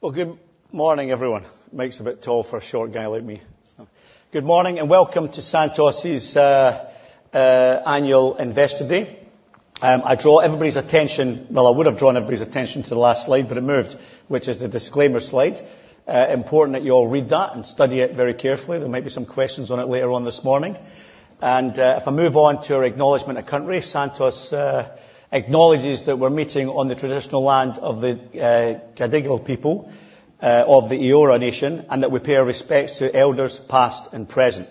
Well, good morning, everyone. Makes me a bit tall for a short guy like me. Good morning, and welcome to Santos' Annual Investor Day. I draw everybody's attention, well, I would have drawn everybody's attention to the last slide, but it moved, which is the disclaimer slide. Important that you all read that and study it very carefully. There might be some questions on it later on this morning, and if I move on to our Acknowledgement of Country, Santos acknowledges that we're meeting on the traditional land of the Gadigal people of the Eora Nation, and that we pay our respects to Elders past and present,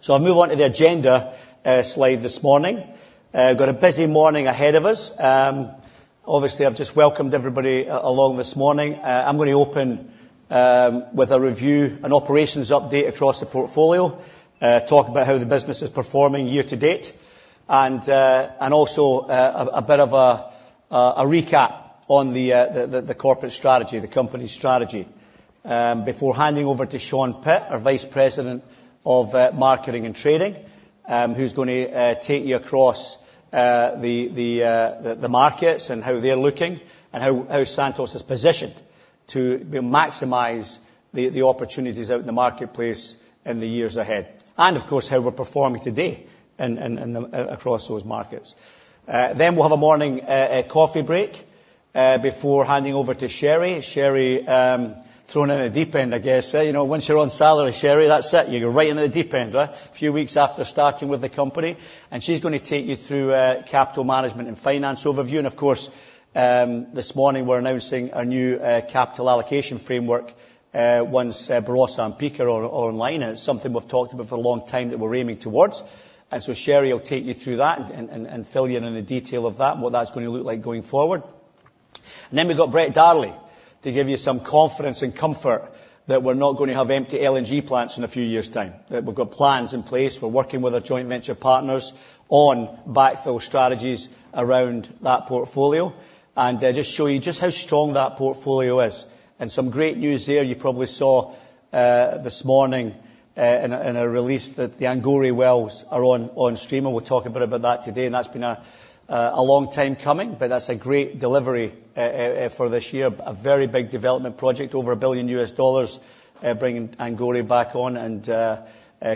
so I'll move on to the agenda slide this morning. We've got a busy morning ahead of us. Obviously, I've just welcomed everybody along this morning. I'm going to open with a review, an operations update across the portfolio, talk about how the business is performing year to date, and also a bit of a recap on the corporate strategy, the company's strategy, before handing over to Sean Pitt, our Executive Vice President of Marketing and Trading, who's going to take you across the markets and how they're looking and how Santos is positioned to maximize the opportunities out in the marketplace in the years ahead. Of course, how we're performing today across those markets. Then we'll have a morning coffee break before handing over to Sherry. Sherry, thrown in a deep end, I guess. Once you're on salary, Sherry, that's it. You're right in the deep end, right? A few weeks after starting with the company. And she's going to take you through capital management and finance overview. Of course, this morning we're announcing our new capital allocation framework once Barossa and Pikka are online. And it's something we've talked about for a long time that we're aiming towards. And so Sherry will take you through that and fill you in on the detail of that and what that's going to look like going forward. And then we've got Brett Darley to give you some confidence and comfort that we're not going to have empty LNG plants in a few years' time. We've got plans in place. We're working with our joint venture partners on backfill strategies around that portfolio and just show you just how strong that portfolio is. And some great news there. You probably saw this morning in a release that the Angore wells are on stream. And we'll talk a bit about that today. That's been a long time coming, but that's a great delivery for this year. A very big development project, over $1 billion, bringing Angore back on and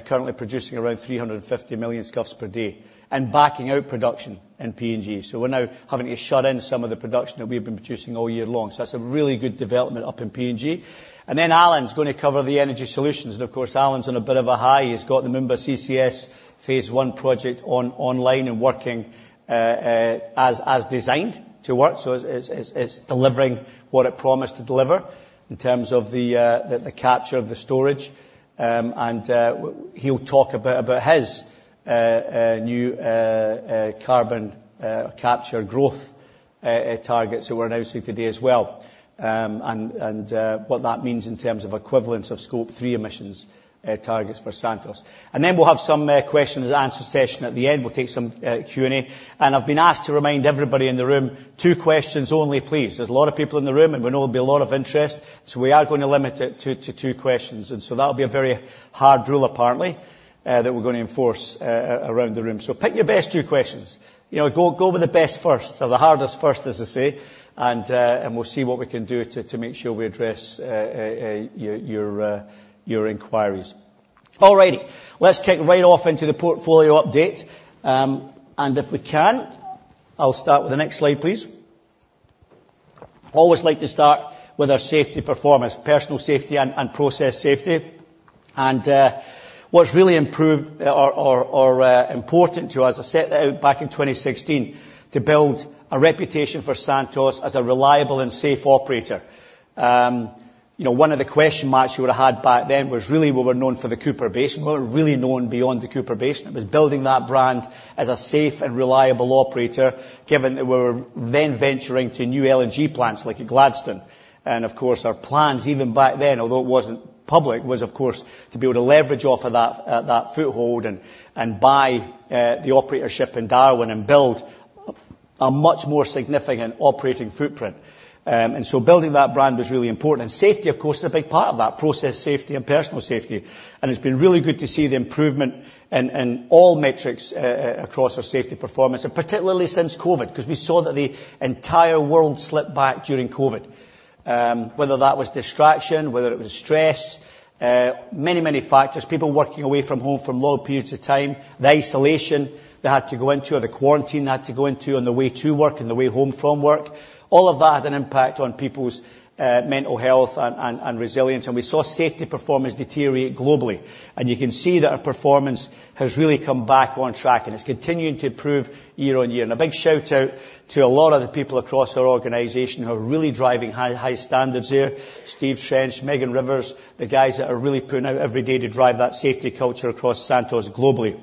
currently producing around 350 million scf per day and backing out production in PNG. We're now having to shut in some of the production that we've been producing all year long. That's a really good development up in PNG. Then Alan's going to cover the energy solutions. Of course, Alan's on a bit of a high. He's got the Moomba CCS Phase 1 project online and working as designed to work. It's delivering what it promised to deliver in terms of the capture and storage. And he'll talk about his new carbon capture growth targets that we're announcing today as well and what that means in terms of equivalence of Scope 3 emissions targets for Santos. And then we'll have some questions and answer session at the end. We'll take some Q&A. And I've been asked to remind everybody in the room, two questions only, please. There's a lot of people in the room, and we know there'll be a lot of interest. So we are going to limit it to two questions. And so that'll be a very hard rule, apparently, that we're going to enforce around the room. So pick your best two questions. Go with the best first or the hardest first, as they say, and we'll see what we can do to make sure we address your inquiries. All righty. Let's kick right off into the portfolio update. And if we can, I'll start with the next slide, please. Always like to start with our safety performance, personal safety and process safety. And what's really important to us, I set that out back in 2016 to build a reputation for Santos as a reliable and safe operator. One of the question marks we would have had back then was really we were known for the Cooper Basin. We weren't really known beyond the Cooper Basin. It was building that brand as a safe and reliable operator, given that we were then venturing to new LNG plants like Gladstone. And, of course, our plans even back then, although it wasn't public, was, of course, to be able to leverage off of that foothold and buy the operatorship in Darwin and build a much more significant operating footprint. And so building that brand was really important. And safety, of course, is a big part of that, process safety and personal safety. And it's been really good to see the improvement in all metrics across our safety performance, and particularly since COVID, because we saw that the entire world slipped back during COVID. Whether that was distraction, whether it was stress, many, many factors, people working away from home for long periods of time, the isolation they had to go into, the quarantine they had to go into on the way to work and the way home from work, all of that had an impact on people's mental health and resilience. And we saw safety performance deteriorate globally. And you can see that our performance has really come back on track, and it's continuing to improve year-on-year. A big shout-out to a lot of the people across our organization who are really driving high standards there: Steve Trench, Megan Rivers, the guys that are really putting out every day to drive that safety culture across Santos globally.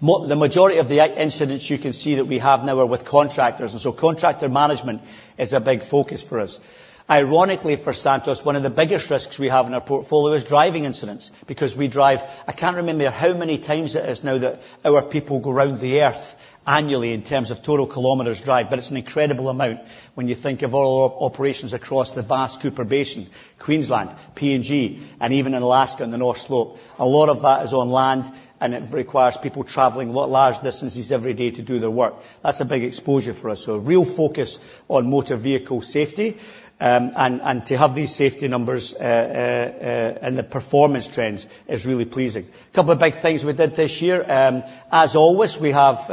The majority of the incidents you can see that we have now are with contractors. Contractor management is a big focus for us. Ironically, for Santos, one of the biggest risks we have in our portfolio is driving incidents because we drive, I can't remember how many times it is now that our people go around the Earth annually in terms of total kilometers drive, but it's an incredible amount when you think of all our operations across the vast Cooper Basin, Queensland, PNG, and even in Alaska on the North Slope. A lot of that is on land, and it requires people traveling large distances every day to do their work. That's a big exposure for us. So real focus on motor vehicle safety and to have these safety numbers and the performance trends is really pleasing. A couple of big things we did this year. As always, we have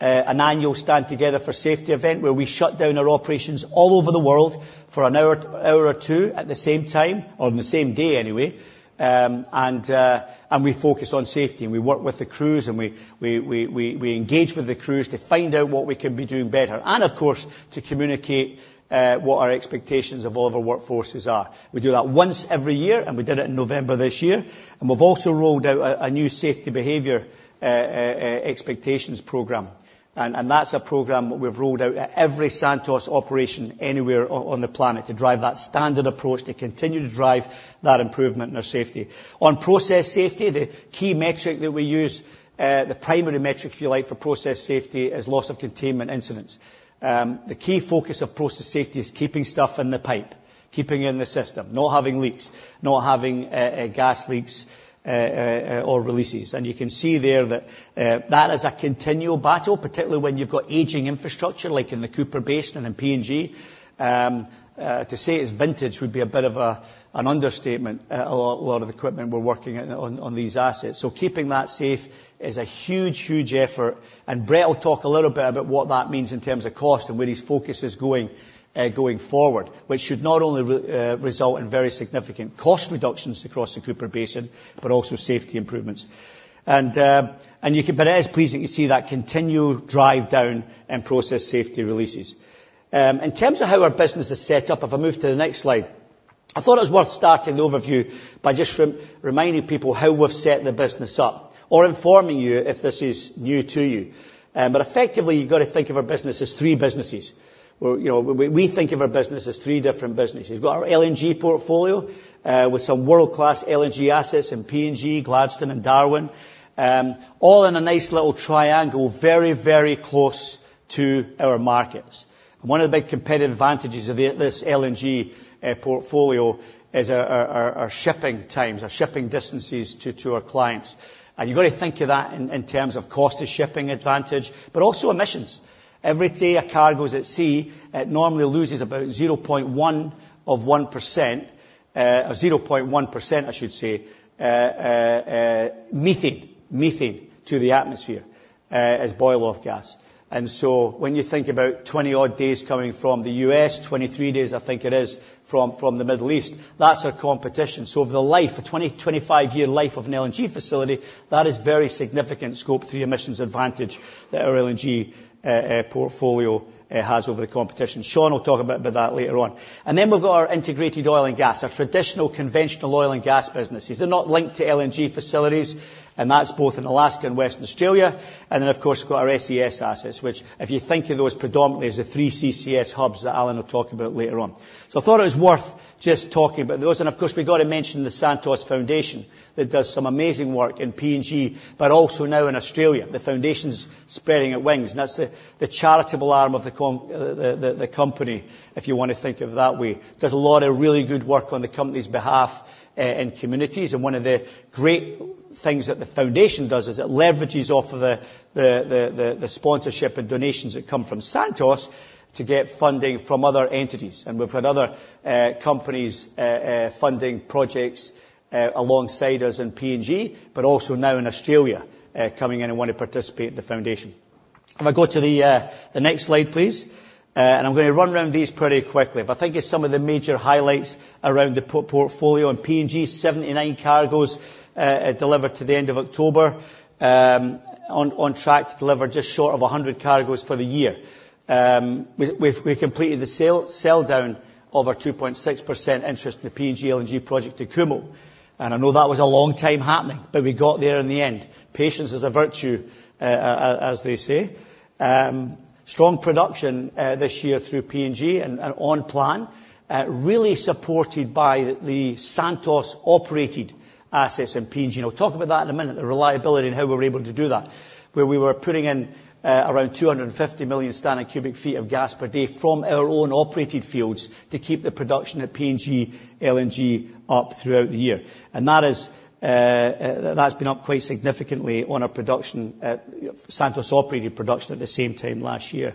an annual Stand Together for Safety event where we shut down our operations all over the world for an hour or two at the same time or on the same day, anyway, and we focus on safety, and we work with the crews, and we engage with the crews to find out what we can be doing better and, of course, to communicate what our expectations of all of our workforces are. We do that once every year, and we did it in November this year. We've also rolled out a new safety behavior expectations program. That's a program we've rolled out at every Santos operation anywhere on the planet to drive that standard approach, to continue to drive that improvement in our safety. On process safety, the key metric that we use, the primary metric, if you like, for process safety is loss of containment incidents. The key focus of process safety is keeping stuff in the pipe, keeping it in the system, not having leaks, not having gas leaks or releases. You can see there that that is a continual battle, particularly when you've got aging infrastructure like in the Cooper Basin and in PNG. To say it's vintage would be a bit of an understatement. A lot of the equipment we're working on these assets. Keeping that safe is a huge, huge effort. Brett will talk a little bit about what that means in terms of cost and where his focus is going forward, which should not only result in very significant cost reductions across the Cooper Basin, but also safety improvements. You can - but it is pleasing to see that continual drive down in process safety releases. In terms of how our business is set up, if I move to the next slide, I thought it was worth starting the overview by just reminding people how we've set the business up or informing you if this is new to you. Effectively, you've got to think of our business as three businesses. We think of our business as three different businesses. We've got our LNG portfolio with some world-class LNG assets in PNG, Gladstone, and Darwin, all in a nice little triangle, very, very close to our markets. One of the big competitive advantages of this LNG portfolio is our shipping times, our shipping distances to our clients. You've got to think of that in terms of cost of shipping advantage, but also emissions. Every day a carrier goes at sea, it normally loses about 0.1 of 1%, 0.1%, I should say, methane to the atmosphere as boil-off gas. So when you think about 20-odd days coming from the U.S., 23 days, I think it is, from the Middle East, that's our competition. The life, a 20-25-year life of an LNG facility, that is very significant Scope 3 emissions advantage that our LNG portfolio has over the competition. Sean will talk a bit about that later on. Then we've got our integrated oil and gas, our traditional conventional oil and gas businesses. They're not linked to LNG facilities, and that's both in Alaska and Western Australia, and then, of course, we've got our SES assets, which, if you think of those predominantly as the three CCS hubs that Alan will talk about later on, so I thought it was worth just talking about those, and, of course, we've got to mention the Santos Foundation that does some amazing work in PNG, but also now in Australia. The foundation's spreading its wings, and that's the charitable arm of the company, if you want to think of it that way. There's a lot of really good work on the company's behalf in communities, and one of the great things that the foundation does is it leverages off of the sponsorship and donations that come from Santos to get funding from other entities. We've got other companies funding projects alongside us in PNG, but also now in Australia coming in and want to participate in the foundation. If I go to the next slide, please. I'm going to run around these pretty quickly. If I think of some of the major highlights around the portfolio in PNG, 79 cargoes delivered to the end of October, on track to deliver just short of 100 cargoes for the year. We completed the sell down of our 2.6% interest in the PNG LNG project to Kumul. I know that was a long time happening, but we got there in the end. Patience is a virtue, as they say. Strong production this year through PNG and on plan, really supported by the Santos-operated assets in PNG. And I'll talk about that in a minute, the reliability and how we were able to do that, where we were putting in around 250 million standard cubic feet of gas per day from our own operated fields to keep the production at PNG LNG up throughout the year. And that's been up quite significantly on our production, Santos-operated production at the same time last year.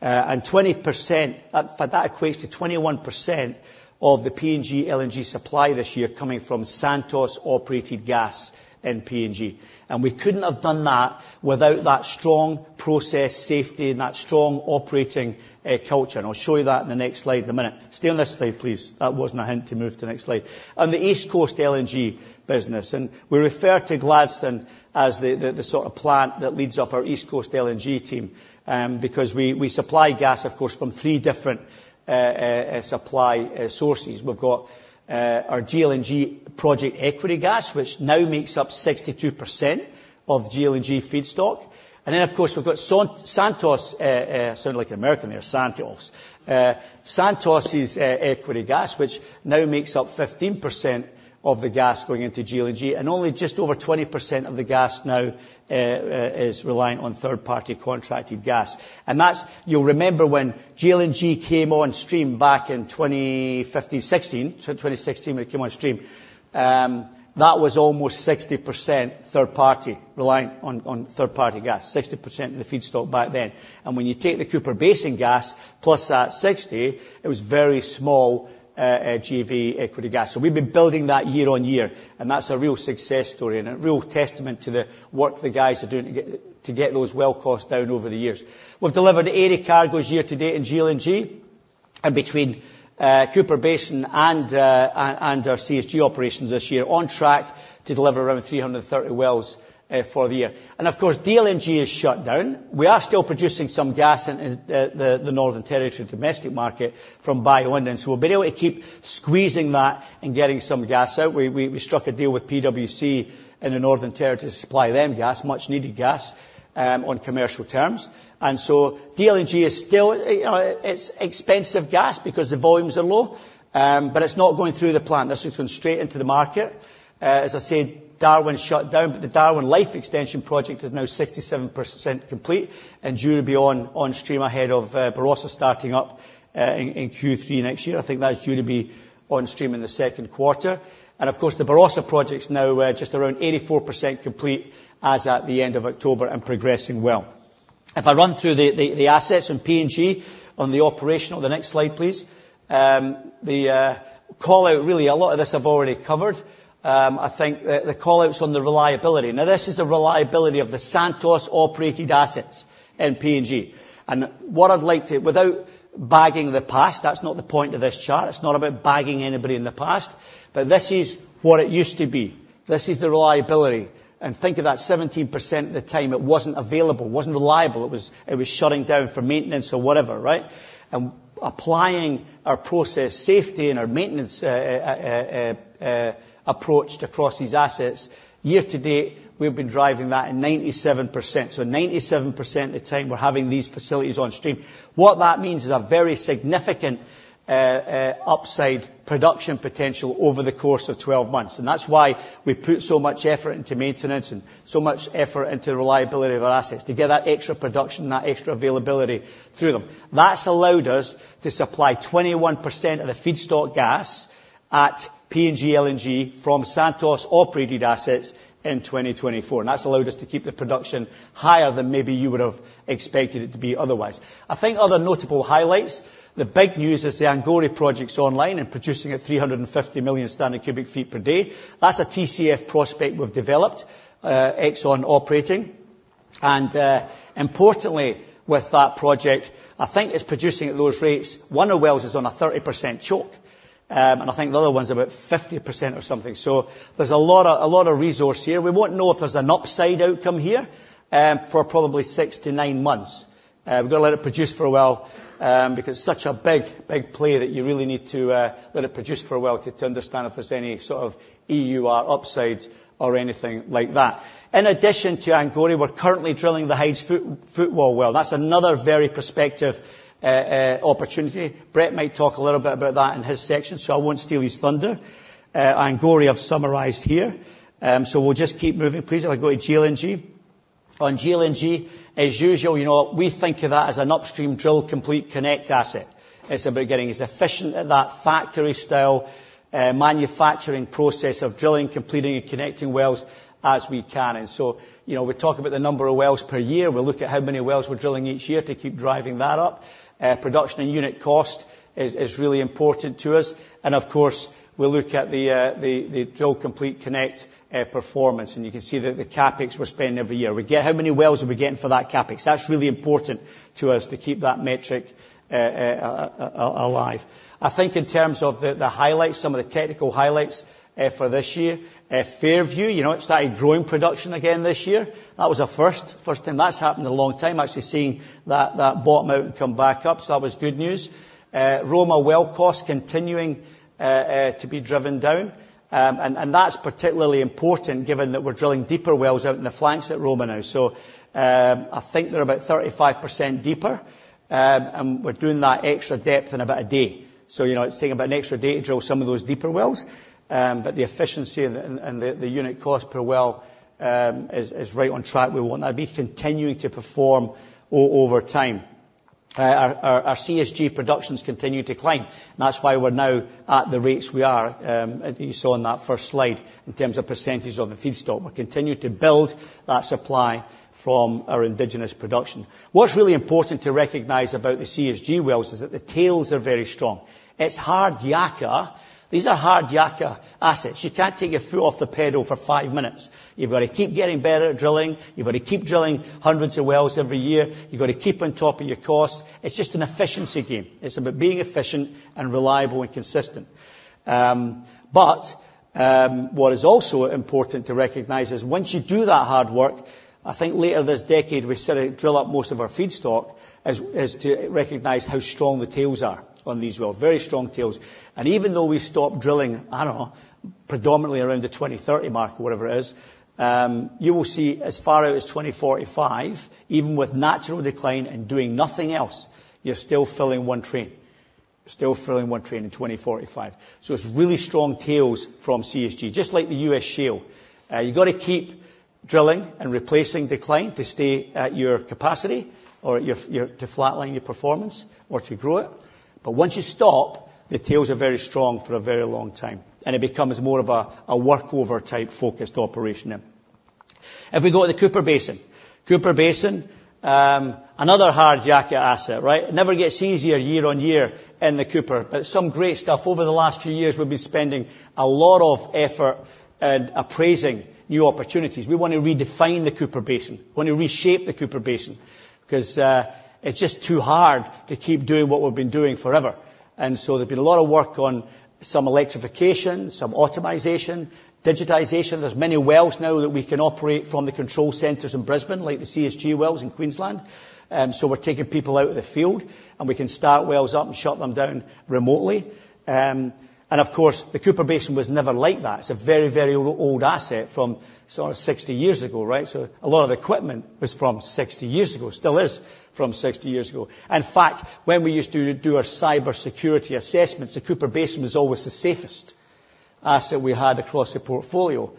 And 20%, that equates to 21% of the PNG LNG supply this year coming from Santos-operated gas in PNG. And we couldn't have done that without that strong process safety and that strong operating culture. And I'll show you that in the next slide in a minute. Stay on this slide, please. That wasn't a hint to move to the next slide. And the East Coast LNG business. We refer to Gladstone as the sort of plant that leads up our East Coast LNG team because we supply gas, of course, from three different supply sources. We've got our GLNG project equity gas, which now makes up 62% of GLNG feedstock. And then, of course, we've got Santos, sounded like an American there, Santos. Santos's equity gas, which now makes up 15% of the gas going into GLNG. And only just over 20% of the gas now is reliant on third-party contracted gas. And you'll remember when GLNG came on stream back in 2015, 2016, 2016 when it came on stream, that was almost 60% third-party reliant on third-party gas, 60% of the feedstock back then. And when you take the Cooper Basin gas plus that 60, it was very small GLNG equity gas. So we've been building that year-on-year. That's a real success story and a real testament to the work the guys are doing to get those well costs down over the years. We've delivered 80 cargoes year to date in GLNG between Cooper Basin and our CSG operations this year, on track to deliver around 330 wells for the year. Of course, GLNG is shut down. We are still producing some gas in the Northern Territory domestic market from Bayu-Undan. We'll be able to keep squeezing that and getting some gas out. We struck a deal with PWC in the Northern Territory to supply them gas, much-needed gas on commercial terms. GLNG is still. It's expensive gas because the volumes are low, but it's not going through the plant. This is going straight into the market. As I said, Darwin shut down, but the Darwin Life Extension Project is now 67% complete and due to be on stream ahead of Barossa starting up in Q3 next year. I think that's due to be on stream in the second quarter. And, of course, the Barossa project's now just around 84% complete as at the end of October and progressing well. If I run through the assets in PNG on the operational, the next slide, please. The callout, really, a lot of this I've already covered. I think the callout's on the reliability. Now, this is the reliability of the Santos-operated assets in PNG. And what I'd like to, without bagging the past, that's not the point of this chart. It's not about bagging anybody in the past, but this is what it used to be. This is the reliability. Think of that 17% of the time it wasn't available, wasn't reliable. It was shutting down for maintenance or whatever, right? Applying our process safety and our maintenance approach across these assets, year to date, we've been driving that at 97%. So 97% of the time we're having these facilities on stream. What that means is a very significant upside production potential over the course of 12 months. That's why we put so much effort into maintenance and so much effort into the reliability of our assets to get that extra production and that extra availability through them. That's allowed us to supply 21% of the feedstock gas at PNG LNG from Santos-operated assets in 2024. That's allowed us to keep the production higher than maybe you would have expected it to be otherwise. I think other notable highlights. The big news is the Angore project's online and producing at 350 million standard cubic feet per day. That's a TCF prospect we've developed, Exxon operating. And importantly, with that project, I think it's producing at those rates. One of the wells is on a 30% choke. And I think the other one's about 50% or something. So there's a lot of resource here. We won't know if there's an upside outcome here for probably six to nine months. We've got to let it produce for a while because it's such a big, big play that you really need to let it produce for a while to understand if there's any sort of EUR upside or anything like that. In addition to Angore, we're currently drilling the Hides Footwall well. That's another very prospective opportunity. Brett might talk a little bit about that in his section, so I won't steal his thunder. Angore, I've summarized here. We'll just keep moving, please. If I go to GLNG. On GLNG, as usual, we think of that as an upstream drill complete connect asset. It's about getting as efficient at that factory-style manufacturing process of drilling, completing, and connecting wells as we can. We talk about the number of wells per year. We'll look at how many wells we're drilling each year to keep driving that up. Production and unit cost is really important to us. Of course, we'll look at the drill complete connect performance. You can see the CapEx we're spending every year. We get, how many wells are we getting for that CapEx? That's really important to us to keep that metric alive. I think in terms of the highlights, some of the technical highlights for this year. Fairview, it started growing production again this year. That was a first. First time that's happened in a long time. Actually seeing that bottom out and come back up. So that was good news. Roma well cost continuing to be driven down. And that's particularly important given that we're drilling deeper wells out in the flanks at Roma now. So I think they're about 35% deeper. And we're doing that extra depth in about a day. So it's taken about an extra day to drill some of those deeper wells. But the efficiency and the unit cost per well is right on track. We want that to be continuing to perform over time. Our CSG production's continued to climb. And that's why we're now at the rates we are. You saw in that first slide in terms of percentage of the feedstock. We're continuing to build that supply from our indigenous production. What's really important to recognize about the CSG wells is that the tails are very strong. It's Hard yakka. These are Hard yakka assets. You can't take your foot off the pedal for five minutes. You've got to keep getting better at drilling. You've got to keep drilling hundreds of wells every year. You've got to keep on top of your costs. It's just an efficiency game. It's about being efficient and reliable and consistent. But what is also important to recognize is once you do that hard work, I think later this decade we're set to drill up most of our feedstock. It's to recognize how strong the tails are on these wells. Very strong tails. And even though we stop drilling, I don't know, predominantly around the 2030 mark or whatever it is, you will see as far out as 2045, even with natural decline and doing nothing else, you're still filling one train. Still filling one train in 2045. So it's really strong tails from CSG. Just like the U.S. shale. You've got to keep drilling and replacing decline to stay at your capacity or to flatline your performance or to grow it. But once you stop, the tails are very strong for a very long time. And it becomes more of a workover type focused operation now. If we go to the Cooper Basin. Cooper Basin, another Hard yakka asset, right? It never gets easier year-on-year in the Cooper. But some great stuff. Over the last few years, we've been spending a lot of effort and appraising new opportunities. We want to redefine the Cooper Basin. We want to reshape the Cooper Basin because it's just too hard to keep doing what we've been doing forever. And so there's been a lot of work on some electrification, some optimization, digitization. There's many wells now that we can operate from the control centers in Brisbane, like the CSG wells in Queensland. So we're taking people out of the field and we can start wells up and shut them down remotely. And, of course, the Cooper Basin was never like that. It's a very, very old asset from sort of 60 years ago, right? So a lot of the equipment was from 60 years ago. Still is from 60 years ago. In fact, when we used to do our cybersecurity assessments, the Cooper Basin was always the safest asset we had across the portfolio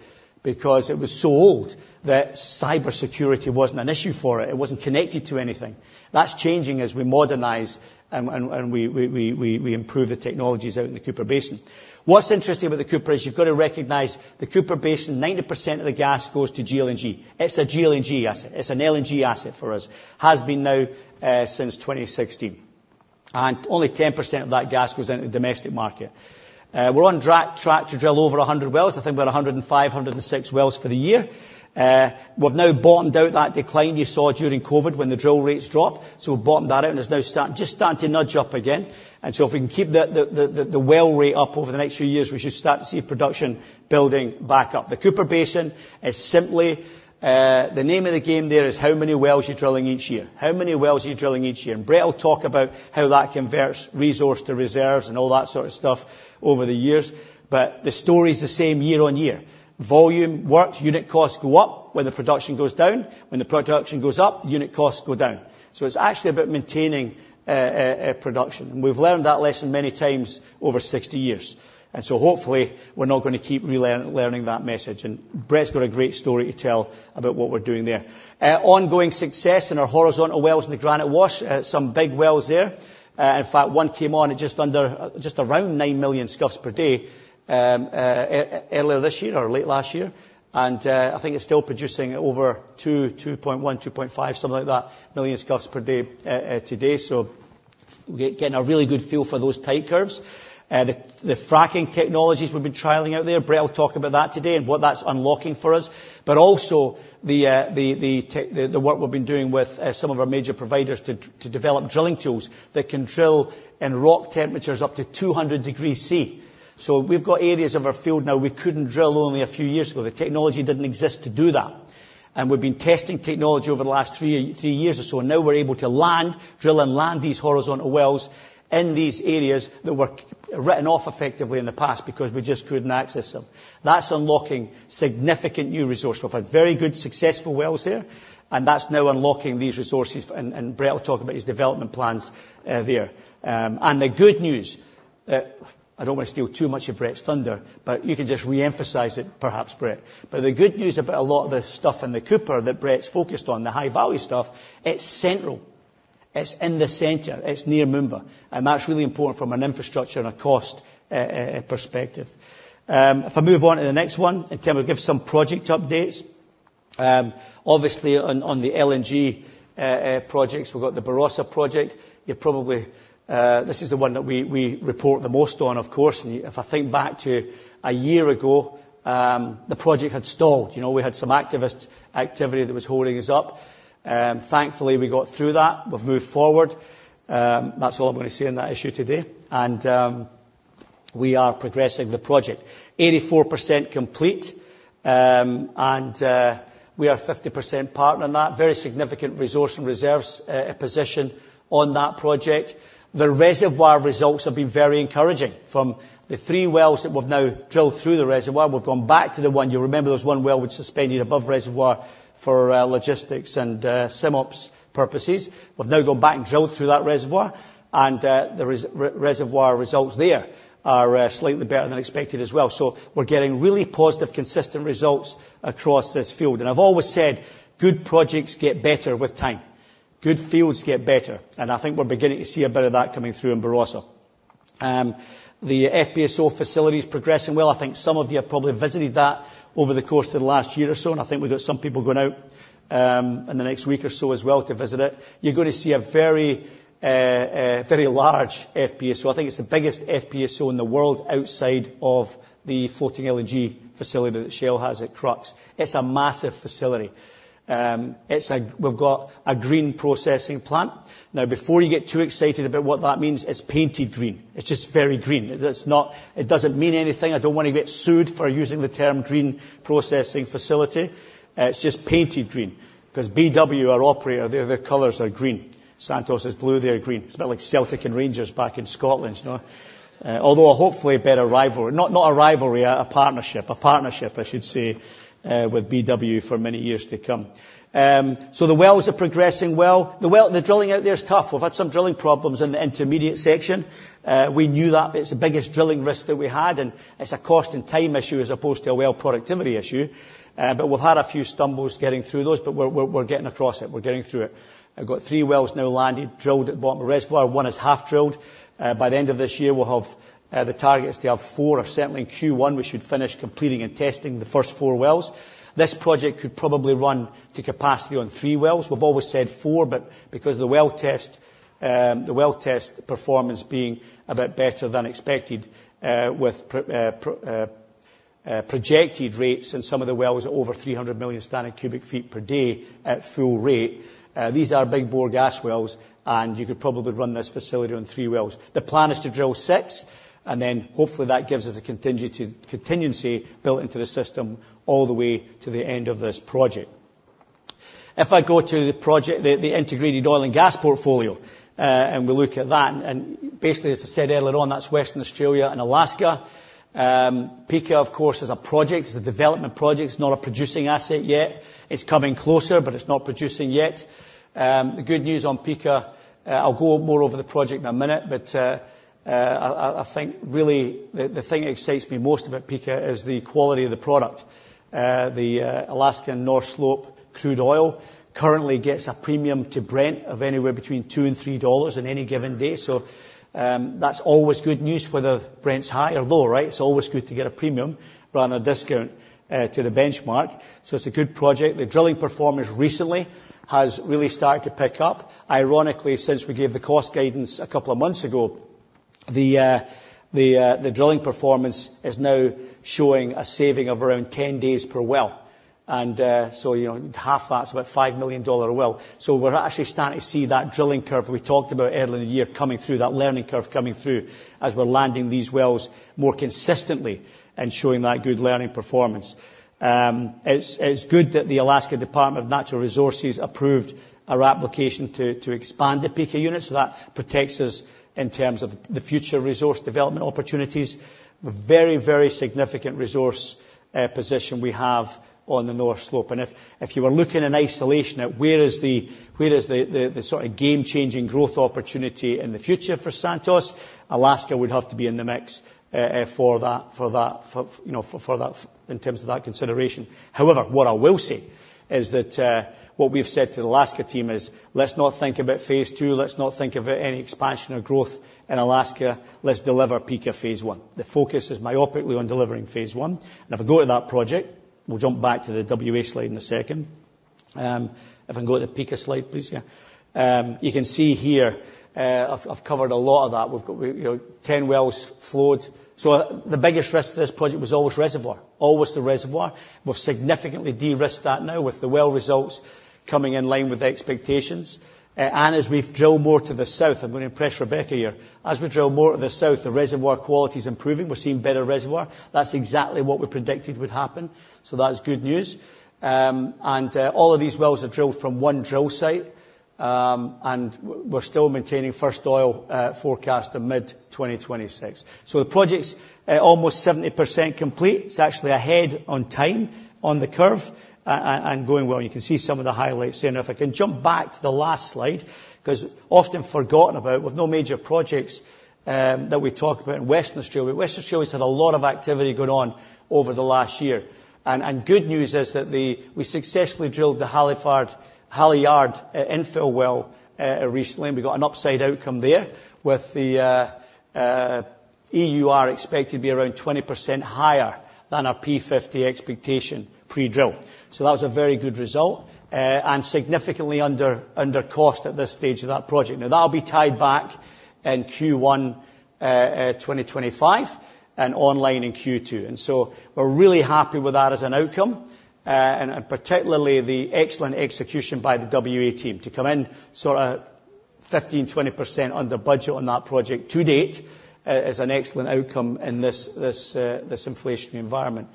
because it was so old that cybersecurity wasn't an issue for it. It wasn't connected to anything. That's changing as we modernize and we improve the technologies out in the Cooper Basin. What's interesting with the Cooper is you've got to recognize the Cooper Basin; 90% of the gas goes to GLNG. It's a GLNG asset. It's an LNG asset for us. Has been now since 2016. And only 10% of that gas goes into the domestic market. We're on track to drill over 100 wells. I think we're at 105-106 wells for the year. We've now bottomed out that decline you saw during COVID when the drill rates dropped. So we've bottomed that out and it's now just starting to nudge up again. And so if we can keep the well rate up over the next few years, we should start to see production building back up. The Cooper Basin is simply the name of the game there: how many wells you're drilling each year. How many wells are you drilling each year? And Brett will talk about how that converts resource to reserves and all that sort of stuff over the years. But the story is the same year-on-year. Volume works, unit costs go up when the production goes down. When the production goes up, unit costs go down. So it's actually about maintaining production. And we've learned that lesson many times over 60 years. And so hopefully we're not going to keep re-learning that message. And Brett's got a great story to tell about what we're doing there. Ongoing success in our horizontal wells in the Granite Wash, some big wells there. In fact, one came on at just around nine million scf per day earlier this year or late last year, and I think it's still producing over 2.1, 2.5, something like that, million scf per day today, so we're getting a really good feel for those type curves. The fracking technologies we've been trialing out there, Brett will talk about that today and what that's unlocking for us, but also the work we've been doing with some of our major providers to develop drilling tools that can drill in rock temperatures up to 200 degrees Celsius. So we've got areas of our field now we couldn't drill only a few years ago. The technology didn't exist to do that, and we've been testing technology over the last three years or so. Now we're able to land, drill and land these horizontal wells in these areas that were written off effectively in the past because we just couldn't access them. That's unlocking significant new resource. We've had very good successful wells there. And that's now unlocking these resources. And Brett will talk about his development plans there. And the good news, I don't want to steal too much of Brett's thunder, but you can just re-emphasize it, perhaps, Brett. But the good news about a lot of the stuff in the Cooper that Brett's focused on, the high value stuff, it's central. It's in the center. It's near Moomba. And that's really important from an infrastructure and a cost perspective. If I move on to the next one, in terms of give some project updates. Obviously, on the LNG projects, we've got the Barossa project. You're probably, this is the one that we report the most on, of course. And if I think back to a year ago, the project had stalled. We had some activity that was holding us up. Thankfully, we got through that. We've moved forward. That's all I'm going to say on that issue today. And we are progressing the project. 84% complete. And we are 50% partner in that. Very significant resource and reserves position on that project. The reservoir results have been very encouraging from the three wells that we've now drilled through the reservoir. We've gone back to the one. You'll remember there was one well we'd suspended above reservoir for logistics and SIMOPS purposes. We've now gone back and drilled through that reservoir. And the reservoir results there are slightly better than expected as well. So we're getting really positive, consistent results across this field. I've always said good projects get better with time. Good fields get better. I think we're beginning to see a bit of that coming through in Barossa. The FPSO facility is progressing well. I think some of you have probably visited that over the course of the last year or so. I think we've got some people going out in the next week or so as well to visit it. You're going to see a very large FPSO. I think it's the biggest FPSO in the world outside of the floating LNG facility that Shell has at Crux. It's a massive facility. We've got a green processing plant. Now, before you get too excited about what that means, it's painted green. It's just very green. It doesn't mean anything. I don't want to get sued for using the term green processing facility. It's just painted green. Because BW, our operator, their colors are green. Santos is blue, they're green. It's a bit like Celtic and Rangers back in Scotland. Although hopefully a better rivalry, not a rivalry, a partnership, a partnership I should say with BW for many years to come, so the wells are progressing well. The drilling out there is tough. We've had some drilling problems in the intermediate section. We knew that. It's the biggest drilling risk that we had, and it's a cost and time issue as opposed to a well productivity issue, but we've had a few stumbles getting through those, but we're getting across it. We're getting through it. I've got three wells now landed, drilled at bottom reservoir. One is half drilled. By the end of this year, we'll have. The target is to have four. Or certainly in Q1, we should finish completing and testing the first four wells. This project could probably run to capacity on three wells. We've always said four, but because of the well test, the well test performance being a bit better than expected with projected rates and some of the wells are over 300 million standard cubic feet per day at full rate. These are big bore gas wells. And you could probably run this facility on three wells. The plan is to drill six. And then hopefully that gives us a contingency built into the system all the way to the end of this project. If I go to the project, the integrated oil and gas portfolio, and we look at that. And basically, as I said earlier on, that's Western Australia and Alaska. Pikka, of course, is a project. It's a development project. It's not a producing asset yet. It's coming closer, but it's not producing yet. The good news on Pikka, I'll go more over the project in a minute. But I think really the thing that excites me most about Pikka is the quality of the product. The Alaskan North Slope crude oil currently gets a premium to Brent of anywhere between $2 and $3 on any given day. So that's always good news whether Brent's high or low, right? It's always good to get a premium rather than a discount to the benchmark. So it's a good project. The drilling performance recently has really started to pick up. Ironically, since we gave the cost guidance a couple of months ago, the drilling performance is now showing a saving of around 10 days per well. And so half that's about $5 million a well. We're actually starting to see that drilling curve we talked about earlier in the year coming through, that learning curve coming through as we're landing these wells more consistently and showing that good learning performance. It's good that the Alaska Department of Natural Resources approved our application to expand the Pikka Unit. So that protects us in terms of the future resource development opportunities. Very, very significant resource position we have on the North Slope. And if you were looking in isolation at where is the sort of game-changing growth opportunity in the future for Santos, Alaska would have to be in the mix for that in terms of that consideration. However, what I will say is that what we've said to the Alaska team is, let's not think about phase II. Let's not think about any expansion or growth in Alaska. Let's deliver Pikka phase I. The focus is myopically on delivering phase one. And if I go to that project, we'll jump back to the WA slide in a second. If I can go to the Pikka slide, please, yeah. You can see here, I've covered a lot of that. We've got 10 wells flowed. So the biggest risk to this project was always reservoir. Always the reservoir. We've significantly de-risked that now with the well results coming in line with expectations. And as we've drilled more to the south, I'm going to impress Rebecca here. As we drill more to the south, the reservoir quality is improving. We're seeing better reservoir. That's exactly what we predicted would happen. So that's good news. And all of these wells are drilled from one drill site. And we're still maintaining first oil forecast of mid-2026. So the project's almost 70% complete. It's actually ahead on time on the curve and going well. You can see some of the highlights here, and if I can jump back to the last slide, because often forgotten about, we've no major projects that we talk about in Western Australia, but Western Australia has had a lot of activity going on over the last year, and good news is that we successfully drilled the Halyard infill well recently, and we got an upside outcome there with the EUR expected to be around 20% higher than our P50 expectation pre-drill, so that was a very good result and significantly under cost at this stage of that project. Now, that'll be tied back in Q1 2025 and online in Q2, and so we're really happy with that as an outcome. And particularly the excellent execution by the WA team to come in sort of 15%-20% under budget on that project to date is an excellent outcome in this inflationary environment.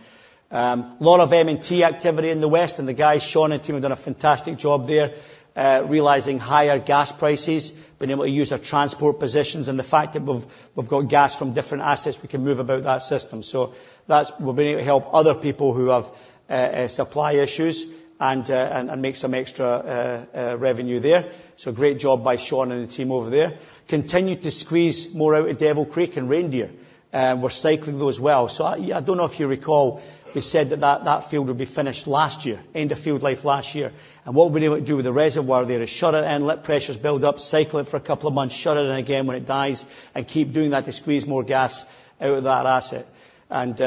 A lot of M&T activity in the west. And the guys, Sean and team, have done a fantastic job there realizing higher gas prices, being able to use our transport positions, and the fact that we've got gas from different assets we can move about that system. So we've been able to help other people who have supply issues and make some extra revenue there. So great job by Sean and the team over there. Continued to squeeze more out of Devil Creek and Reindeer. We're cycling those wells. So I don't know if you recall, we said that that field would be finished last year, end of field life last year. And what we've been able to do with the reservoir there is shut it in, let pressures build up, cycle it for a couple of months, shut it in again when it dies, and keep doing that to squeeze more gas out of that asset. And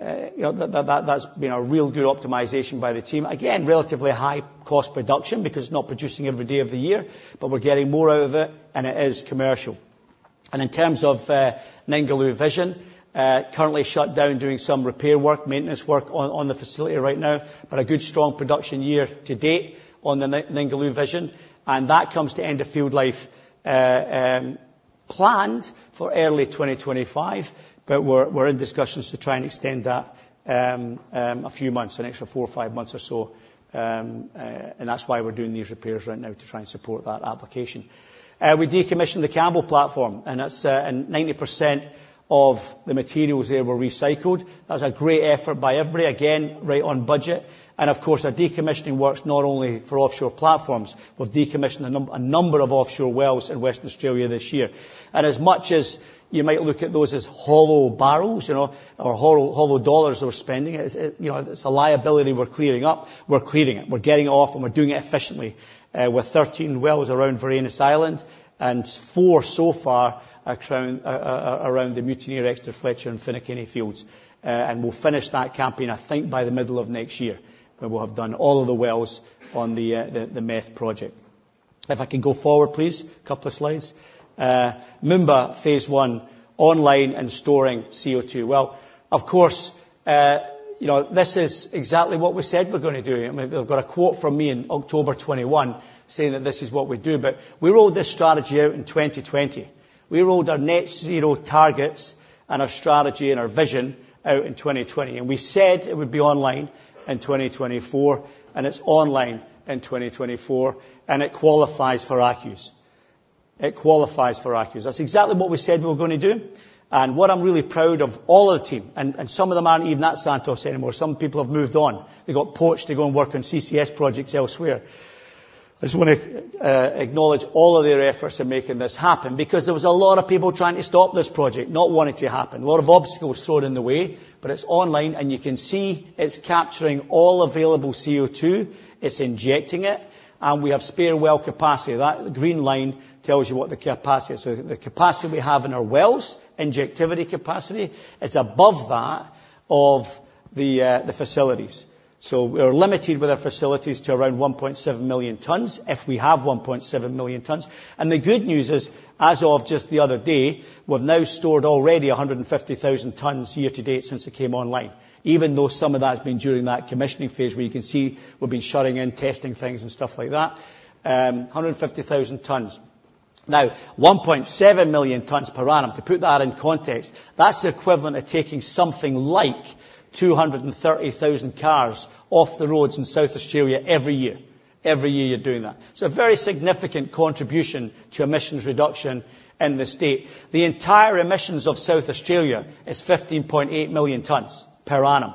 that's been a real good optimization by the team. Again, relatively high cost production because it's not producing every day of the year, but we're getting more out of it and it is commercial. And in terms of Ningaloo Vision, currently shut down doing some repair work, maintenance work on the facility right now, but a good strong production year to date on the Ningaloo Vision. And that comes to end of field life planned for early 2025, but we're in discussions to try and extend that a few months, an extra four or five months or so. That's why we're doing these repairs right now to try and support that application. We decommissioned the Campbell platform, and 90% of the materials there were recycled. That was a great effort by everybody, again, right on budget. Of course, our decommissioning works not only for offshore platforms. We've decommissioned a number of offshore wells in Western Australia this year. As much as you might look at those as hollow barrels or hollow dollars that we're spending, it's a liability we're clearing up. We're clearing it. We're getting it off and we're doing it efficiently with 13 wells around Varanus Island and four so far around the Mutineer, Exeter, Fletcher, and Finucane fields. We'll finish that campaign, I think, by the middle of next year when we'll have done all of the wells on the MEFF project. If I can go forward, please, a couple of slides. Moomba phase I online and storing CO2. Of course, this is exactly what we said we're going to do. They've got a quote from me in October 2021 saying that this is what we do. We rolled this strategy out in 2020. We rolled our net zero targets and our strategy and our vision out in 2020. We said it would be online in 2024, and it's online in 2024, and it qualifies for ACCUs. It qualifies for ACCUs. That's exactly what we said we were going to do. What I'm really proud of, all of the team, and some of them aren't even at Santos anymore. Some people have moved on. They got poached. They're going to work on CCS projects elsewhere. I just want to acknowledge all of their efforts in making this happen because there was a lot of people trying to stop this project, not wanting it to happen. A lot of obstacles thrown in the way, but it's online, and you can see it's capturing all available CO2. It's injecting it. And we have spare well capacity. That green line tells you what the capacity is. The capacity we have in our wells, injectivity capacity, is above that of the facilities. So we're limited with our facilities to around 1.7 million tons if we have 1.7 million tons. And the good news is, as of just the other day, we've now stored already 150,000 tons year to date since it came online, even though some of that has been during that commissioning phase where you can see we've been shutting in, testing things and stuff like that. 150,000 tons. Now, 1.7 million tons per annum. To put that in context, that's the equivalent of taking something like 230,000 cars off the roads in South Australia every year. Every year you're doing that. So a very significant contribution to emissions reduction in the state. The entire emissions of South Australia is 15.8 million tons per annum.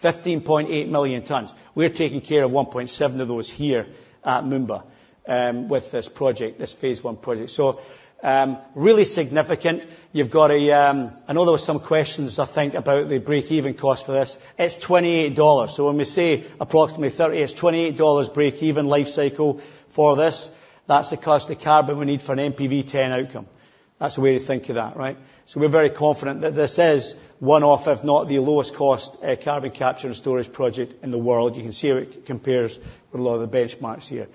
15.8 million tons. We're taking care of 1.7 of those here at Moomba with this project, this phase I project. So really significant. You've got a. I know there were some questions, I think, about the break-even cost for this. It's $28. So when we say approximately 30, it's $28 break-even lifecycle for this. That's the cost of carbon we need for an NPV10. That's the way to think of that, right? We're very confident that this is one of, if not the lowest cost carbon capture and storage project in the world. You can see how it compares with a lot of the benchmarks here.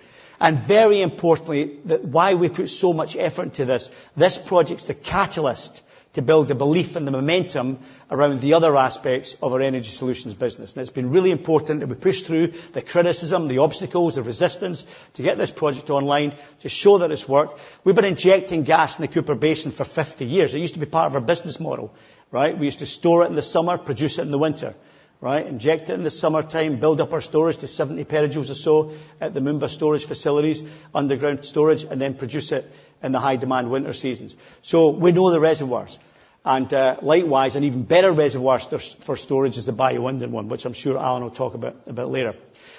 Very importantly, why we put so much effort into this, this project's the catalyst to build the belief and the momentum around the other aspects of our energy solutions business. It's been really important that we push through the criticism, the obstacles, the resistance to get this project online to show that it's worked. We've been injecting gas in the Cooper Basin for 50 years. It used to be part of our business model, right? We used to store it in the summer, produce it in the winter, right? Inject it in the summertime, build up our storage to 70 petajoules or so at the Moomba storage facilities, underground storage, and then produce it in the high-demand winter seasons. So we know the reservoirs. And likewise, an even better reservoir for storage is the Bayu-Undan one, which I'm sure Alan will talk about later.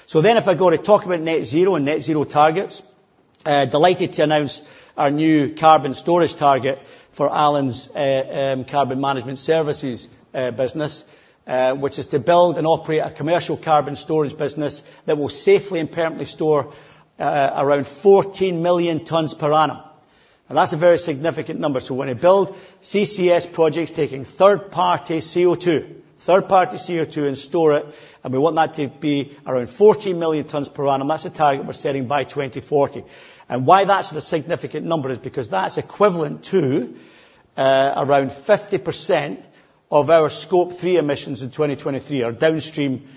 So then if I go to talk about net zero and net zero targets, delighted to announce our new carbon storage target for Alan's carbon management services business, which is to build and operate a commercial carbon storage business that will safely and permanently store around 14 million tons per annum. And that's a very significant number. So we're going to build CCS projects taking third-party CO2, third-party CO2, and store it. And we want that to be around 14 million tons per annum. That's the target we're setting by 2040. Why that's a significant number is because that's equivalent to around 50% of our Scope 3 emissions in 2023, our downstream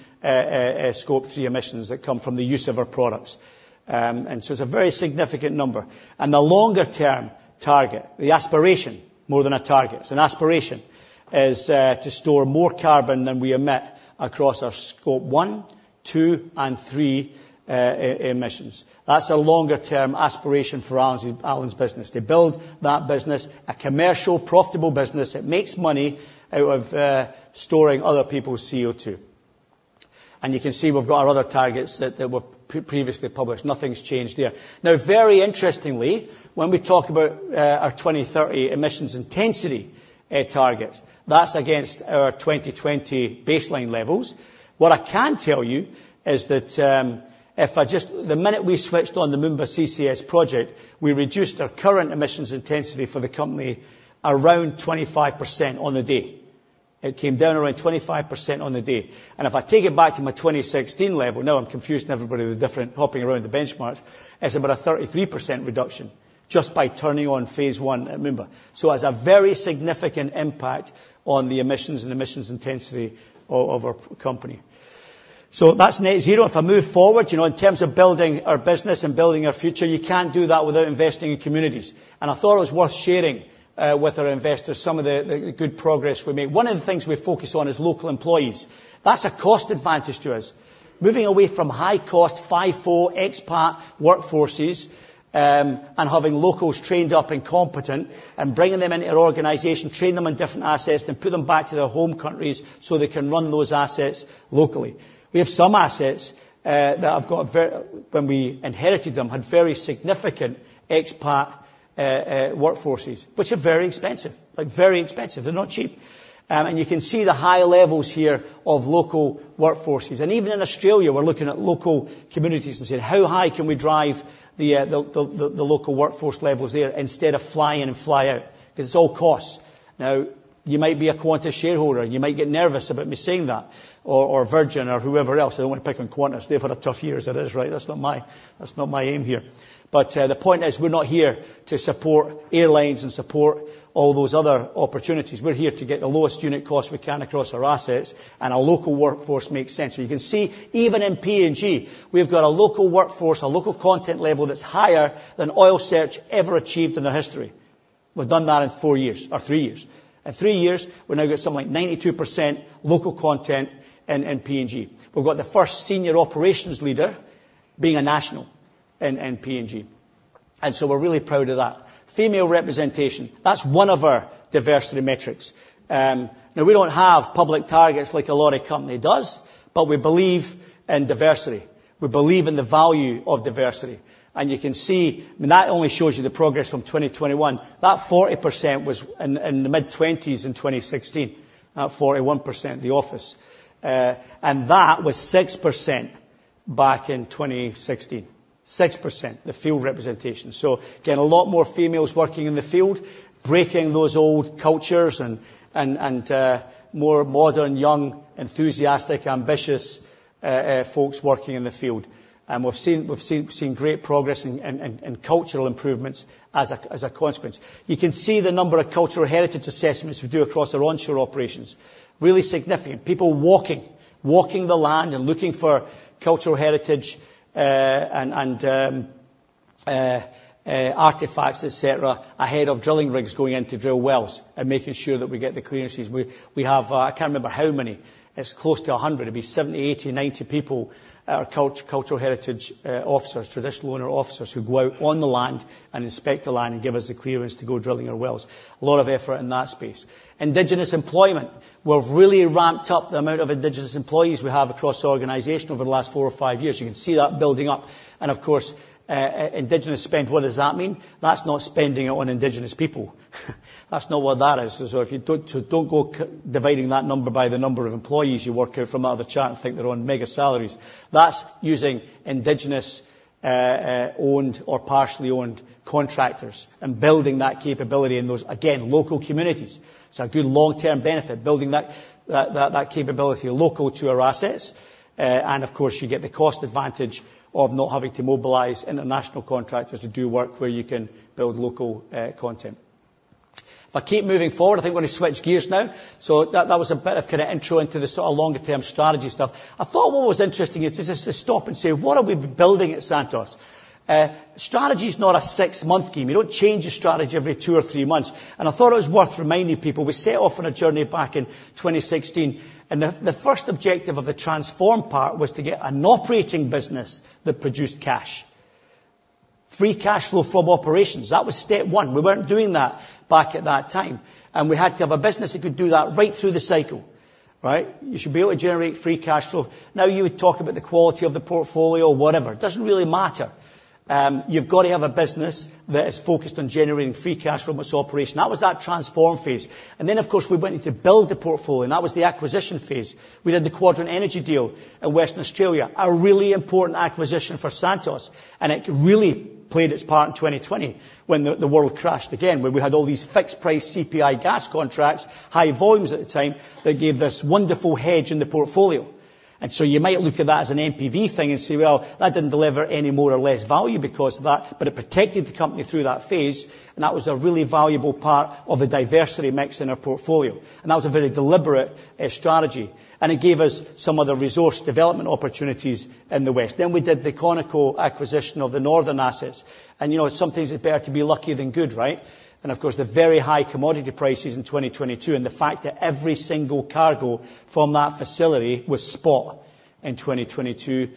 Scope 3 emissions that come from the use of our products. So it's a very significant number. The longer-term target, the aspiration, more than a target. It's an aspiration, is to store more carbon than we emit across our Scope 1, 2, and 3 emissions. That's a longer-term aspiration for Alan's business. To build that business, a commercial, profitable business that makes money out of storing other people's CO2. You can see we've got our other targets that were previously published. Nothing's changed there. Now, very interestingly, when we talk about our 2030 emissions intensity targets, that's against our 2020 baseline levels. What I can tell you is that the minute we switched on the Moomba CCS project, we reduced our current emissions intensity for the company around 25% on the day. It came down around 25% on the day, and if I take it back to my 2016 level, now I'm confusing everybody with different hopping around the benchmarks. It's about a 33% reduction just by turning on phase I at Moomba, so it has a very significant impact on the emissions and emissions intensity of our company, so that's net zero. If I move forward, in terms of building our business and building our future, you can't do that without investing in communities, and I thought it was worth sharing with our investors some of the good progress we made. One of the things we focus on is local employees. That's a cost advantage to us. Moving away from high-cost, five-four, ex-pat workforces and having locals trained up and competent and bringing them into our organization, train them on different assets and put them back to their home countries so they can run those assets locally. We have some assets that have got, when we inherited them, had very significant ex-pat workforces, which are very expensive. They're very expensive. They're not cheap. And you can see the high levels here of local workforces. And even in Australia, we're looking at local communities and saying, "How high can we drive the local workforce levels there instead of fly in and fly out?" Because it's all costs. Now, you might be a Qantas shareholder. You might get nervous about me saying that, or Virgin or whoever else. I don't want to pick on Qantas. They've had a tough year. That is, right? That's not my aim here. But the point is we're not here to support airlines and support all those other opportunities. We're here to get the lowest unit cost we can across our assets, and a local workforce makes sense. You can see even in PNG, we've got a local workforce, a local content level that's higher than Oil Search ever achieved in their history. We've done that in four years or three years. In three years, we're now at something like 92% local content in PNG. We've got the first senior operations leader being a national in PNG. And so we're really proud of that. Female representation. That's one of our diversity metrics. Now, we don't have public targets like a lot of companies do, but we believe in diversity. We believe in the value of diversity. And you can see that only shows you the progress from 2021. That 40% was in the mid-20s in 2016. That 41%, the office. And that was 6% back in 2016. 6%, the field representation. So getting a lot more females working in the field, breaking those old cultures and more modern, young, enthusiastic, ambitious folks working in the field. And we've seen great progress in cultural improvements as a consequence. You can see the number of cultural heritage assessments we do across our onshore operations. Really significant. People walking, walking the land and looking for cultural heritage and artifacts, etc., ahead of drilling rigs going in to drill wells and making sure that we get the clearances. We have. I can't remember how many. It's close to 100. It'd be 70, 80, 90 people that are cultural heritage officers, traditional owner officers who go out on the land and inspect the land and give us the clearance to go drilling our wells. A lot of effort in that space. Indigenous employment. We've really ramped up the amount of Indigenous employees we have across the organization over the last four or five years. You can see that building up. And of course, Indigenous spend, what does that mean? That's not spending it on Indigenous people. That's not what that is. So if you don't go dividing that number by the number of employees you work out from out of the chart and think they're on mega salaries, that's using Indigenous-owned or partially owned contractors and building that capability in those, again, local communities. It's a good long-term benefit, building that capability local to our assets. And of course, you get the cost advantage of not having to mobilize international contractors to do work where you can build local content. If I keep moving forward, I think we're going to switch gears now. So that was a bit of kind of intro into the sort of longer-term strategy stuff. I thought what was interesting is to just stop and say, "What are we building at Santos?" Strategy is not a six-month game. You don't change your strategy every two or three months. And I thought it was worth reminding people. We set off on a journey back in 2016. And the first objective of the transform part was to get an operating business that produced cash, free cash flow from operations. That was step one. We weren't doing that back at that time. And we had to have a business that could do that right through the cycle, right? You should be able to generate free cash flow. Now, you would talk about the quality of the portfolio or whatever. It doesn't really matter. You've got to have a business that is focused on generating free cash flow from its operation. That was the transform phase. And then, of course, we went to build the portfolio. And that was the acquisition phase. We did the Quadrant Energy deal in Western Australia, a really important acquisition for Santos. And it really played its part in 2020 when the world crashed again, where we had all these fixed-price CPI gas contracts, high volumes at the time that gave this wonderful hedge in the portfolio. And so you might look at that as an NPV thing and say, "Well, that didn't deliver any more or less value because of that," but it protected the company through that phase. And that was a really valuable part of the diversity mix in our portfolio. And that was a very deliberate strategy. It gave us some of the resource development opportunities in the west. Then we did the Conoco acquisition of the northern assets. And sometimes it's better to be lucky than good, right? And of course, the very high commodity prices in 2022 and the fact that every single cargo from that facility was spot in 2022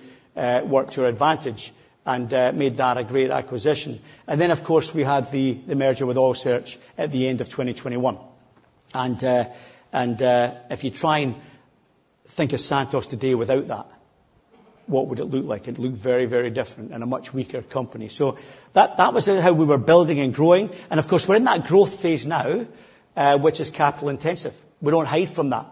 worked to our advantage and made that a great acquisition. And then, of course, we had the merger with Oil Search at the end of 2021. And if you try and think of Santos today without that, what would it look like? It'd look very, very different and a much weaker company. So that was how we were building and growing. And of course, we're in that growth phase now, which is capital intensive. We don't hide from that.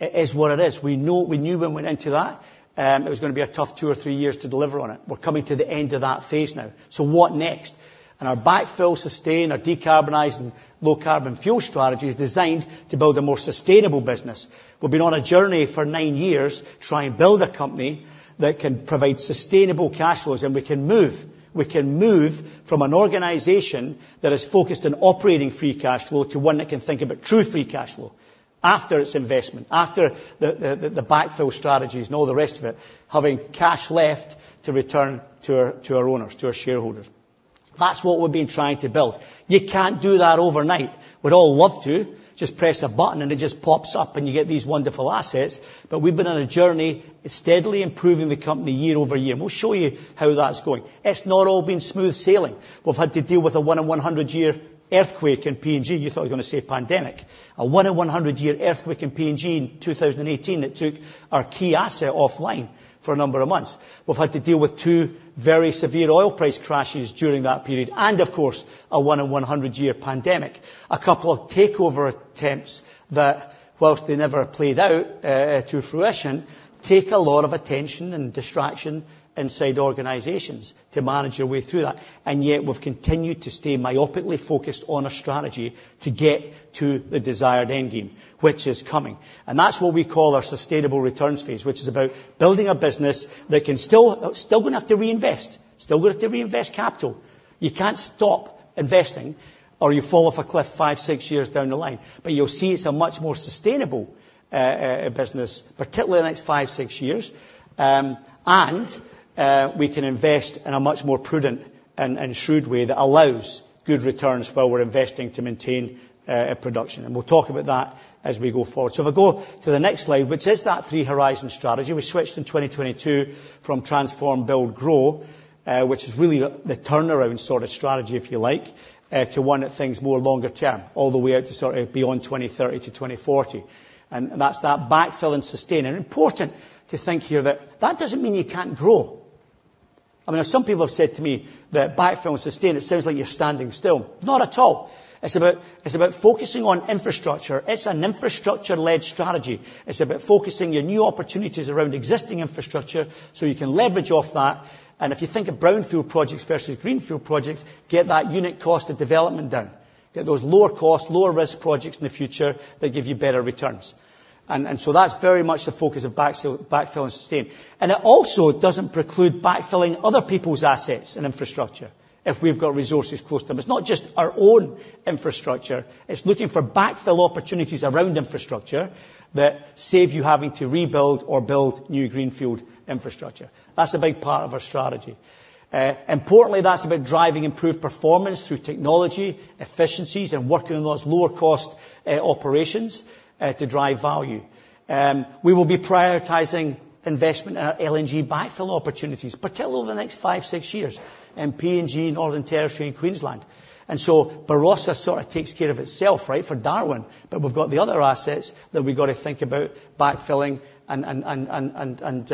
It is what it is. We knew when we went into that it was going to be a tough two or three years to deliver on it. We're coming to the end of that phase now. So what next, and our backfill, sustain, our decarbonized, low-carbon fuel strategy is designed to build a more sustainable business. We've been on a journey for nine years trying to build a company that can provide sustainable cash flows, and we can move. We can move from an organization that is focused on operating free cash flow to one that can think about true free cash flow after its investment, after the backfill strategies and all the rest of it, having cash left to return to our owners, to our shareholders. That's what we've been trying to build. You can't do that overnight. We'd all love to just press a button and it just pops up and you get these wonderful assets, but we've been on a journey. It's steadily improving the company year-over-year, and we'll show you how that's going. It's not all been smooth sailing. We've had to deal with a one-in-100-year earthquake in PNG. You thought I was going to say pandemic. A one-in-100-year earthquake in PNG in 2018 that took our key asset offline for a number of months. We've had to deal with two very severe oil price crashes during that period, and of course, a one-in-100-year pandemic. A couple of takeover attempts that, while they never played out to fruition, take a lot of attention and distraction inside organizations to manage your way through that. And yet we've continued to stay myopically focused on our strategy to get to the desired end game, which is coming. And that's what we call our sustainable returns phase, which is about building a business that can still going to have to reinvest. Still going to have to reinvest capital. You can't stop investing or you fall off a cliff five, six years down the line. But you'll see it's a much more sustainable business, particularly in the next five, six years. And we can invest in a much more prudent and shrewd way that allows good returns while we're investing to maintain production. And we'll talk about that as we go forward. So if I go to the next slide, which is that three-horizon strategy, we switched in 2022 from transform, build, grow, which is really the turnaround sort of strategy, if you like, to one that thinks more longer-term, all the way out to sort of beyond 2030 to 2040. And that's that backfill and sustain. And important to think here that that doesn't mean you can't grow. I mean, some people have said to me that backfill and sustain, it sounds like you're standing still. Not at all. It's about focusing on infrastructure. It's an infrastructure-led strategy. It's about focusing your new opportunities around existing infrastructure so you can leverage off that. And if you think of brownfield projects versus greenfield projects, get that unit cost of development down. Get those lower-cost, lower-risk projects in the future that give you better returns. And so that's very much the focus of backfill and sustain. And it also doesn't preclude backfilling other people's assets and infrastructure if we've got resources close to them. It's not just our own infrastructure. It's looking for backfill opportunities around infrastructure that save you having to rebuild or build new greenfield infrastructure. That's a big part of our strategy. Importantly, that's about driving improved performance through technology, efficiencies, and working on those lower-cost operations to drive value. We will be prioritizing investment in our LNG backfill opportunities, particularly over the next five, six years in PNG, Northern Territory, and Queensland. And so Barossa sort of takes care of itself, right, for Darwin. But we've got the other assets that we've got to think about backfilling and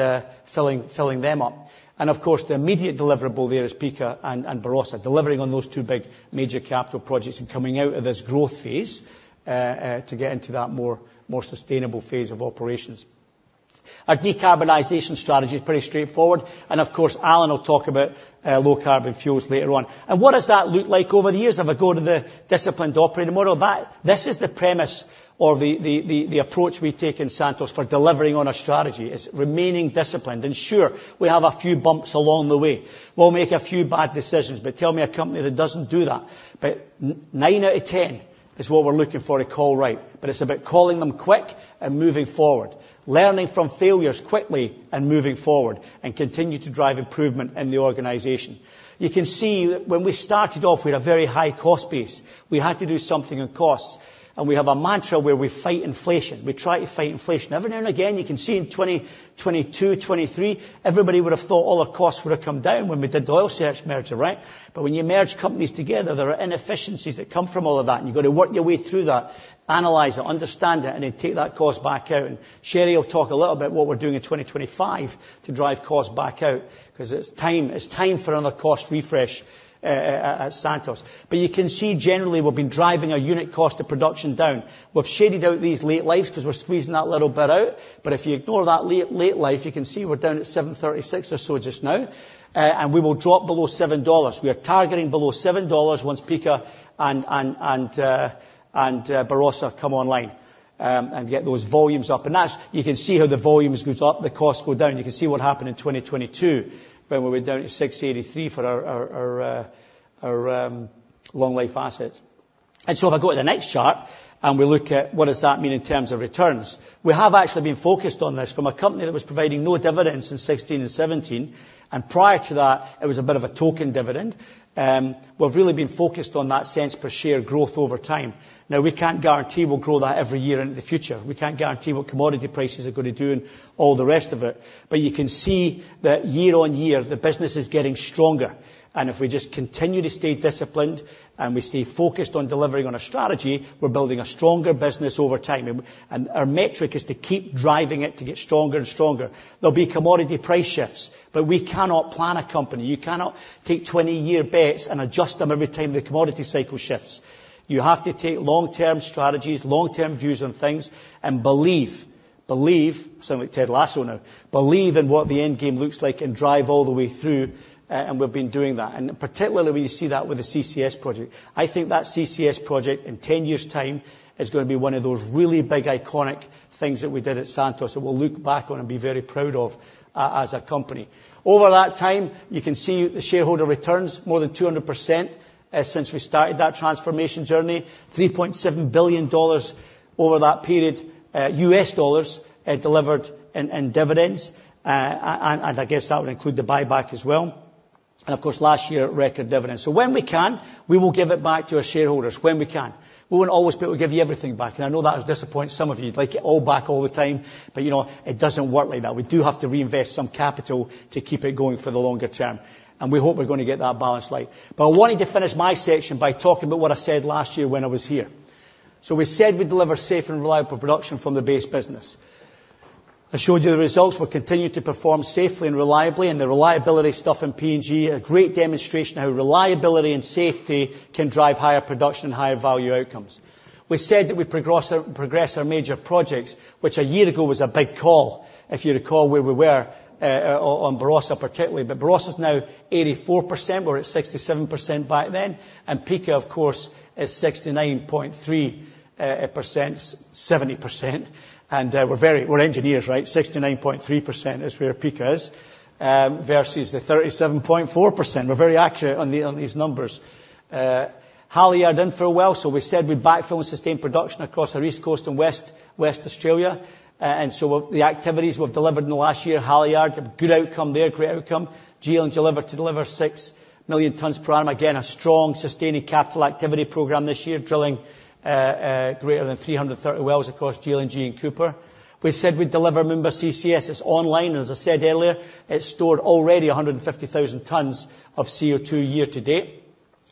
filling them up. Of course, the immediate deliverable there is Pikka and Barossa delivering on those two big major capital projects and coming out of this growth phase to get into that more sustainable phase of operations. Our decarbonization strategy is pretty straightforward. Of course, Alan will talk about low-carbon fuels later on. What does that look like over the years? If I go to the disciplined operating model, this is the premise or the approach we take in Santos for delivering on our strategy is remaining disciplined. Sure, we have a few bumps along the way. We'll make a few bad decisions, but tell me a company that doesn't do that. Nine out of 10 is what we're looking for to call right. It's about calling them quick and moving forward, learning from failures quickly and moving forward, and continue to drive improvement in the organization. You can see when we started off, we had a very high cost base. We had to do something on costs. And we have a mantra where we fight inflation. We try to fight inflation. Every now and again, you can see in 2022, 2023, everybody would have thought all our costs would have come down when we did the Oil Search merger, right? But when you merge companies together, there are inefficiencies that come from all of that. And you've got to work your way through that, analyze it, understand it, and then take that cost back out. And Sherry will talk a little bit about what we're doing in 2025 to drive costs back out because it's time for another cost refresh at Santos. But you can see generally we've been driving our unit cost of production down. We've shaded out these late lives because we're squeezing that little bit out. But if you ignore that late life, you can see we're down at 736 or so just now. And we will drop below $7. We are targeting below $7 once Pikka and Barossa come online and get those volumes up. And you can see how the volumes go up, the costs go down. You can see what happened in 2022 when we were down to 683 for our long-life assets. And so if I go to the next chart and we look at what does that mean in terms of returns, we have actually been focused on this from a company that was providing no dividends in 2016 and 2017. And prior to that, it was a bit of a token dividend. We've really been focused on EPS per share growth over time. Now, we can't guarantee we'll grow that every year into the future. We can't guarantee what commodity prices are going to do and all the rest of it. But you can see that year-on-year, the business is getting stronger. And if we just continue to stay disciplined and we stay focused on delivering on our strategy, we're building a stronger business over time. And our metric is to keep driving it to get stronger and stronger. There'll be commodity price shifts, but we cannot plan a company. You cannot take 20-year bets and adjust them every time the commodity cycle shifts. You have to take long-term strategies, long-term views on things, and believe, believe. Sound like Ted Lasso now, believe in what the end game looks like and drive all the way through. And we've been doing that. Particularly when you see that with the CCS project, I think that CCS project in 10 years' time is going to be one of those really big iconic things that we did at Santos that we'll look back on and be very proud of as a company. Over that time, you can see the shareholder returns more than 200% since we started that transformation journey, $3.7 billion over that period, U.S. dollars delivered in dividends. And I guess that would include the buyback as well. And of course, last year, record dividends. So when we can, we will give it back to our shareholders when we can. We won't always be able to give you everything back. And I know that has disappointed some of you. You'd like it all back all the time. But it doesn't work like that. We do have to reinvest some capital to keep it going for the longer term, and we hope we're going to get that balance right, but I wanted to finish my section by talking about what I said last year when I was here, so we said we deliver safe and reliable production from the base business. I showed you the results. We're continuing to perform safely and reliably, and the reliability stuff in PNG, a great demonstration of how reliability and safety can drive higher production and higher value outcomes. We said that we progress our major projects, which a year ago was a big call, if you recall where we were on Barossa particularly, but Barossa's now 84%. We're at 67% back then, and Pikka, of course, is 69.3%, 70%, and we're engineers, right? 69.3% is where Pikka is versus the 37.4%. We're very accurate on these numbers. Halyard infill well. So we said we'd backfill and sustain production across the East Coast and Western Australia. And so the activities we've delivered in the last year, Halyard, good outcome there, great outcome. GLNG delivered to deliver six million tons per annum. Again, a strong sustaining capital activity program this year, drilling greater than 330 wells across GLNG and Cooper. We said we'd deliver Moomba CCS. It's online. And as I said earlier, it's stored already 150,000 tons of CO2 year to date.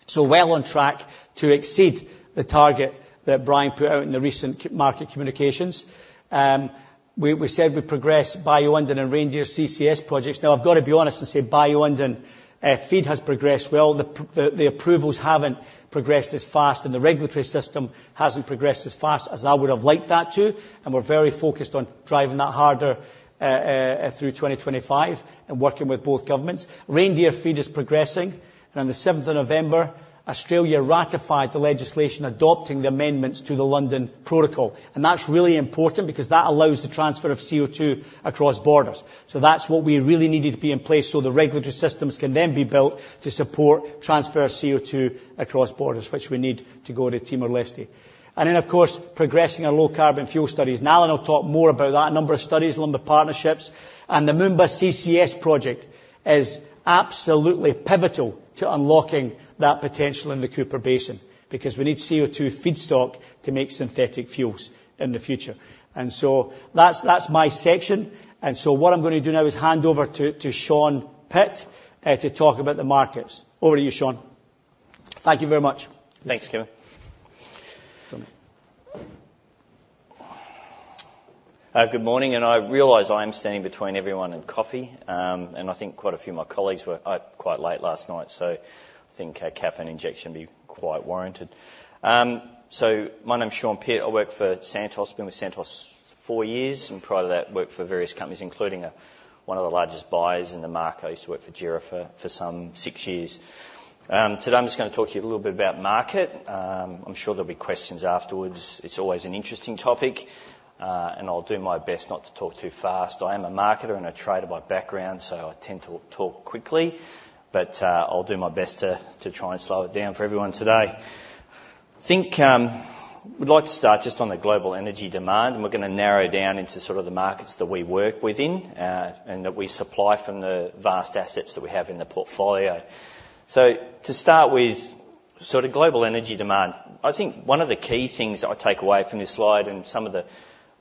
So well on track to exceed the target that Brian put out in the recent market communications. We said we progressed Bayu-Undan and Reindeer CCS projects. Now, I've got to be honest and say Bayu-Undan FEED has progressed well. The approvals haven't progressed as fast. And the regulatory system hasn't progressed as fast as I would have liked that to. We're very focused on driving that harder through 2025 and working with both governments. Reindeer FEED is progressing. On the 7th of November, Australia ratified the legislation adopting the amendments to the London Protocol. That's really important because that allows the transfer of CO2 across borders. That's what we really needed to be in place so the regulatory systems can then be built to support transfer CO2 across borders, which we need to go to Timor-Leste. Then, of course, progressing our low-carbon fuel studies. Alan will talk more about that, a number of studies, number partnerships. The Moomba CCS project is absolutely pivotal to unlocking that potential in the Cooper Basin because we need CO2 feedstock to make synthetic fuels in the future. That's my section. So what I'm going to do now is hand over to Sean Pitt to talk about the markets. Over to you, Sean. Thank you very much. Thanks, Kevin. Good morning. I realize I am standing between everyone and coffee. I think quite a few of my colleagues were up quite late last night. So I think a caffeine injection would be quite warranted. My name is Sean Pitt. I work for Santos. Been with Santos four years. Prior to that, worked for various companies, including one of the largest buyers in the market. I used to work for JERA for some six years. Today, I'm just going to talk to you a little bit about market. I'm sure there'll be questions afterwards. It's always an interesting topic. I'll do my best not to talk too fast. I am a marketer and a trader by background, so I tend to talk quickly, but I'll do my best to try and slow it down for everyone today. We'd like to start just on the global energy demand, and we're going to narrow down into sort of the markets that we work within and that we supply from the vast assets that we have in the portfolio, so to start with sort of global energy demand, I think one of the key things I take away from this slide and some of the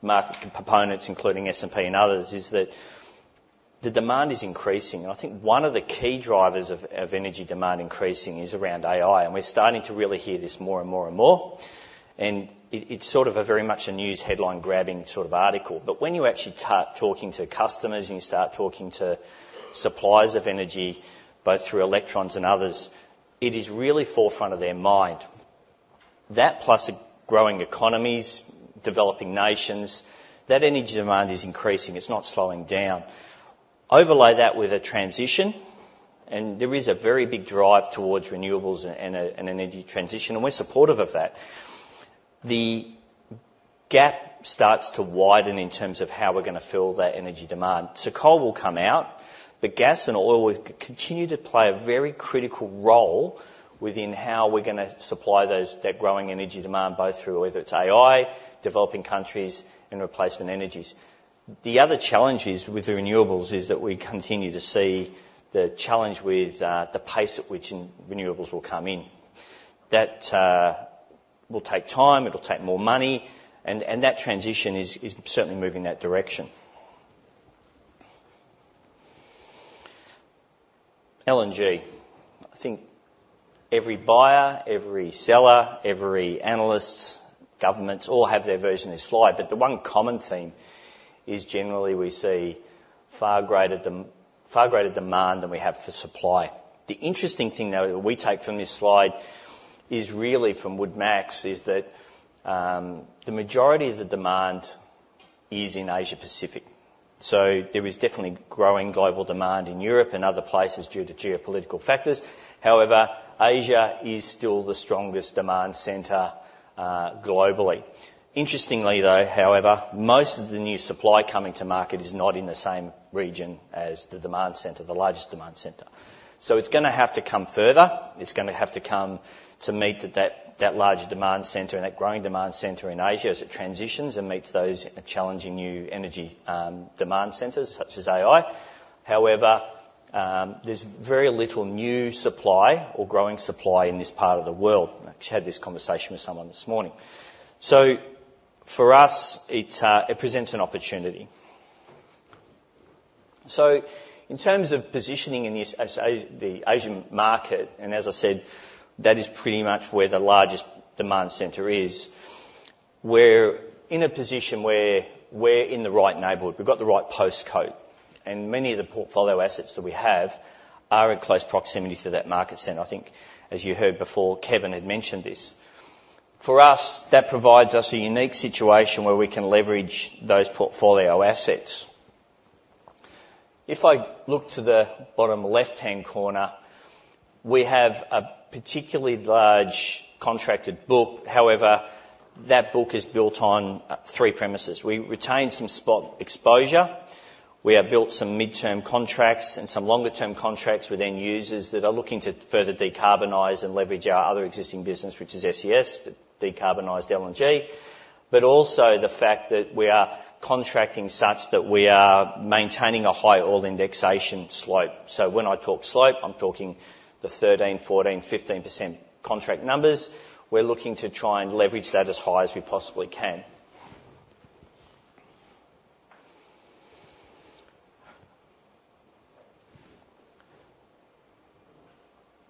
market components, including S&P and others, is that the demand is increasing, and I think one of the key drivers of energy demand increasing is around AI, and we're starting to really hear this more and more and more, and it's sort of very much a news headline-grabbing sort of article. When you're actually talking to customers and you start talking to suppliers of energy, both through electrons and others, it is really forefront of their mind. That plus growing economies, developing nations, that energy demand is increasing. It's not slowing down. Overlay that with a transition. There is a very big drive towards renewables and energy transition. We're supportive of that. The gap starts to widen in terms of how we're going to fill that energy demand. Coal will come out. Gas and oil will continue to play a very critical role within how we're going to supply that growing energy demand, both through whether it's AI, developing countries, and replacement energies. The other challenges with the renewables is that we continue to see the challenge with the pace at which renewables will come in. That will take time. It'll take more money. And that transition is certainly moving that direction. LNG. I think every buyer, every seller, every analyst, governments, all have their version of this slide. But the one common theme is generally we see far greater demand than we have for supply. The interesting thing that we take from this slide is really from Wood Mackenzie is that the majority of the demand is in Asia-Pacific. So there is definitely growing global demand in Europe and other places due to geopolitical factors. However, Asia is still the strongest demand center globally. Interestingly, though, however, most of the new supply coming to market is not in the same region as the demand center, the largest demand center. So it's going to have to come further. It's going to have to come to meet that large demand center and that growing demand center in Asia as it transitions and meets those challenging new energy demand centers such as AI. However, there's very little new supply or growing supply in this part of the world. I actually had this conversation with someone this morning. So for us, it presents an opportunity, so in terms of positioning in the Asian market, and as I said, that is pretty much where the largest demand center is, we're in a position where we're in the right neighborhood. We've got the right postcode, and many of the portfolio assets that we have are in close proximity to that market center. I think, as you heard before, Kevin had mentioned this. For us, that provides us a unique situation where we can leverage those portfolio assets. If I look to the bottom left-hand corner, we have a particularly large contracted book. However, that book is built on three premises. We retain some spot exposure. We have built some midterm contracts and some longer-term contracts with end users that are looking to further decarbonize and leverage our other existing business, which is SES, decarbonized LNG, but also the fact that we are contracting such that we are maintaining a high oil indexation slope. So when I talk slope, I'm talking the 13, 14, 15% contract numbers. We're looking to try and leverage that as high as we possibly can.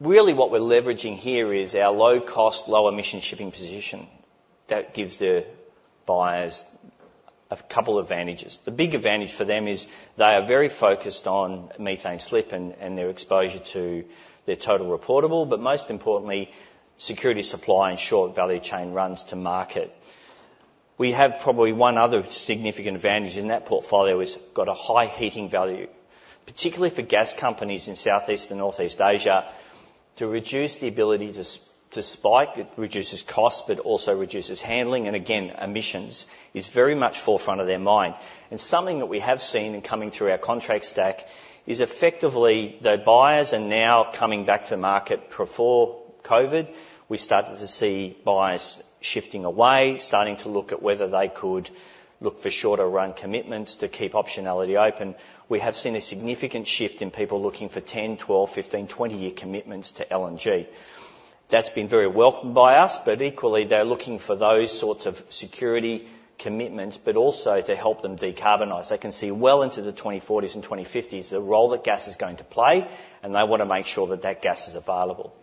Really, what we're leveraging here is our low-cost, low-emission shipping position that gives the buyers a couple of advantages. The big advantage for them is they are very focused on methane slip and their exposure to their total reportable, but most importantly, supply security and short value chain runs to market. We have probably one other significant advantage in that portfolio is got a high heating value, particularly for gas companies in Southeast and Northeast Asia. To reduce the ability to spike, it reduces costs, but also reduces handling and, again, emissions is very much forefront of their mind, and something that we have seen and coming through our contract stack is effectively, though buyers are now coming back to the market, before COVID, we started to see buyers shifting away, starting to look at whether they could look for shorter-run commitments to keep optionality open. We have seen a significant shift in people looking for 10, 12, 15, 20-year commitments to LNG. That's been very welcomed by us. But equally, they're looking for those sorts of security commitments, but also to help them decarbonize. They can see well into the 2040s and 2050s the role that gas is going to play, and they want to make sure that that gas is available.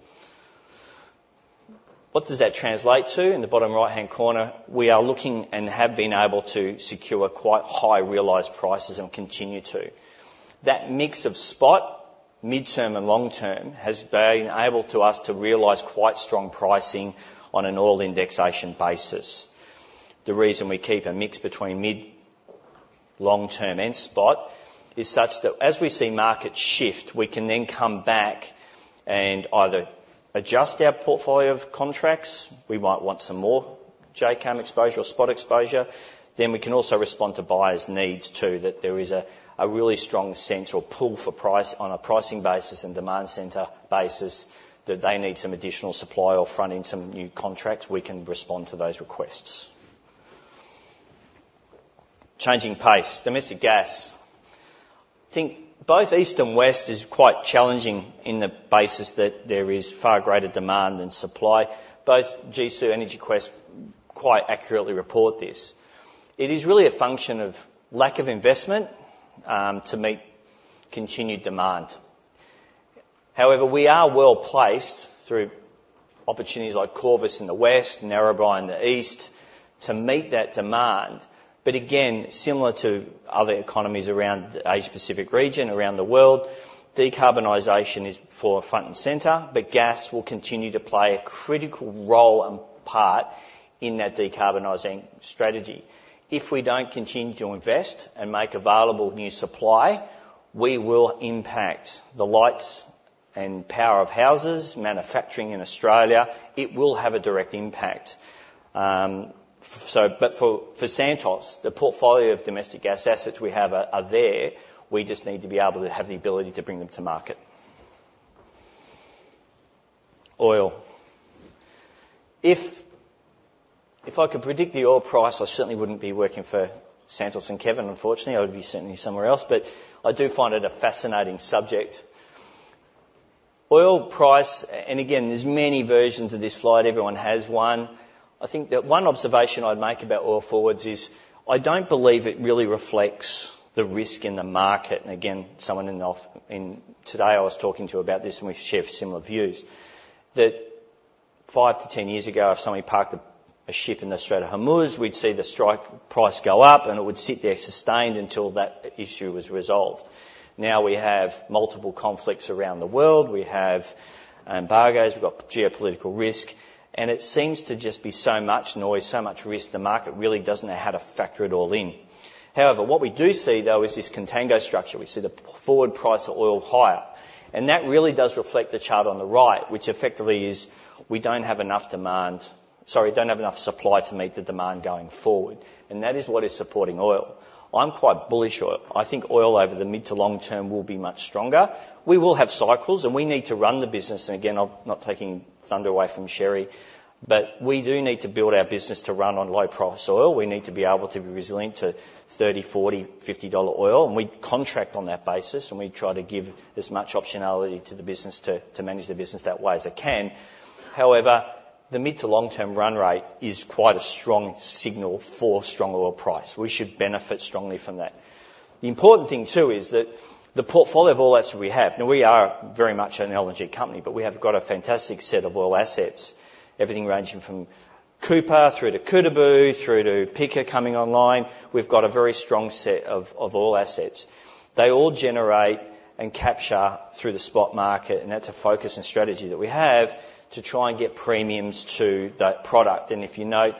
What does that translate to? In the bottom right-hand corner, we are looking and have been able to secure quite high realized prices and continue to. That mix of spot, midterm, and long-term has enabled us to realize quite strong pricing on an oil indexation basis. The reason we keep a mix between mid, long-term, and spot is such that as we see markets shift, we can then come back and either adjust our portfolio of contracts. We might want some more JKM exposure or spot exposure. Then we can also respond to buyers' needs too, that there is a really strong central pull for price on a pricing basis and demand center basis, that they need some additional supply or front in some new contracts. We can respond to those requests. Changing pace. Domestic gas. I think both east and west is quite challenging in the basis that there is far greater demand and supply. Both GSOO and EnergyQuest quite accurately report this. It is really a function of lack of investment to meet continued demand. However, we are well placed through opportunities like Corvus in the west, Narrabri in the east to meet that demand. But again, similar to other economies around the Asia-Pacific region, around the world, decarbonization is forefront and center, but gas will continue to play a critical role and part in that decarbonizing strategy. If we don't continue to invest and make available new supply, we will impact the lights and power of houses, manufacturing in Australia. It will have a direct impact. But for Santos, the portfolio of domestic gas assets we have are there. We just need to be able to have the ability to bring them to market. Oil. If I could predict the oil price, I certainly wouldn't be working for Santos and Kevin, unfortunately. I would be certainly somewhere else. But I do find it a fascinating subject. Oil price, and again, there's many versions of this slide. Everyone has one. I think that one observation I'd make about oil forwards is I don't believe it really reflects the risk in the market. Again, someone I was talking to today about this, and we share similar views, that five to 10 years ago, if somebody parked a ship in the Strait of Hormuz, we'd see the spot price go up, and it would sit there sustained until that issue was resolved. Now we have multiple conflicts around the world. We have embargoes. We've got geopolitical risk. And it seems to just be so much noise, so much risk, the market really doesn't know how to factor it all in. However, what we do see, though, is this contango structure. We see the forward price of oil higher. And that really does reflect the chart on the right, which effectively is we don't have enough demand sorry, don't have enough supply to meet the demand going forward. And that is what is supporting oil. I'm quite bullish. I think oil over the mid- to long-term will be much stronger. We will have cycles, and we need to run the business, and again, I'm not taking thunder away from Sherry, but we do need to build our business to run on low-price oil. We need to be able to be resilient to $30, $40, $50 oil, and we contract on that basis, and we try to give as much optionality to the business to manage the business that way as it can. However, the mid- to long-term run rate is quite a strong signal for strong oil price. We should benefit strongly from that. The important thing too is that the portfolio of all that we have now, we are very much an LNG company, but we have got a fantastic set of oil assets, everything ranging from Cooper through to Kutubu, through to Pikka coming online. We've got a very strong set of oil assets. They all generate and capture through the spot market. And that's a focus and strategy that we have to try and get premiums to that product. And if you note,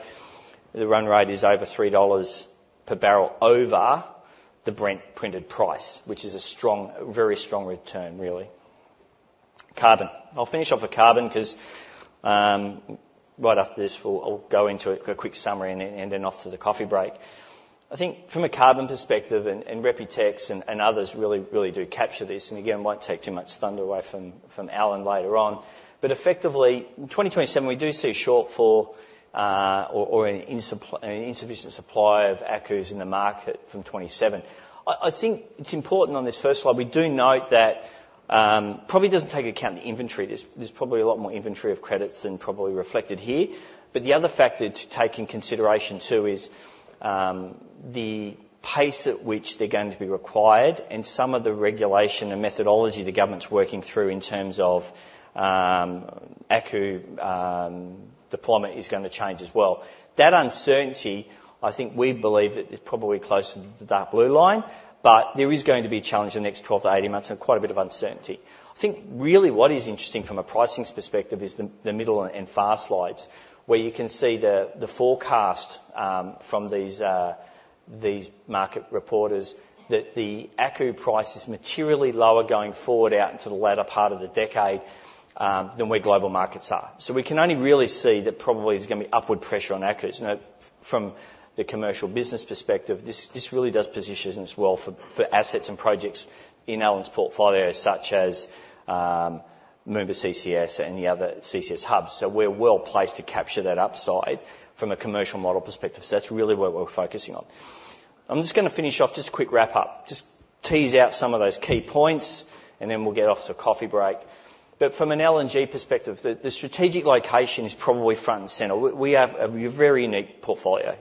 the run rate is over $3 per barrel over the printed price, which is a very strong return, really. Carbon. I'll finish off with carbon because right after this, I'll go into a quick summary and then off to the coffee break. I think from a carbon perspective, and RepuTex and others really do capture this. And again, I won't take too much thunder away from Alan later on. But effectively, in 2027, we do see shortfall or an insufficient supply of ACCUs in the market from 2027. I think it's important on this first slide. We do note that it probably doesn't take account the inventory. There's probably a lot more inventory of credits than probably reflected here. But the other factor to take in consideration too is the pace at which they're going to be required and some of the regulation and methodology the government's working through in terms of ACCU deployment is going to change as well. That uncertainty, I think we believe that it's probably close to that blue line, but there is going to be a challenge in the next 12-18 months and quite a bit of uncertainty. I think really what is interesting from a pricing perspective is the middle and last slides, where you can see the forecast from these market reports that the ACCU price is materially lower going forward out into the latter part of the decade than where global markets are. So we can only really see that probably there's going to be upward pressure on ACCUs. From the commercial business perspective, this really does position us well for assets and projects in Alan's portfolio, such as Moomba CCS and the other CCS hubs. So we're well placed to capture that upside from a commercial model perspective. So that's really what we're focusing on. I'm just going to finish off, just a quick wrap-up, just tease out some of those key points, and then we'll get off to a coffee break. But from an LNG perspective, the strategic location is probably front and center. We have a very unique portfolio.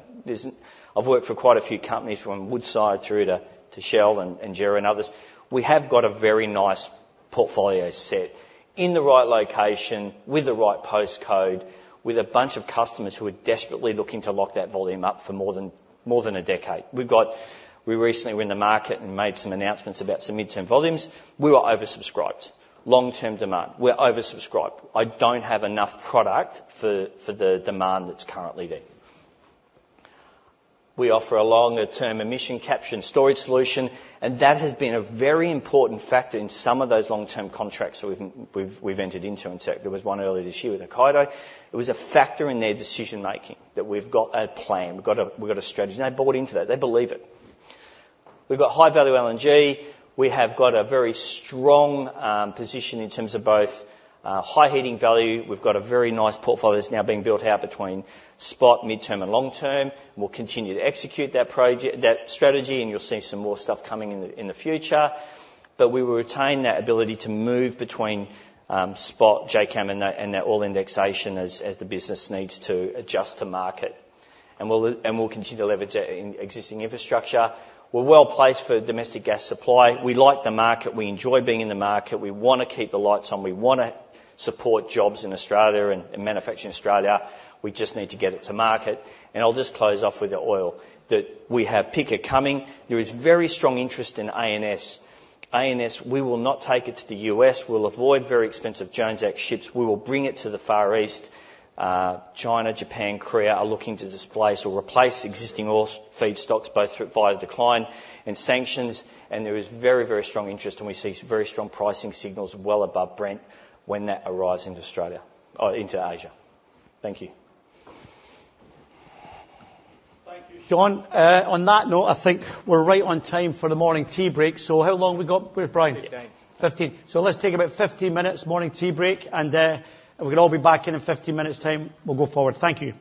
I've worked for quite a few companies from Woodside through to Shell and JERA and others. We have got a very nice portfolio set in the right location with the right postcode, with a bunch of customers who are desperately looking to lock that volume up for more than a decade. We recently were in the market and made some announcements about some midterm volumes. We were oversubscribed. Long-term demand. We're oversubscribed. I don't have enough product for the demand that's currently there. We offer a longer-term carbon capture and storage solution, and that has been a very important factor in some of those long-term contracts that we've entered into. In fact, there was one earlier this year with Hokkaido. It was a factor in their decision-making that we've got a plan. We've got a strategy. They bought into that. They believe it. We've got high-value LNG. We have got a very strong position in terms of both high heating value. We've got a very nice portfolio that's now being built out between spot, midterm, and long-term. We'll continue to execute that strategy, and you'll see some more stuff coming in the future, but we will retain that ability to move between spot, JKM, and that oil indexation as the business needs to adjust to market. And we'll continue to leverage that existing infrastructure. We're well placed for domestic gas supply. We like the market. We enjoy being in the market. We want to keep the lights on. We want to support jobs in Australia and manufacturing in Australia. We just need to get it to market, and I'll just close off with the oil that we have Pikka coming. There is very strong interest in ANS. ANS, we will not take it to the U.S. We'll avoid very expensive Jones Act ships. We will bring it to the Far East. China, Japan, Korea are looking to displace or replace existing oil feedstocks both via decline and sanctions. And there is very, very strong interest, and we see very strong pricing signals well above Brent when that arrives into Asia. Thank you. Thank you, Sean. On that note, I think we're right on time for the morning tea break. So how long have we got with Brian? 15. 15. So let's take about 15 minutes morning tea break, and we can all be back in 15 minutes' time. We'll go forward. Thank you.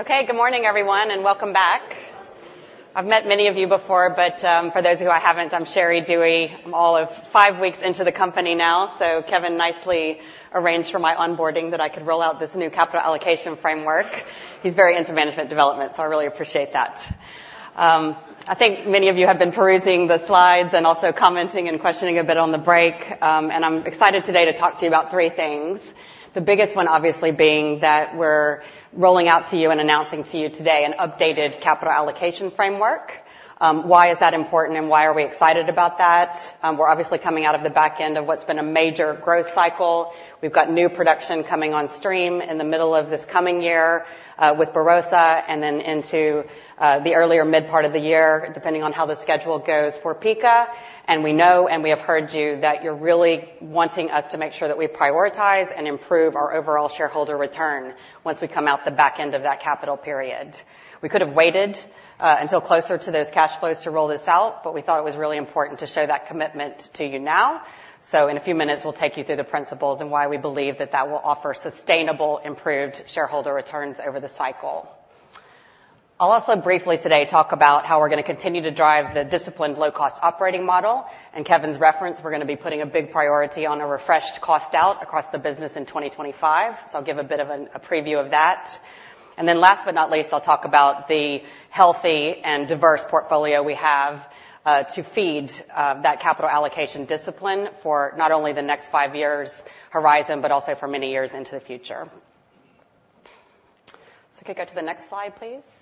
Okay, good morning, everyone, and welcome back. I've met many of you before, but for those of you I haven't, I'm Sherry Duhe. I'm all of five weeks into the company now, so Kevin nicely arranged for my onboarding that I could roll out this new capital allocation framework. He's very into management development, so I really appreciate that. I think many of you have been perusing the slides and also commenting and questioning a bit on the break, and I'm excited today to talk to you about three things. The biggest one, obviously, being that we're rolling out to you and announcing to you today an updated capital allocation framework. Why is that important, and why are we excited about that? We're obviously coming out of the back end of what's been a major growth cycle. We've got new production coming on stream in the middle of this coming year with Barossa, and then into the earlier mid part of the year, depending on how the schedule goes for Pikka. We know, and we have heard you, that you're really wanting us to make sure that we prioritize and improve our overall shareholder return once we come out the back end of that capital period. We could have waited until closer to those cash flows to roll this out, but we thought it was really important to show that commitment to you now. In a few minutes, we'll take you through the principles and why we believe that that will offer sustainable, improved shareholder returns over the cycle. I'll also briefly today talk about how we're going to continue to drive the disciplined low-cost operating model. In Kevin's reference, we're going to be putting a big priority on a refreshed cost out across the business in 2025, so I'll give a bit of a preview of that. Then last but not least, I'll talk about the healthy and diverse portfolio we have to feed that capital allocation discipline for not only the next five years' horizon, but also for many years into the future. So can I go to the next slide, please?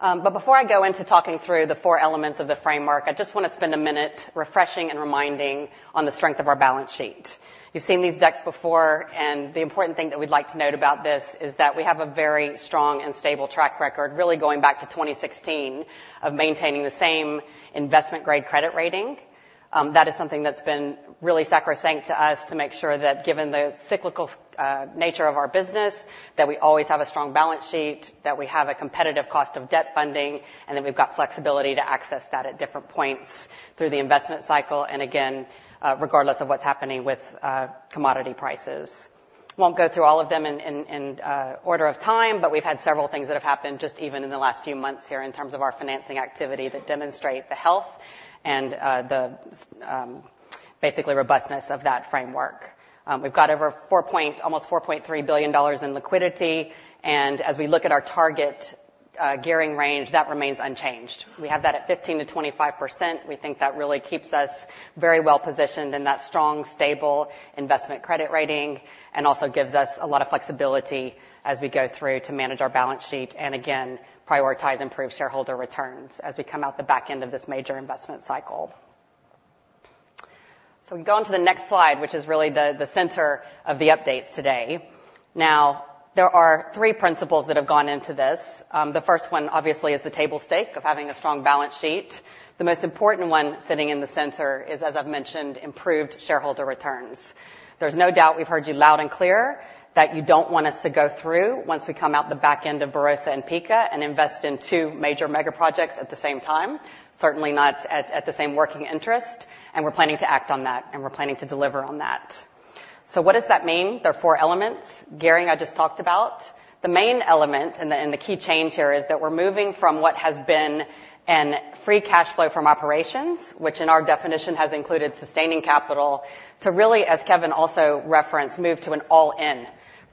But before I go into talking through the four elements of the framework, I just want to spend a minute refreshing and reminding on the strength of our balance sheet. You've seen these decks before, and the important thing that we'd like to note about this is that we have a very strong and stable track record, really going back to 2016, of maintaining the same investment-grade credit rating. That is something that's been really sacrosanct to us to make sure that, given the cyclical nature of our business, that we always have a strong balance sheet, that we have a competitive cost of debt funding, and that we've got flexibility to access that at different points through the investment cycle, and again, regardless of what's happening with commodity prices. I won't go through all of them in order of time, but we've had several things that have happened just even in the last few months here in terms of our financing activity that demonstrate the health and the basically robustness of that framework. We've got over almost $4.3 billion in liquidity, and as we look at our target gearing range, that remains unchanged. We have that at 15%-25%. We think that really keeps us very well positioned in that strong, stable investment-grade credit rating and also gives us a lot of flexibility as we go through to manage our balance sheet and, again, prioritize improved shareholder returns as we come out the back end of this major investment cycle, so we can go on to the next slide, which is really the center of the updates today. Now, there are three principles that have gone into this. The first one, obviously, is the table stakes of having a strong balance sheet. The most important one sitting in the center is, as I've mentioned, improved shareholder returns. There's no doubt we've heard you loud and clear that you don't want us to go through, once we come out the back end of Barossa and Pikka, and invest in two major mega projects at the same time, certainly not at the same working interest, and we're planning to act on that, and we're planning to deliver on that. So what does that mean? There are four elements. Gearing, I just talked about. The main element and the key change here is that we're moving from what has been a free cash flow from operations, which in our definition has included sustaining capital, to really, as Kevin also referenced, move to an all-in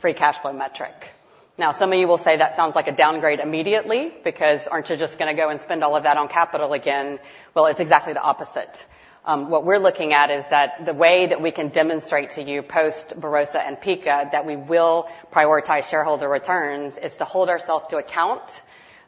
free cash flow metric. Now, some of you will say that sounds like a downgrade immediately because, "Aren't you just going to go and spend all of that on capital again?" Well, it's exactly the opposite. What we're looking at is that the way that we can demonstrate to you post-Barossa and Pikka that we will prioritize shareholder returns is to hold ourselves to account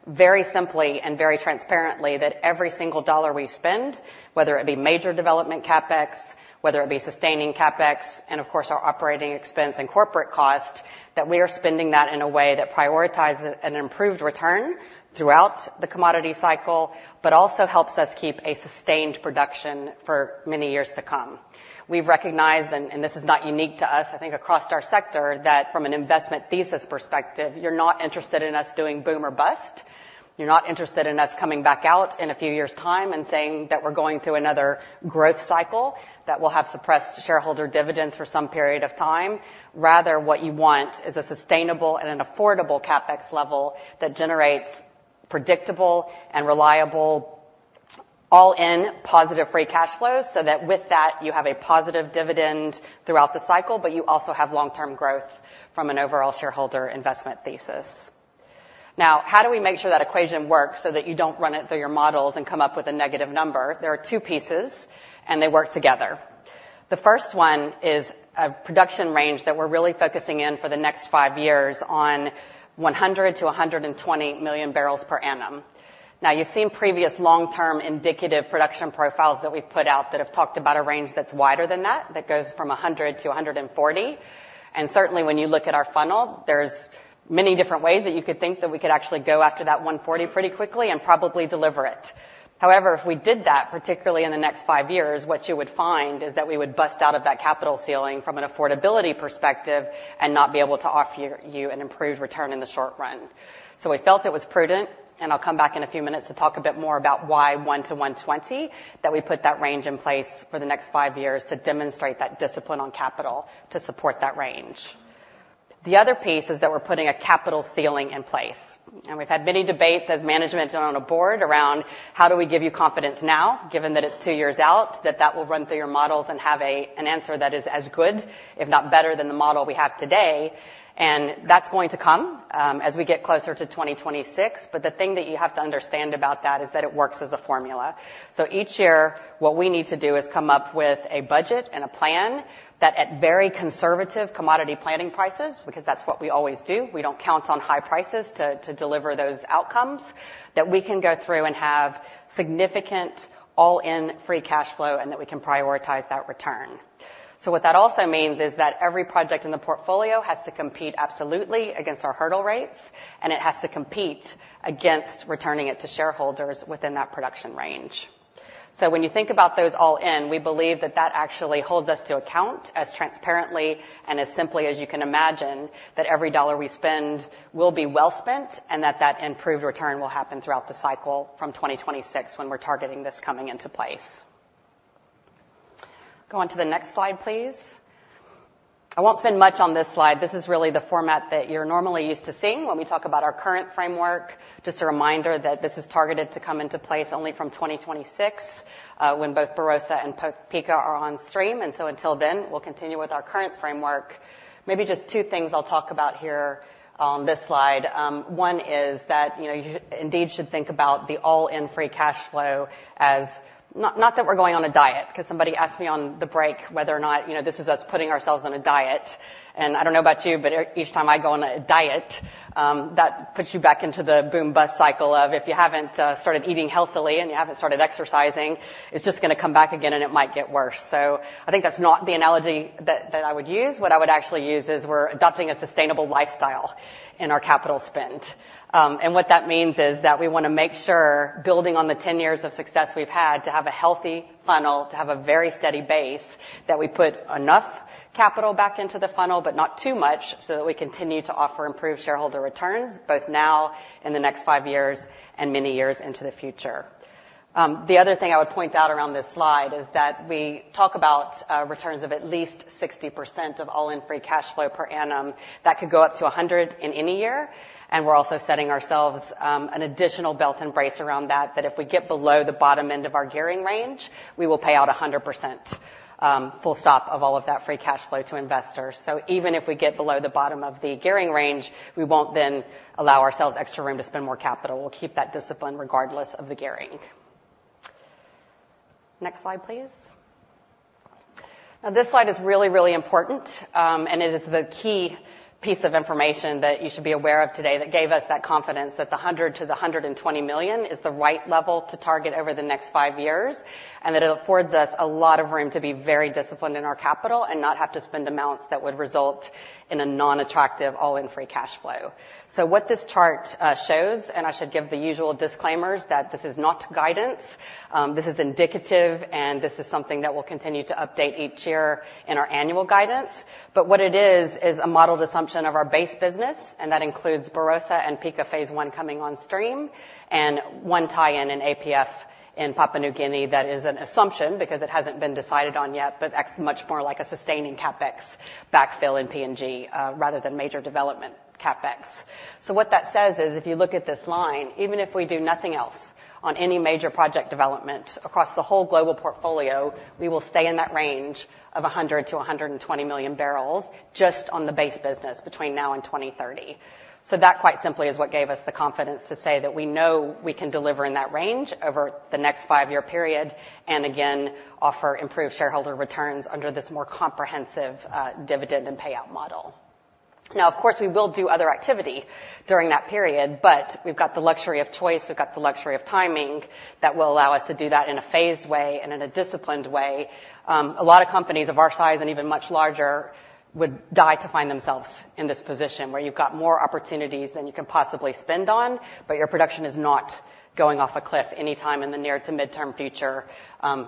very simply and very transparently that every single dollar we spend, whether it be major development CapEx, whether it be sustaining CapEx, and of course our operating expense and corporate cost, that we are spending that in a way that prioritizes an improved return throughout the commodity cycle, but also helps us keep a sustained production for many years to come. We've recognized, and this is not unique to us, I think across our sector, that from an investment thesis perspective, you're not interested in us doing boom or bust. You're not interested in us coming back out in a few years' time and saying that we're going through another growth cycle that will have suppressed shareholder dividends for some period of time. Rather, what you want is a sustainable and an affordable CapEx level that generates predictable and reliable all-in positive free cash flows so that with that, you have a positive dividend throughout the cycle, but you also have long-term growth from an overall shareholder investment thesis. Now, how do we make sure that equation works so that you don't run it through your models and come up with a negative number? There are two pieces, and they work together. The first one is a production range that we're really focusing in for the next five years on 100 to 120 million barrels per annum. Now, you've seen previous long-term indicative production profiles that we've put out that have talked about a range that's wider than that, that goes from 100 to 140. And certainly, when you look at our funnel, there's many different ways that you could think that we could actually go after that 140 pretty quickly and probably deliver it. However, if we did that, particularly in the next five years, what you would find is that we would bust out of that capital ceiling from an affordability perspective and not be able to offer you an improved return in the short run. So we felt it was prudent, and I'll come back in a few minutes to talk a bit more about why 100 to 120, that we put that range in place for the next five years to demonstrate that discipline on capital to support that range. The other piece is that we're putting a capital ceiling in place. And we've had many debates as management on a board around how do we give you confidence now, given that it's two years out, that that will run through your models and have an answer that is as good, if not better, than the model we have today. And that's going to come as we get closer to 2026, but the thing that you have to understand about that is that it works as a formula. So each year, what we need to do is come up with a budget and a plan that, at very conservative commodity planning prices, because that's what we always do, we don't count on high prices to deliver those outcomes, that we can go through and have significant all-in free cash flow and that we can prioritize that return. So what that also means is that every project in the portfolio has to compete absolutely against our hurdle rates, and it has to compete against returning it to shareholders within that production range. So when you think about those all-in, we believe that that actually holds us to account as transparently and as simply as you can imagine that every dollar we spend will be well spent and that that improved return will happen throughout the cycle from 2026 when we're targeting this coming into place. Go on to the next slide, please. I won't spend much on this slide. This is really the format that you're normally used to seeing when we talk about our current framework. Just a reminder that this is targeted to come into place only from 2026 when both Barossa and Pikka are on stream, and so until then, we'll continue with our current framework. Maybe just two things I'll talk about here on this slide. One is that you indeed should think about the all-in free cash flow as not that we're going on a diet, because somebody asked me on the break whether or not this is us putting ourselves on a diet. And I don't know about you, but each time I go on a diet, that puts you back into the boom-bust cycle of if you haven't started eating healthily and you haven't started exercising, it's just going to come back again and it might get worse. So I think that's not the analogy that I would use. What I would actually use is we're adopting a sustainable lifestyle in our capital spend, and what that means is that we want to make sure, building on the 10 years of success we've had, to have a healthy funnel, to have a very steady base, that we put enough capital back into the funnel, but not too much, so that we continue to offer improved shareholder returns both now and the next five years and many years into the future. The other thing I would point out around this slide is that we talk about returns of at least 60% of all-in free cash flow per annum. That could go up to 100% in any year. And we're also setting ourselves an additional belt and brace around that, that if we get below the bottom end of our gearing range, we will pay out 100% full stop of all of that free cash flow to investors. So even if we get below the bottom of the gearing range, we won't then allow ourselves extra room to spend more capital. We'll keep that discipline regardless of the gearing. Next slide, please. Now, this slide is really, really important, and it is the key piece of information that you should be aware of today that gave us that confidence that the $100-$120 million is the right level to target over the next five years and that it affords us a lot of room to be very disciplined in our capital and not have to spend amounts that would result in a non-attractive all-in free cash flow. So what this chart shows, and I should give the usual disclaimers that this is not guidance, this is indicative, and this is something that we'll continue to update each year in our annual guidance. But what it is, is a modeled assumption of our base business, and that includes Barossa and Pikka phase I coming on stream and one time in PNG in Papua New Guinea that is an assumption because it hasn't been decided on yet, but much more like a sustaining CapEx backfill in PNG rather than major development CapEx. So what that says is, if you look at this line, even if we do nothing else on any major project development across the whole global portfolio, we will stay in that range of 100-120 million barrels just on the base business between now and 2030. So that quite simply is what gave us the confidence to say that we know we can deliver in that range over the next five-year period and, again, offer improved shareholder returns under this more comprehensive dividend and payout model. Now, of course, we will do other activity during that period, but we've got the luxury of choice, we've got the luxury of timing that will allow us to do that in a phased way and in a disciplined way. A lot of companies of our size and even much larger would die to find themselves in this position where you've got more opportunities than you can possibly spend on, but your production is not going off a cliff anytime in the near to midterm future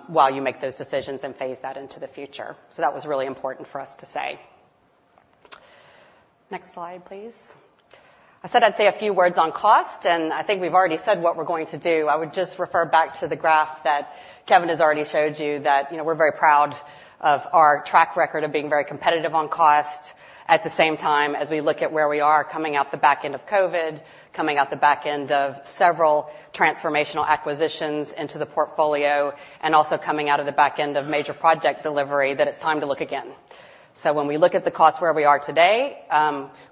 while you make those decisions and phase that into the future. So that was really important for us to say. Next slide, please. I said I'd say a few words on cost, and I think we've already said what we're going to do. I would just refer back to the graph that Kevin has already showed you that we're very proud of our track record of being very competitive on cost at the same time as we look at where we are coming out the back end of COVID, coming out the back end of several transformational acquisitions into the portfolio, and also coming out of the back end of major project delivery that it's time to look again. So when we look at the cost where we are today,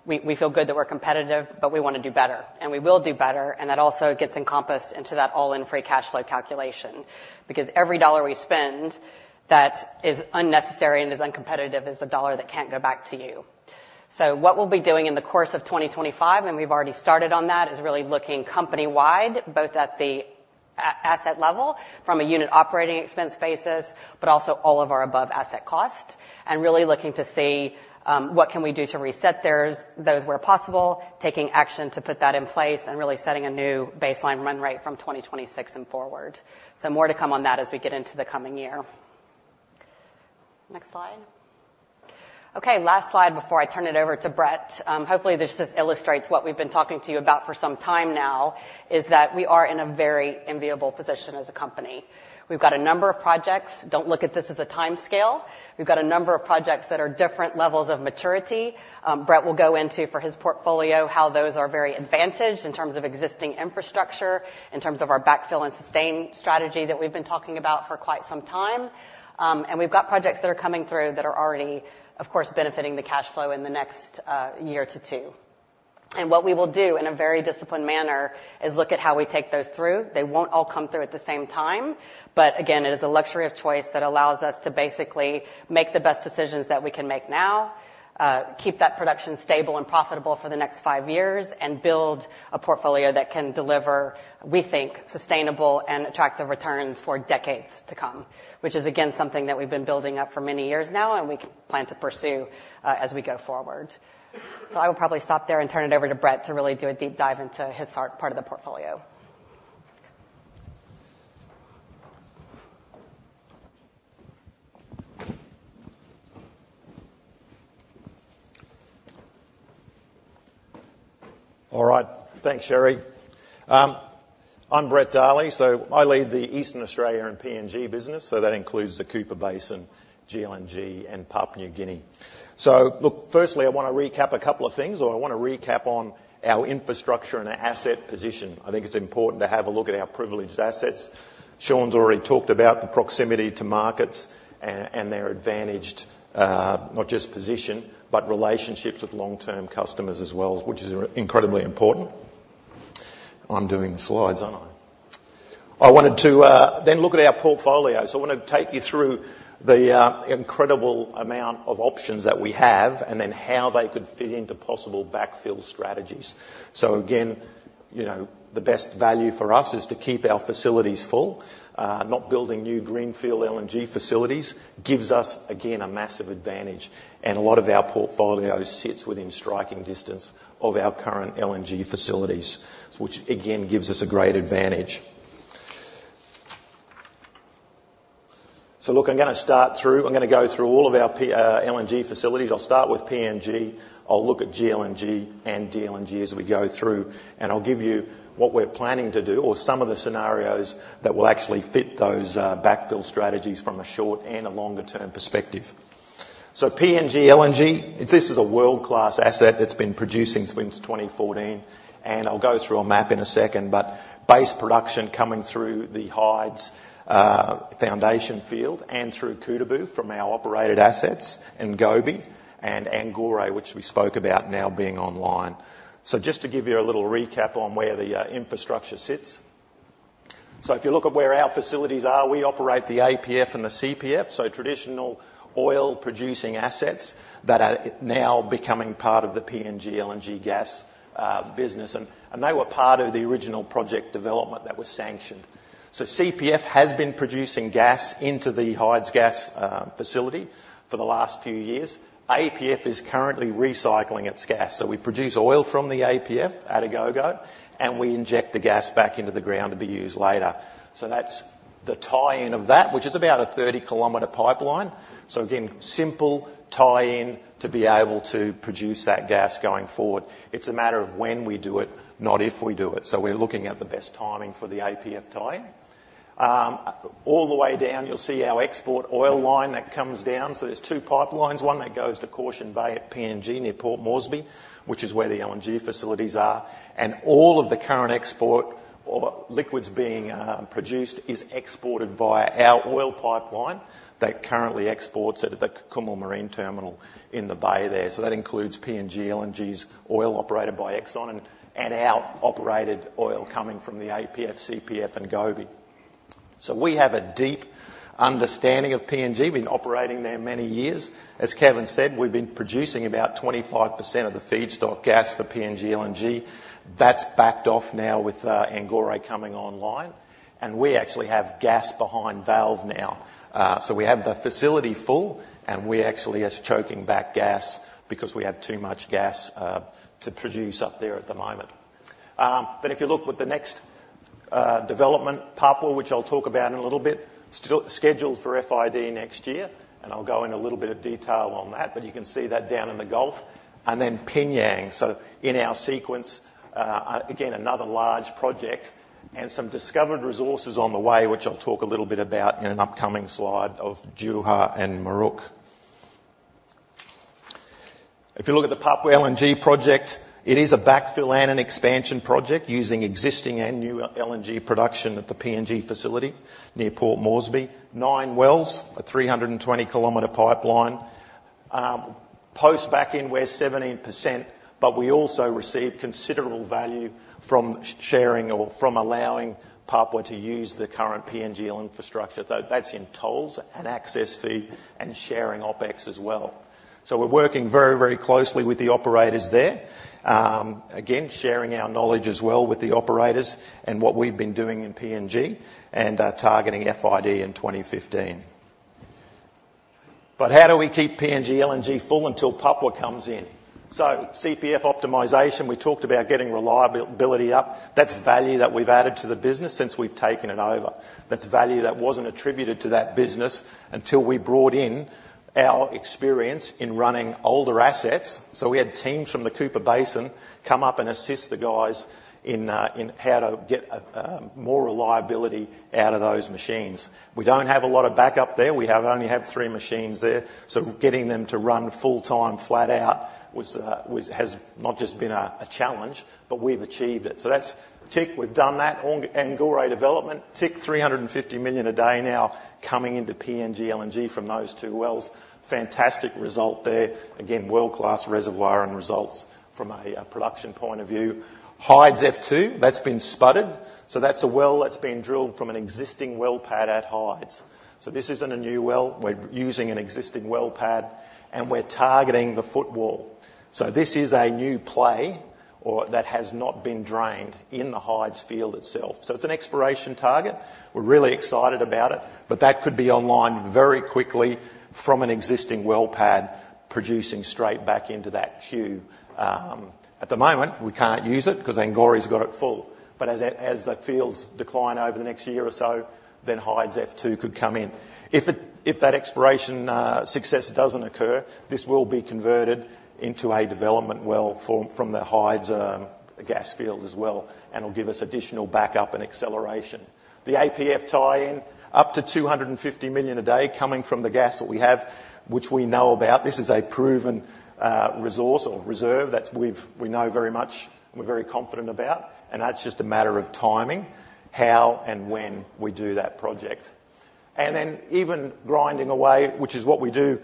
we feel good that we're competitive, but we want to do better, and we will do better, and that also gets encompassed into that all-in free cash flow calculation because every dollar we spend that is unnecessary and is uncompetitive is a dollar that can't go back to you. So what we'll be doing in the course of 2025, and we've already started on that, is really looking company-wide, both at the asset level from a unit operating expense basis, but also all of our above asset cost, and really looking to see what can we do to reset those where possible, taking action to put that in place and really setting a new baseline run rate from 2026 and forward. So more to come on that as we get into the coming year. Next slide. Okay, last slide before I turn it over to Brett. Hopefully, this just illustrates what we've been talking to you about for some time now, is that we are in a very enviable position as a company. We've got a number of projects. Don't look at this as a time scale. We've got a number of projects that are different levels of maturity. Brett will go into for his portfolio how those are very advantaged in terms of existing infrastructure, in terms of our backfill and sustain strategy that we've been talking about for quite some time, and we've got projects that are coming through that are already, of course, benefiting the cash flow in the next year to two, and what we will do in a very disciplined manner is look at how we take those through. They won't all come through at the same time, but again, it is a luxury of choice that allows us to basically make the best decisions that we can make now, keep that production stable and profitable for the next five years, and build a portfolio that can deliver, we think, sustainable and attractive returns for decades to come, which is, again, something that we've been building up for many years now and we plan to pursue as we go forward. So I will probably stop there and turn it over to Brett to really do a deep dive into his part of the portfolio. All right, thanks, Sherry. I'm Brett Darley. So I lead the Eastern Australia and PNG business, so that includes the Cooper Basin, GLNG, and Papua New Guinea. So look, firstly, I want to recap a couple of things, or I want to recap on our infrastructure and our asset position. I think it's important to have a look at our privileged assets. Sean's already talked about the proximity to markets and their advantaged, not just position, but relationships with long-term customers as well, which is incredibly important. I'm doing the slides, aren't I? I wanted to then look at our portfolio. So I want to take you through the incredible amount of options that we have and then how they could fit into possible backfill strategies. So again, the best value for us is to keep our facilities full. Not building new greenfield LNG facilities gives us, again, a massive advantage. And a lot of our portfolio sits within striking distance of our current LNG facilities, which again gives us a great advantage. So look, I'm going to start through. I'm going to go through all of our LNG facilities. I'll start with PNG. I'll look at GLNG and DLNG as we go through, and I'll give you what we're planning to do or some of the scenarios that will actually fit those backfill strategies from a short and a longer-term perspective. PNG LNG, this is a world-class asset that's been producing since 2014, and I'll go through a map in a second, but base production coming through the Hides foundation field and through Kutubu from our operated assets and Gobe and Angore, which we spoke about now being online. Just to give you a little recap on where the infrastructure sits. So if you look at where our facilities are, we operate the APF and the CPF, so traditional oil-producing assets that are now becoming part of the PNG LNG gas business. And they were part of the original project development that was sanctioned. So CPF has been producing gas into the Hides gas for the last few years. APF is currently recycling its gas. So we produce oil from the APF at Agogo, and we inject the gas back into the ground to be used later. So that's the tie-in of that, which is about a 30 km pipeline. So again, simple tie-in to be able to produce that gas going forward. It's a matter of when we do it, not if we do it. So we're looking at the best timing for the APF tie-in. All the way down, you'll see our export oil line that comes down. There are two pipelines. One that goes to Caution Bay at PNG near Port Moresby, which is where the LNG facilities are. All of the current export liquids being produced are exported via our oil pipeline that currently exports at the Kumul Marine Terminal in the bay there. That includes PNG LNG's oil operated by Exxon and our operated oil coming from the APF, CPF, and Gobe. We have a deep understanding of PNG. We've been operating there many years. As Kevin said, we've been producing about 25% of the feedstock gas for PNG LNG. That's backed off now with Angore coming online, and we actually have gas behind valve now. We have the facility full, and we actually are choking back gas because we have too much gas to produce up there at the moment. But if you look with the next development, Papua, which I'll talk about in a little bit, scheduled for FID next year, and I'll go in a little bit of detail on that, but you can see that down in the Gulf and then P'nyang. So in our sequence, again, another large project and some discovered resources on the way, which I'll talk a little bit about in an upcoming slide of Juha and Muruk. If you look at the Papua LNG project, it is a backfill and an expansion project using existing and new LNG production at the PNG facility near Port Moresby. Nine wells, a 320-kilometer pipeline. Post backfill, we're 17%, but we also receive considerable value from sharing or from allowing Papua to use the current PNG infrastructure. That's in tolls and access fee and sharing OpEx as well. So we're working very, very closely with the operators there. Again, sharing our knowledge as well with the operators and what we've been doing in PNG and targeting FID in 2015. But how do we keep PNG LNG full until Papua comes in? So CPF optimization, we talked about getting reliability up. That's value that we've added to the business since we've taken it over. That's value that wasn't attributed to that business until we brought in our experience in running older assets. So we had teams from the Cooper Basin come up and assist the guys in how to get more reliability out of those machines. We don't have a lot of backup there. We only have three machines there. So getting them to run full-time flat out has not just been a challenge, but we've achieved it. So that's tick. We've done that. Angore development takes 350 million a day now coming into PNG LNG from those two wells. Fantastic result there. Again, world-class reservoir and results from a production point of view. Hides F2, that's been spudded. So that's a well that's been drilled from an existing well pad at Hides. So this isn't a new well. We're using an existing well pad, and we're targeting the footwall. So this is a new play that has not been drained in the Hides field itself. So it's an exploration target. We're really excited about it, but that could be online very quickly from an existing well pad producing straight back into that queue. At the moment, we can't use it because Angore has got it full. But as the fields decline over the next year or so, then Hides F2 could come in. If that exploration success doesn't occur, this will be converted into a development well from the Hides gas field as well, and it'll give us additional backup and acceleration. The APF tie-in, up to 250 million a day coming from the gas that we have, which we know about. This is a proven resource or reserve that we know very much and we're very confident about, and that's just a matter of timing how and when we do that project. And then even grinding away, which is what we do,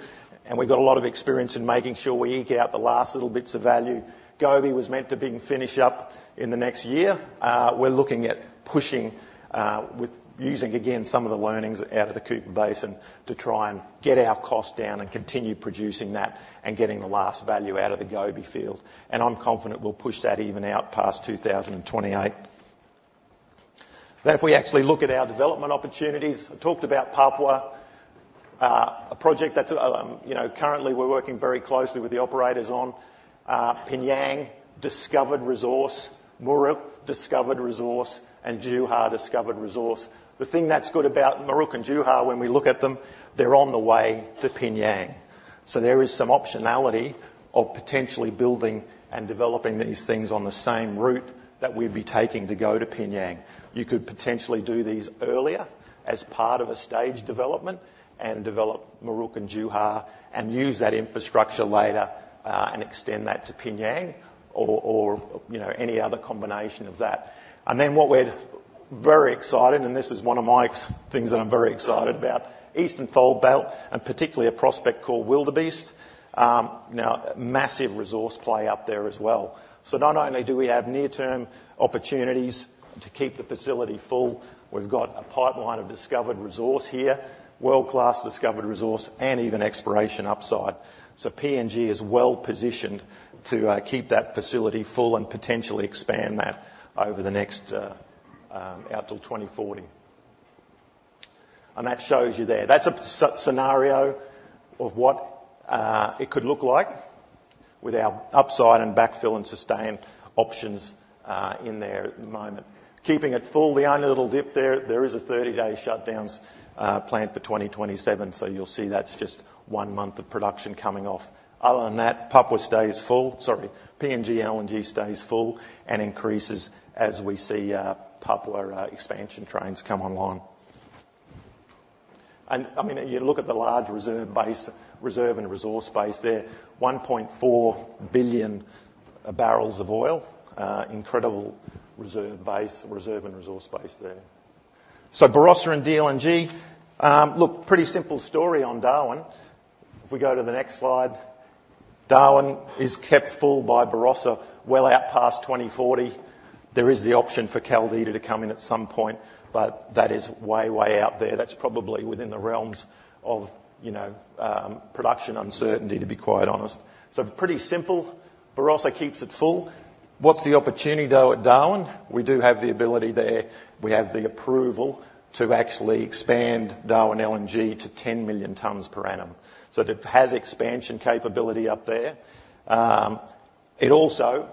and we've got a lot of experience in making sure we eke out the last little bits of value. Gobe was meant to be finished up in the next year. We're looking at pushing with using, again, some of the learnings out of the Cooper Basin to try and get our cost down and continue producing that and getting the last value out of the Gobe field, and I'm confident we'll push that even out past 2028, then if we actually look at our development opportunities, I talked about Papua, a project that currently we're working very closely with the operators on, P'nyang, discovered resource, Muruk, discovered resource, and Juha, discovered resource. The thing that's good about Muruk and Juha, when we look at them, they're on the way to P'nyang, so there is some optionality of potentially building and developing these things on the same route that we'd be taking to go to P'nyang. You could potentially do these earlier as part of a stage development and develop Muruk and Juha and use that infrastructure later and extend that to P'nyang or any other combination of that. And then what we're very excited about, and this is one of my things that I'm very excited about, Eastern Fold Belt and particularly a prospect called Wildebeest, now a massive resource play up there as well. So not only do we have near-term opportunities to keep the facility full, we've got a pipeline of discovered resource here, world-class discovered resource, and even exploration upside. So PNG is well positioned to keep that facility full and potentially expand that over the next out till 2040. And that shows you there. That's a scenario of what it could look like with our upside and backfill and sustain options in there at the moment. Keeping it full, the only little dip there, there is a 30-day shutdown planned for 2027, so you'll see that's just one month of production coming off. Other than that, Papua stays full. Sorry, PNG LNG stays full and increases as we see Papua expansion trains come online. And I mean, you look at the large reserve and resource base there, 1.4 billion barrels of oil, incredible reserve base and resource base there. So Barossa and DLNG, look, pretty simple story on Darwin. If we go to the next slide, Darwin is kept full by Barossa well out past 2040. There is the option for Caldita to come in at some point, but that is way, way out there. That's probably within the realms of production uncertainty, to be quite honest. So pretty simple. Barossa keeps it full. What's the opportunity though at Darwin? We do have the ability there. We have the approval to actually expand Darwin LNG to 10 million tons per annum. So it has expansion capability up there. It also,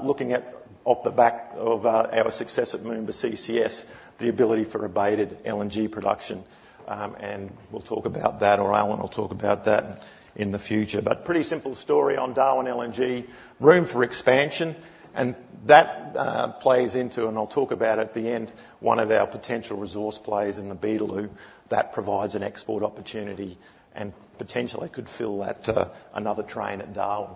looking at off the back of our success at Moomba CCS, the ability for abated LNG production, and we'll talk about that, or Alan will talk about that in the future. But pretty simple story on Darwin LNG, room for expansion, and that plays into, and I'll talk about at the end, one of our potential resource plays in the Beetaloo that provides an export opportunity and potentially could fill that to another train at Darwin.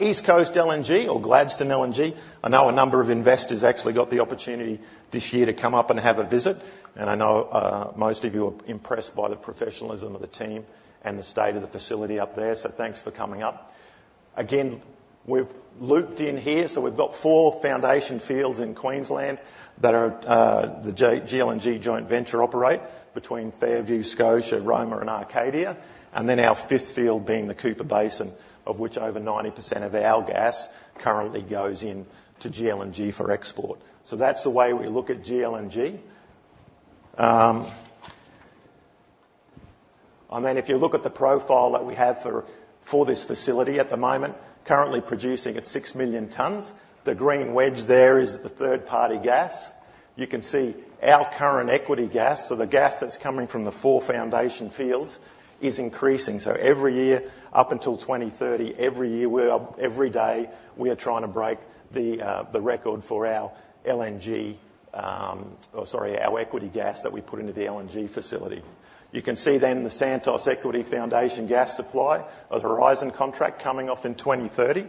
East Coast LNG or Gladstone LNG. I know a number of investors actually got the opportunity this year to come up and have a visit, and I know most of you are impressed by the professionalism of the team and the state of the facility up there, so thanks for coming up. Again, we've looped in here, so we've got four foundation fields in Queensland that are the GLNG joint venture operate between Fairview, Scotia, Roma, and Arcadia, and then our fifth field being the Cooper Basin, of which over 90% of our gas currently goes into GLNG for export. That's the way we look at GLNG. And then if you look at the profile that we have for this facility at the moment, currently producing at six million tons, the green wedge there is the third-party gas. You can see our current equity gas, so the gas that's coming from the four foundation fields is increasing. So every year, up until 2030, every year, every day, we are trying to break the record for our LNG, or sorry, our equity gas that we put into the LNG facility. You can see then the Santos Equity Foundation gas supply, a horizon contract coming off in 2030,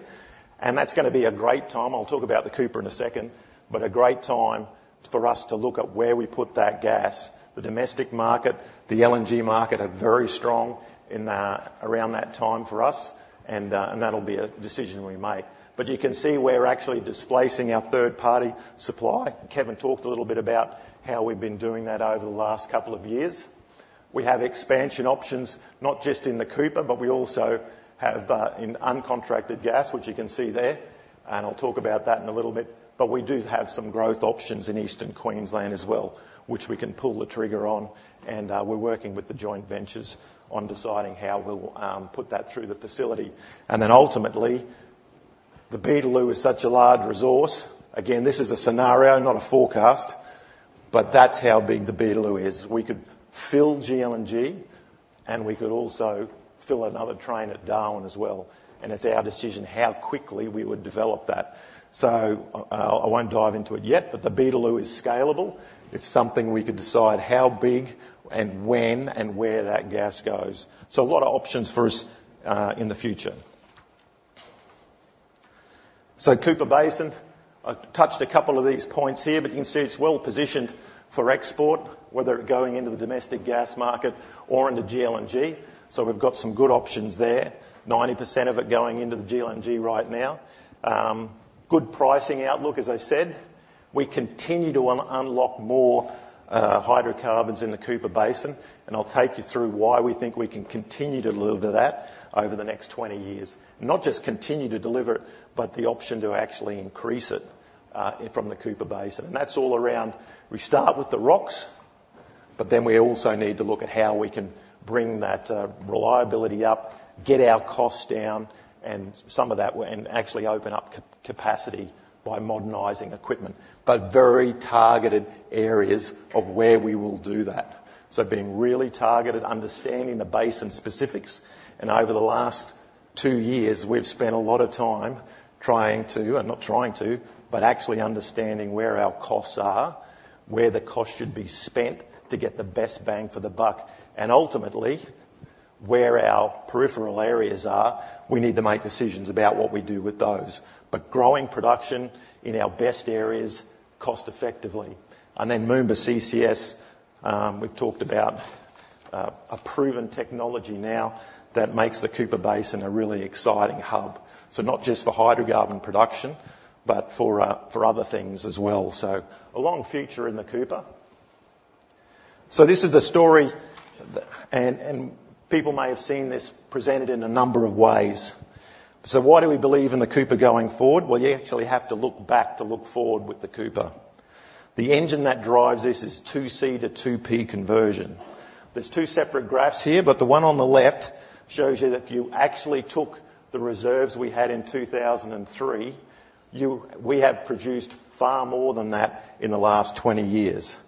and that's going to be a great time. I'll talk about the Cooper in a second, but a great time for us to look at where we put that gas. The domestic market, the LNG market are very strong around that time for us, and that'll be a decision we make. But you can see we're actually displacing our third-party supply. Kevin talked a little bit about how we've been doing that over the last couple of years. We have expansion options, not just in the Cooper, but we also have in uncontracted gas, which you can see there, and I'll talk about that in a little bit, but we do have some growth options in Eastern Queensland as well, which we can pull the trigger on, and we're working with the joint ventures on deciding how we'll put that through the facility, and then ultimately, the Beetaloo is such a large resource. Again, this is a scenario, not a forecast, but that's how big the Beetaloo is. We could fill GLNG, and we could also fill another train at Darwin as well, and it's our decision how quickly we would develop that, so I won't dive into it yet, but the Beetaloo is scalable. It's something we could decide how big and when and where that gas goes. A lot of options for us in the future. Cooper Basin, I touched a couple of these points here, but you can see it's well positioned for export, whether it's going into the domestic gas market or into GLNG. We've got some good options there, 90% of it going into the GLNG right now. Good pricing outlook, as I said. We continue to unlock more hydrocarbons in the Cooper Basin, and I'll take you through why we think we can continue to deliver that over the next 20 years. Not just continue to deliver it, but the option to actually increase it from the Cooper Basin. That's all around. We start with the rocks, but then we also need to look at how we can bring that reliability up, get our costs down, and some of that, and actually open up capacity by modernizing equipment. But very targeted areas of where we will do that. So being really targeted, understanding the basin specifics, and over the last two years, we've spent a lot of time trying to, and not trying to, but actually understanding where our costs are, where the cost should be spent to get the best bang for the buck. And ultimately, where our peripheral areas are, we need to make decisions about what we do with those. But growing production in our best areas cost-effectively. And then Moomba CCS, we've talked about a proven technology now that makes the Cooper Basin a really exciting hub. So not just for hydrocarbon production, but for other things as well. So a long future in the Cooper. So this is the story, and people may have seen this presented in a number of ways. So why do we believe in the Cooper going forward? You actually have to look back to look forward with the Cooper. The engine that drives this is 2C to 2P conversion. There's two separate graphs here, but the one on the left shows you that if you actually took the reserves we had in 2003, we have produced far more than that in the last 20 years,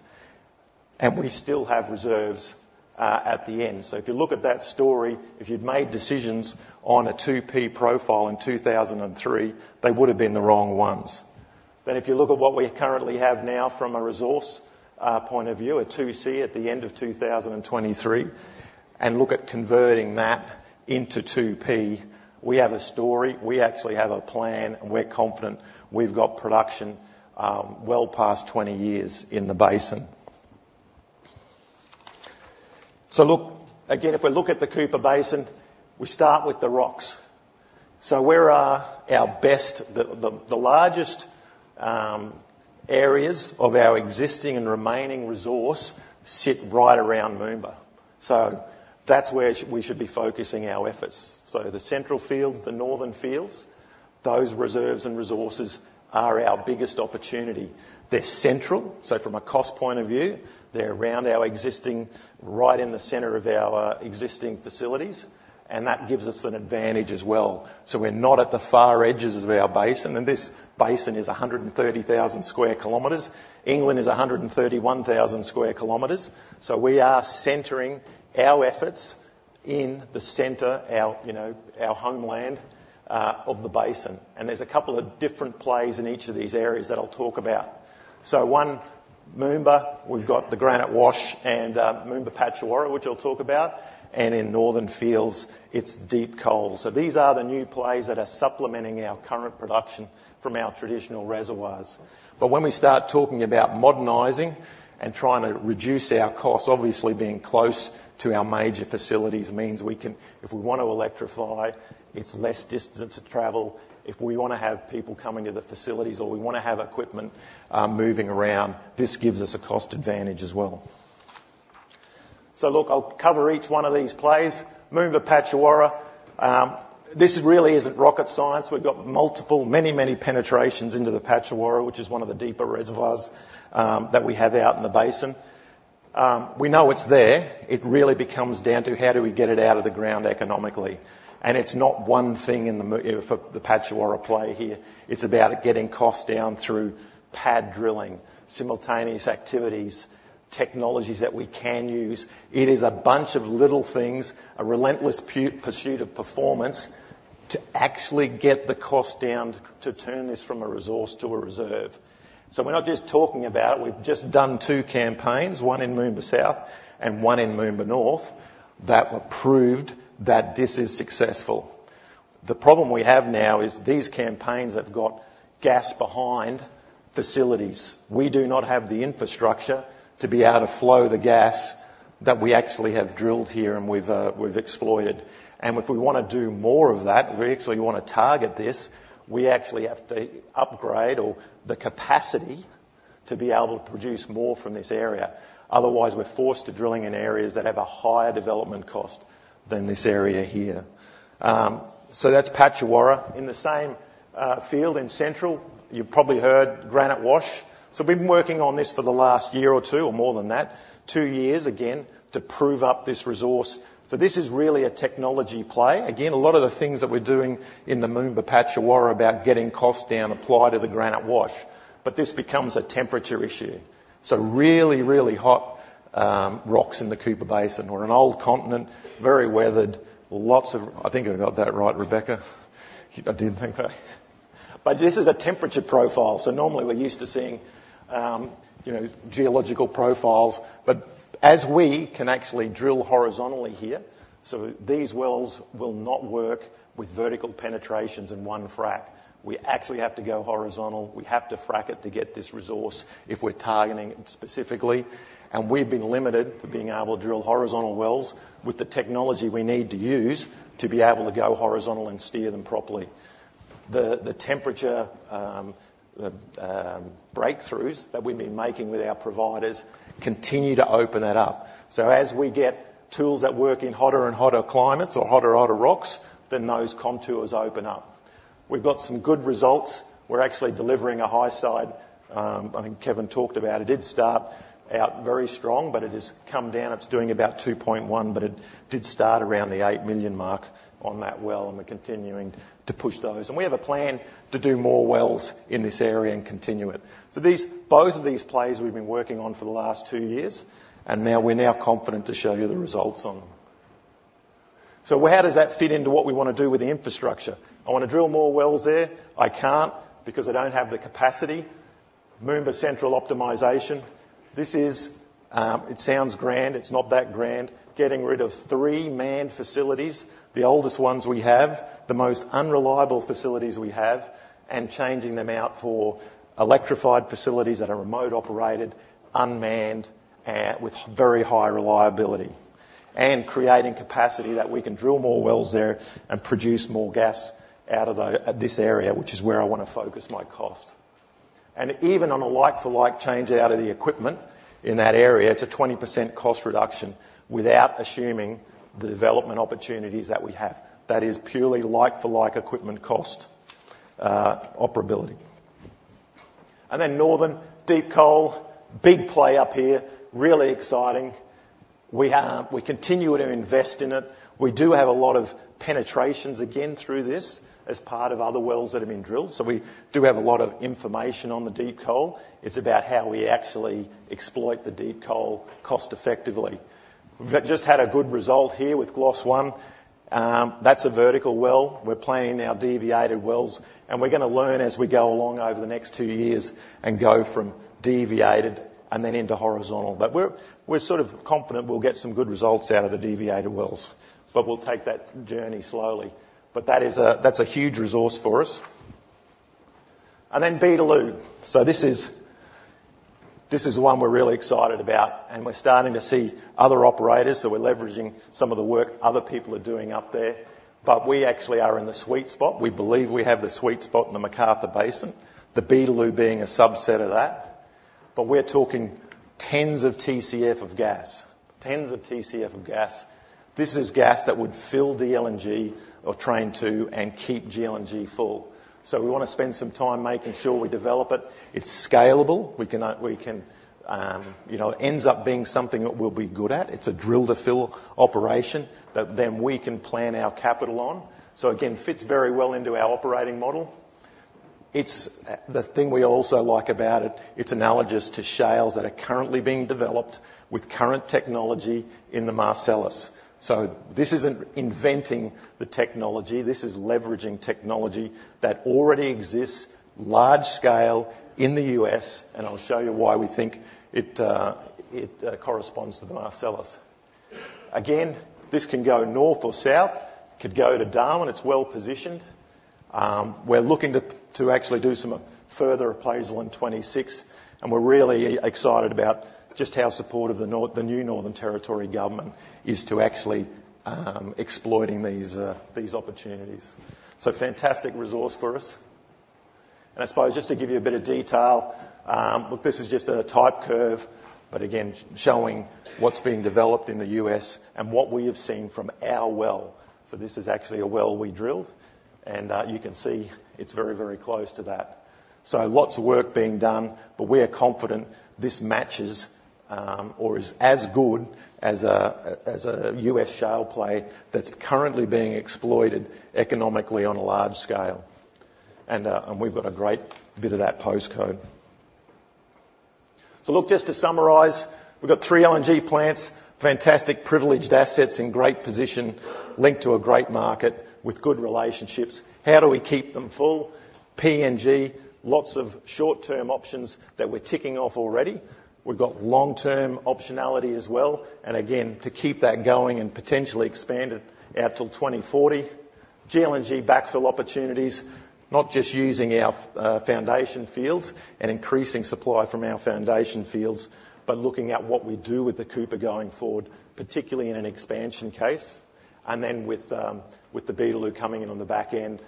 and we still have reserves at the end. If you look at that story, if you'd made decisions on a 2P profile in 2003, they would have been the wrong ones. If you look at what we currently have now from a resource point of view, a 2C at the end of 2023, and look at converting that into 2P, we have a story. We actually have a plan, and we're confident we've got production well past 20 years in the basin. So look, again, if we look at the Cooper Basin, we start with the rocks. So where are our best, the largest areas of our existing and remaining resource sit right around Moomba. So that's where we should be focusing our efforts. So the central fields, the northern fields, those reserves and resources are our biggest opportunity. They're central, so from a cost point of view, they're around our existing, right in the center of our existing facilities, and that gives us an advantage as well. So we're not at the far edges of our basin. And this basin is 130,000 square kilometers. England is 131,000 square kilometers. So we are centering our efforts in the center, our homeland of the basin. And there's a couple of different plays in each of these areas that I'll talk about. So one, Moomba, we've got the Granite Wash and Moomba Patchawarra, which I'll talk about. And in northern fields, it's Deep Coal. So these are the new plays that are supplementing our current production from our traditional reservoirs. But when we start talking about modernizing and trying to reduce our costs, obviously being close to our major facilities means we can, if we want to electrify, it's less distance to travel. If we want to have people coming to the facilities or we want to have equipment moving around, this gives us a cost advantage as well. So look, I'll cover each one of these plays. Moomba Patchawarra, this really isn't rocket science. We've got multiple, many, many penetrations into the Patchawarra, which is one of the deeper reservoirs that we have out in the basin. We know it's there. It really becomes down to how do we get it out of the ground economically, and it's not one thing for the Patchawarra play here. It's about getting costs down through pad drilling, simultaneous activities, technologies that we can use. It is a bunch of little things, a relentless pursuit of performance to actually get the cost down to turn this from a resource to a reserve, so we're not just talking about it. We've just done two campaigns, one in Moomba South and one in Moomba North, that were proved that this is successful. The problem we have now is these campaigns have got gas behind facilities. We do not have the infrastructure to be able to flow the gas that we actually have drilled here and we've exploited. If we want to do more of that, if we actually want to target this, we actually have to upgrade the capacity to be able to produce more from this area. Otherwise, we're forced to drill in areas that have a higher development cost than this area here. So that's Patchawarra. In the same field in central, you've probably heard Granite Wash. So we've been working on this for the last year or two, or more than that, two years, again, to prove up this resource. So this is really a technology play. Again, a lot of the things that we're doing in the Moomba Patchawarra are about getting costs down, apply to the Granite Wash. But this becomes a temperature issue. So really, really hot rocks in the Cooper Basin or an old continent, very weathered, lots of. I think I got that right, Rebecca. I didn't think that, but this is a temperature profile so normally we're used to seeing geological profiles, but as we can actually drill horizontally here, so these wells will not work with vertical penetrations in one frac. We actually have to go horizontal. We have to frac it to get this resource if we're targeting it specifically, and we've been limited to being able to drill horizontal wells with the technology we need to use to be able to go horizontal and steer them properly. The temperature breakthroughs that we've been making with our providers continue to open that up so as we get tools that work in hotter and hotter climates or hotter, hotter rocks, then those contours open up. We've got some good results. We're actually delivering a high side. I think Kevin talked about it. It did start out very strong, but it has come down. It's doing about 2.1, but it did start around the eight million mark on that well, and we're continuing to push those. We have a plan to do more wells in this area and continue it. Both of these plays we've been working on for the last two years, and we're now confident to show you the results on them. How does that fit into what we want to do with the infrastructure? I want to drill more wells there. I can't because I don't have the capacity. Moomba Central optimization. It sounds grand. It's not that grand. Getting rid of three manned facilities, the oldest ones we have, the most unreliable facilities we have, and changing them out for electrified facilities that are remote operated, unmanned, with very high reliability. Creating capacity that we can drill more wells there and produce more gas out of this area, which is where I want to focus my cost. Even on a like-for-like change out of the equipment in that area, it's a 20% cost reduction without assuming the development opportunities that we have. That is purely like-for-like equipment cost operability. Then northern Deep Coal, big play up here, really exciting. We continue to invest in it. We do have a lot of penetrations again through this as part of other wells that have been drilled. So we do have a lot of information on the Deep Coal. It's about how we actually exploit the Deep Coal cost-effectively. We've just had a good result here with Gloss One. That's a vertical well. We're planning our deviated wells, and we're going to learn as we go along over the next two years and go from deviated and then into horizontal. But we're sort of confident we'll get some good results out of the deviated wells, but we'll take that journey slowly. But that's a huge resource for us. And then Beetaloo. So this is one we're really excited about, and we're starting to see other operators. So we're leveraging some of the work other people are doing up there. But we actually are in the sweet spot. We believe we have the sweet spot in the McArthur Basin, the Beetaloo being a subset of that. But we're talking tens of TCF of gas, tens of TCF of gas. This is gas that would fill GLNG or train two and keep GLNG full. So we want to spend some time making sure we develop it. It's scalable. It ends up being something that we'll be good at. It's a drill-to-fill operation that then we can plan our capital on. So again, fits very well into our operating model. The thing we also like about it, it's analogous to shales that are currently being developed with current technology in the Marcellus. So this isn't inventing the technology. This is leveraging technology that already exists large scale in the U.S., and I'll show you why we think it corresponds to the Marcellus. Again, this can go north or south. It could go to Darwin. It's well positioned. We're looking to actually do some further appraisal in 2026, and we're really excited about just how supportive the new Northern Territory government is to actually exploiting these opportunities. So fantastic resource for us. And I suppose just to give you a bit of detail. Look, this is just a type curve, but again, showing what's being developed in the U.S. and what we have seen from our well. So this is actually a well we drilled, and you can see it's very, very close to that. So lots of work being done, but we are confident this matches or is as good as a U.S. shale play that's currently being exploited economically on a large scale. And we've got a great bit of that postcode. So look, just to summarize, we've got three LNG plants, fantastic privileged assets in great position, linked to a great market with good relationships. How do we keep them full? PNG, lots of short-term options that we're ticking off already. We've got long-term optionality as well. Again, to keep that going and potentially expand it out till 2040, GLNG backfill opportunities, not just using our foundation fields and increasing supply from our foundation fields, but looking at what we do with the Cooper going forward, particularly in an expansion case. Then with the Beetaloo coming in on the back end,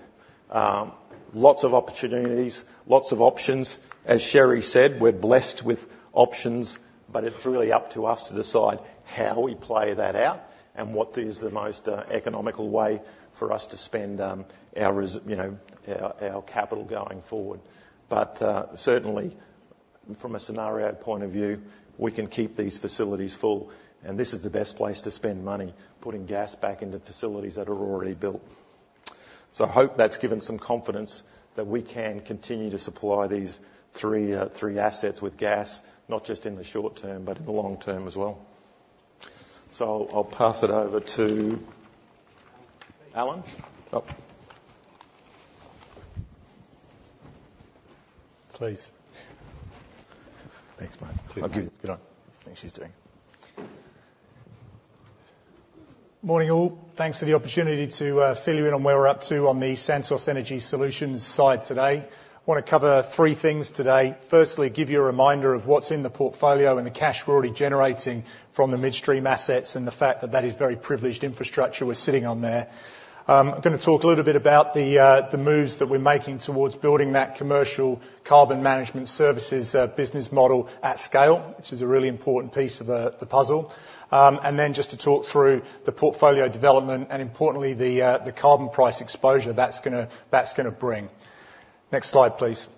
lots of opportunities, lots of options. As Sherry said, we're blessed with options, but it's really up to us to decide how we play that out and what is the most economical way for us to spend our capital going forward. Certainly, from a scenario point of view, we can keep these facilities full, and this is the best place to spend money putting gas back into facilities that are already built. So I hope that's given some confidence that we can continue to supply these three assets with gas, not just in the short term, but in the long term as well. So I'll pass it over to Alan. Please. Thanks, Brett. Please do. Good one. Thanks for your time. Morning all. Thanks for the opportunity to fill you in on where we're up to on the Santos Energy Solutions side today. I want to cover three things today. Firstly, give you a reminder of what's in the portfolio and the cash we're already generating from the midstream assets and the fact that that is very privileged infrastructure we're sitting on there. I'm going to talk a little bit about the moves that we're making towards building that commercial carbon management services business model at scale, which is a really important piece of the puzzle. And then just to talk through the portfolio development and, importantly, the carbon price exposure that's going to bring. Next slide, please.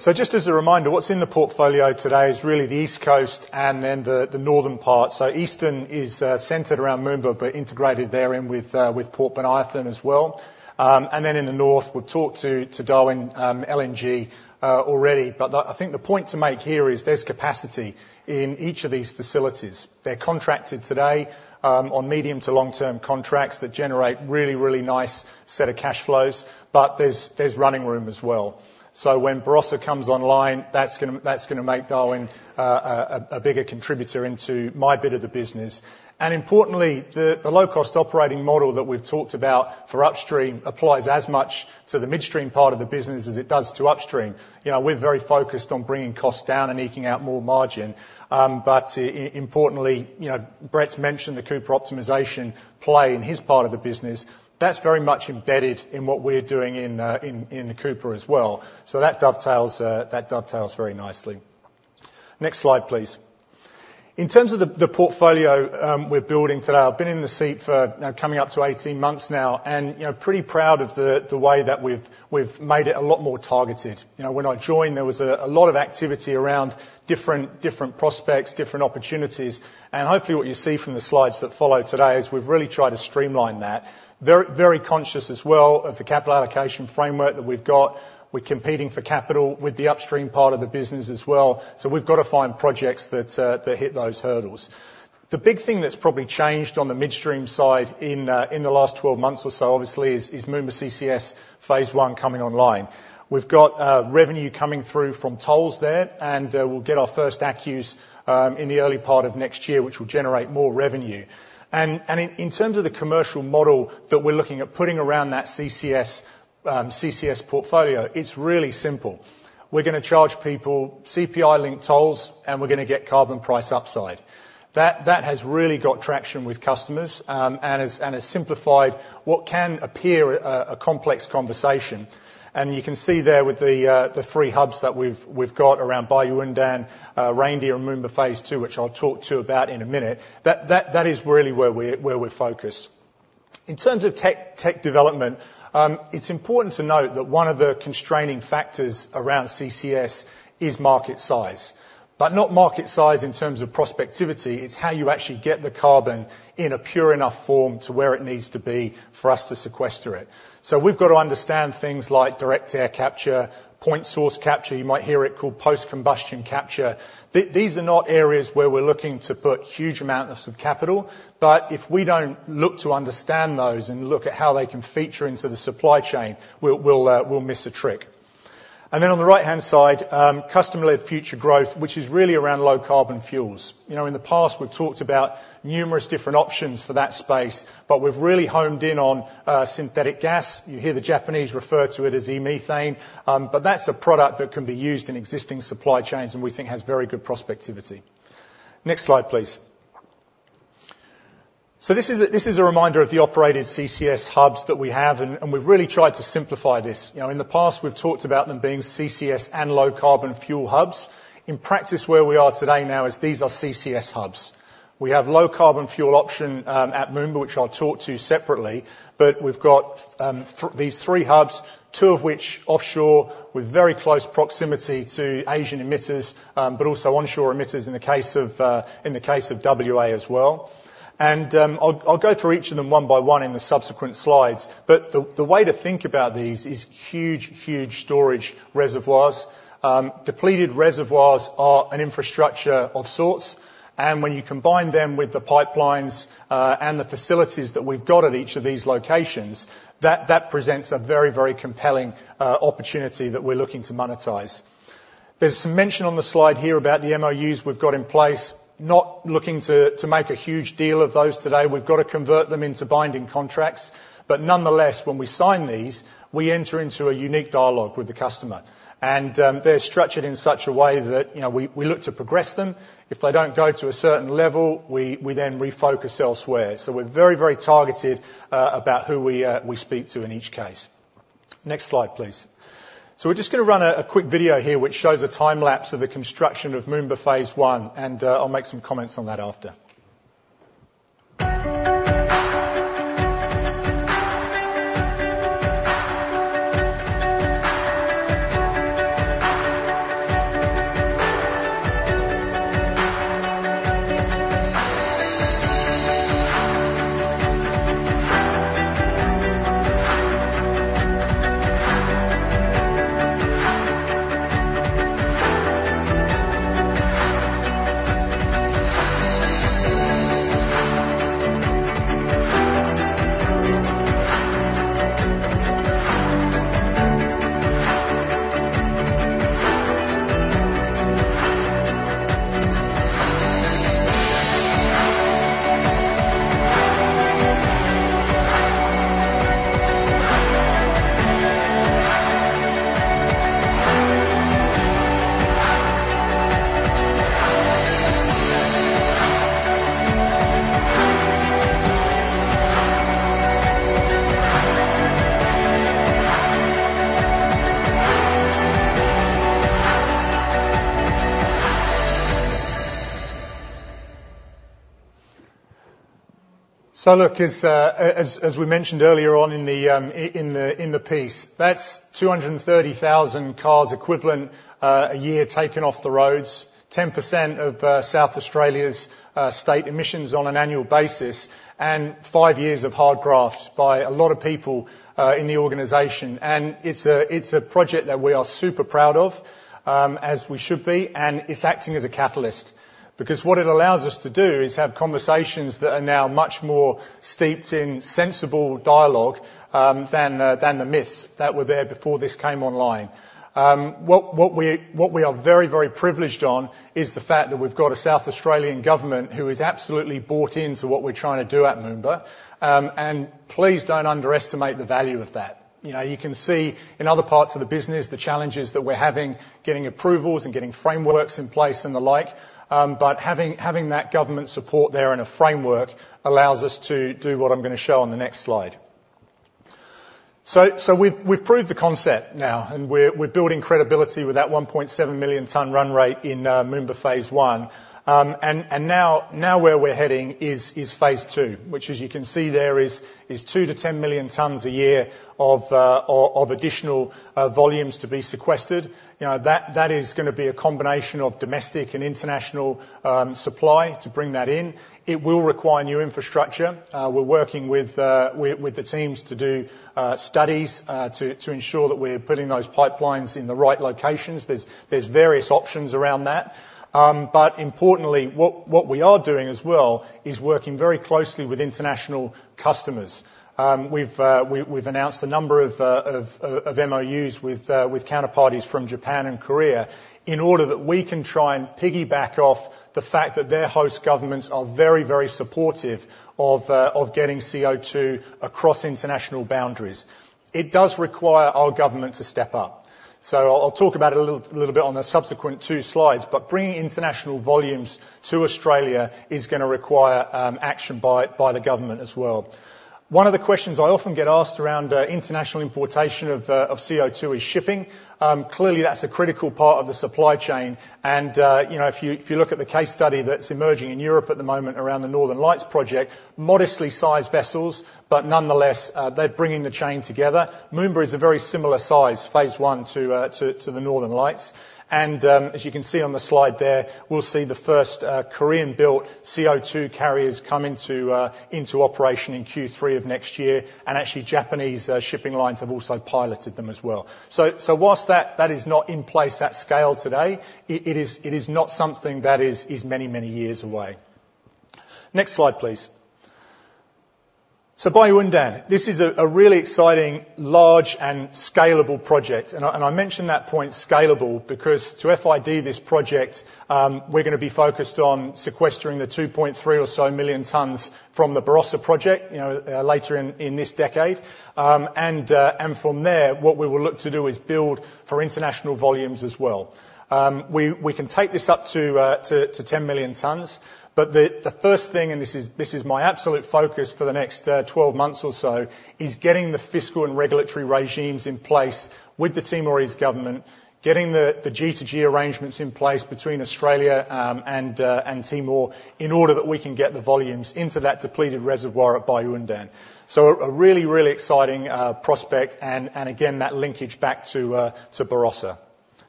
So just as a reminder, what's in the portfolio today is really the east coast and then the northern part. So eastern is centered around Moomba, but integrated therein with Port Bonython as well. And then in the north, we've talked to Darwin LNG already, but I think the point to make here is there's capacity in each of these facilities. They're contracted today on medium to long-term contracts that generate really, really nice set of cash flows, but there's running room as well. So when Barossa comes online, that's going to make Darwin a bigger contributor into my bit of the business. And importantly, the low-cost operating model that we've talked about for upstream applies as much to the midstream part of the business as it does to upstream. We're very focused on bringing costs down and eking out more margin. But importantly, Brett's mentioned the Cooper optimization play in his part of the business. That's very much embedded in what we're doing in the Cooper as well. So that dovetails very nicely. Next slide, please. In terms of the portfolio we're building today, I've been in the seat for coming up to 18 months now and pretty proud of the way that we've made it a lot more targeted. When I joined, there was a lot of activity around different prospects, different opportunities. And hopefully what you see from the slides that follow today is we've really tried to streamline that. Very conscious as well of the capital allocation framework that we've got. We're competing for capital with the upstream part of the business as well. So we've got to find projects that hit those hurdles. The big thing that's probably changed on the midstream side in the last 12 months or so, obviously, is Moomba CCS phase I coming online. We've got revenue coming through from tolls there, and we'll get our first ACCUs in the early part of next year, which will generate more revenue. And in terms of the commercial model that we're looking at putting around that CCS portfolio, it's really simple. We're going to charge people CPI-linked tolls, and we're going to get carbon price upside. That has really got traction with customers and has simplified what can appear a complex conversation. And you can see there with the three hubs that we've got around Bayu-Undan, Reindeer, and Moomba phase II, which I'll talk to you about in a minute, that is really where we're focused. In terms of tech development, it's important to note that one of the constraining factors around CCS is market size. But not market size in terms of prospectivity. It's how you actually get the carbon in a pure enough form to where it needs to be for us to sequester it. So we've got to understand things like direct air capture, point source capture. You might hear it called post-combustion capture. These are not areas where we're looking to put huge amounts of capital, but if we don't look to understand those and look at how they can feature into the supply chain, we'll miss a trick. And then on the right-hand side, customer-led future growth, which is really around low carbon fuels. In the past, we've talked about numerous different options for that space, but we've really honed in on synthetic gas. You hear the Japanese refer to it as e-methane, but that's a product that can be used in existing supply chains and we think has very good prospectivity. Next slide, please. So this is a reminder of the operated CCS hubs that we have, and we've really tried to simplify this. In the past, we've talked about them being CCS and low carbon fuel hubs. In practice, where we are today now is these are CCS hubs. We have low carbon fuel option at Moomba, which I'll talk to separately, but we've got these three hubs, two of which offshore with very close proximity to Asian emitters, but also onshore emitters in the case of WA as well. I'll go through each of them one by one in the subsequent slides. The way to think about these is huge, huge storage reservoirs. Depleted reservoirs are an infrastructure of sorts. When you combine them with the pipelines and the facilities that we've got at each of these locations, that presents a very, very compelling opportunity that we're looking to monetize. There's some mention on the slide here about the MOUs we've got in place. Not looking to make a huge deal of those today. We've got to convert them into binding contracts. But nonetheless, when we sign these, we enter into a unique dialogue with the customer, and they're structured in such a way that we look to progress them. If they don't go to a certain level, we then refocus elsewhere, so we're very, very targeted about who we speak to in each case. Next slide, please, so we're just going to run a quick video here, which shows a time lapse of the construction of Moomba phase I, and I'll make some comments on that after. Sunlook is, as we mentioned earlier on in the piece, that's 230,000 cars equivalent a year taken off the roads, 10% of South Australia's state emissions on an annual basis, and five years of hard graft by a lot of people in the organization. It's a project that we are super proud of, as we should be, and it's acting as a catalyst because what it allows us to do is have conversations that are now much more steeped in sensible dialogue than the myths that were there before this came online. What we are very, very privileged on is the fact that we've got a South Australian government who is absolutely bought into what we're trying to do at Moomba. Please don't underestimate the value of that. You can see in other parts of the business the challenges that we're having, getting approvals and getting frameworks in place and the like. Having that government support there and a framework allows us to do what I'm going to show on the next slide. We've proved the concept now, and we're building credibility with that 1.7 million ton run rate in Moomba phase I. Now where we're heading is phase II, which, as you can see there, is two to 10 million tons a year of additional volumes to be sequestered. That is going to be a combination of domestic and international supply to bring that in. It will require new infrastructure. We're working with the teams to do studies to ensure that we're putting those pipelines in the right locations. There's various options around that. But importantly, what we are doing as well is working very closely with international customers. We've announced a number of MOUs with counterparties from Japan and Korea in order that we can try and piggyback off the fact that their host governments are very, very supportive of getting CO2 across international boundaries. It does require our government to step up, so I'll talk about it a little bit on the subsequent two slides, but bringing international volumes to Australia is going to require action by the government as well. One of the questions I often get asked around international importation of CO2 is shipping. Clearly, that's a critical part of the supply chain, and if you look at the case study that's emerging in Europe at the moment around the Northern Lights project, modestly sized vessels, but nonetheless, they're bringing the chain together. Moomba is a very similar size, phase I, to the Northern Lights, and as you can see on the slide there, we'll see the first Korean-built CO2 carriers come into operation in Q3 of next year, and actually, Japanese shipping lines have also piloted them as well. While that is not in place at scale today, it is not something that is many, many years away. Next slide, please. Bayu-Undan, this is a really exciting, large, and scalable project. I mentioned that point, scalable, because to FID this project, we're going to be focused on sequestering the 2.3 or so million tons from the Barossa project later in this decade. From there, what we will look to do is build for international volumes as well. We can take this up to 10 million tons, but the first thing, and this is my absolute focus for the next 12 months or so, is getting the fiscal and regulatory regimes in place with the Timor-Leste government, getting the G2G arrangements in place between Australia and Timor in order that we can get the volumes into that depleted reservoir at Bayu-Undan. So a really, really exciting prospect and, again, that linkage back to Barossa.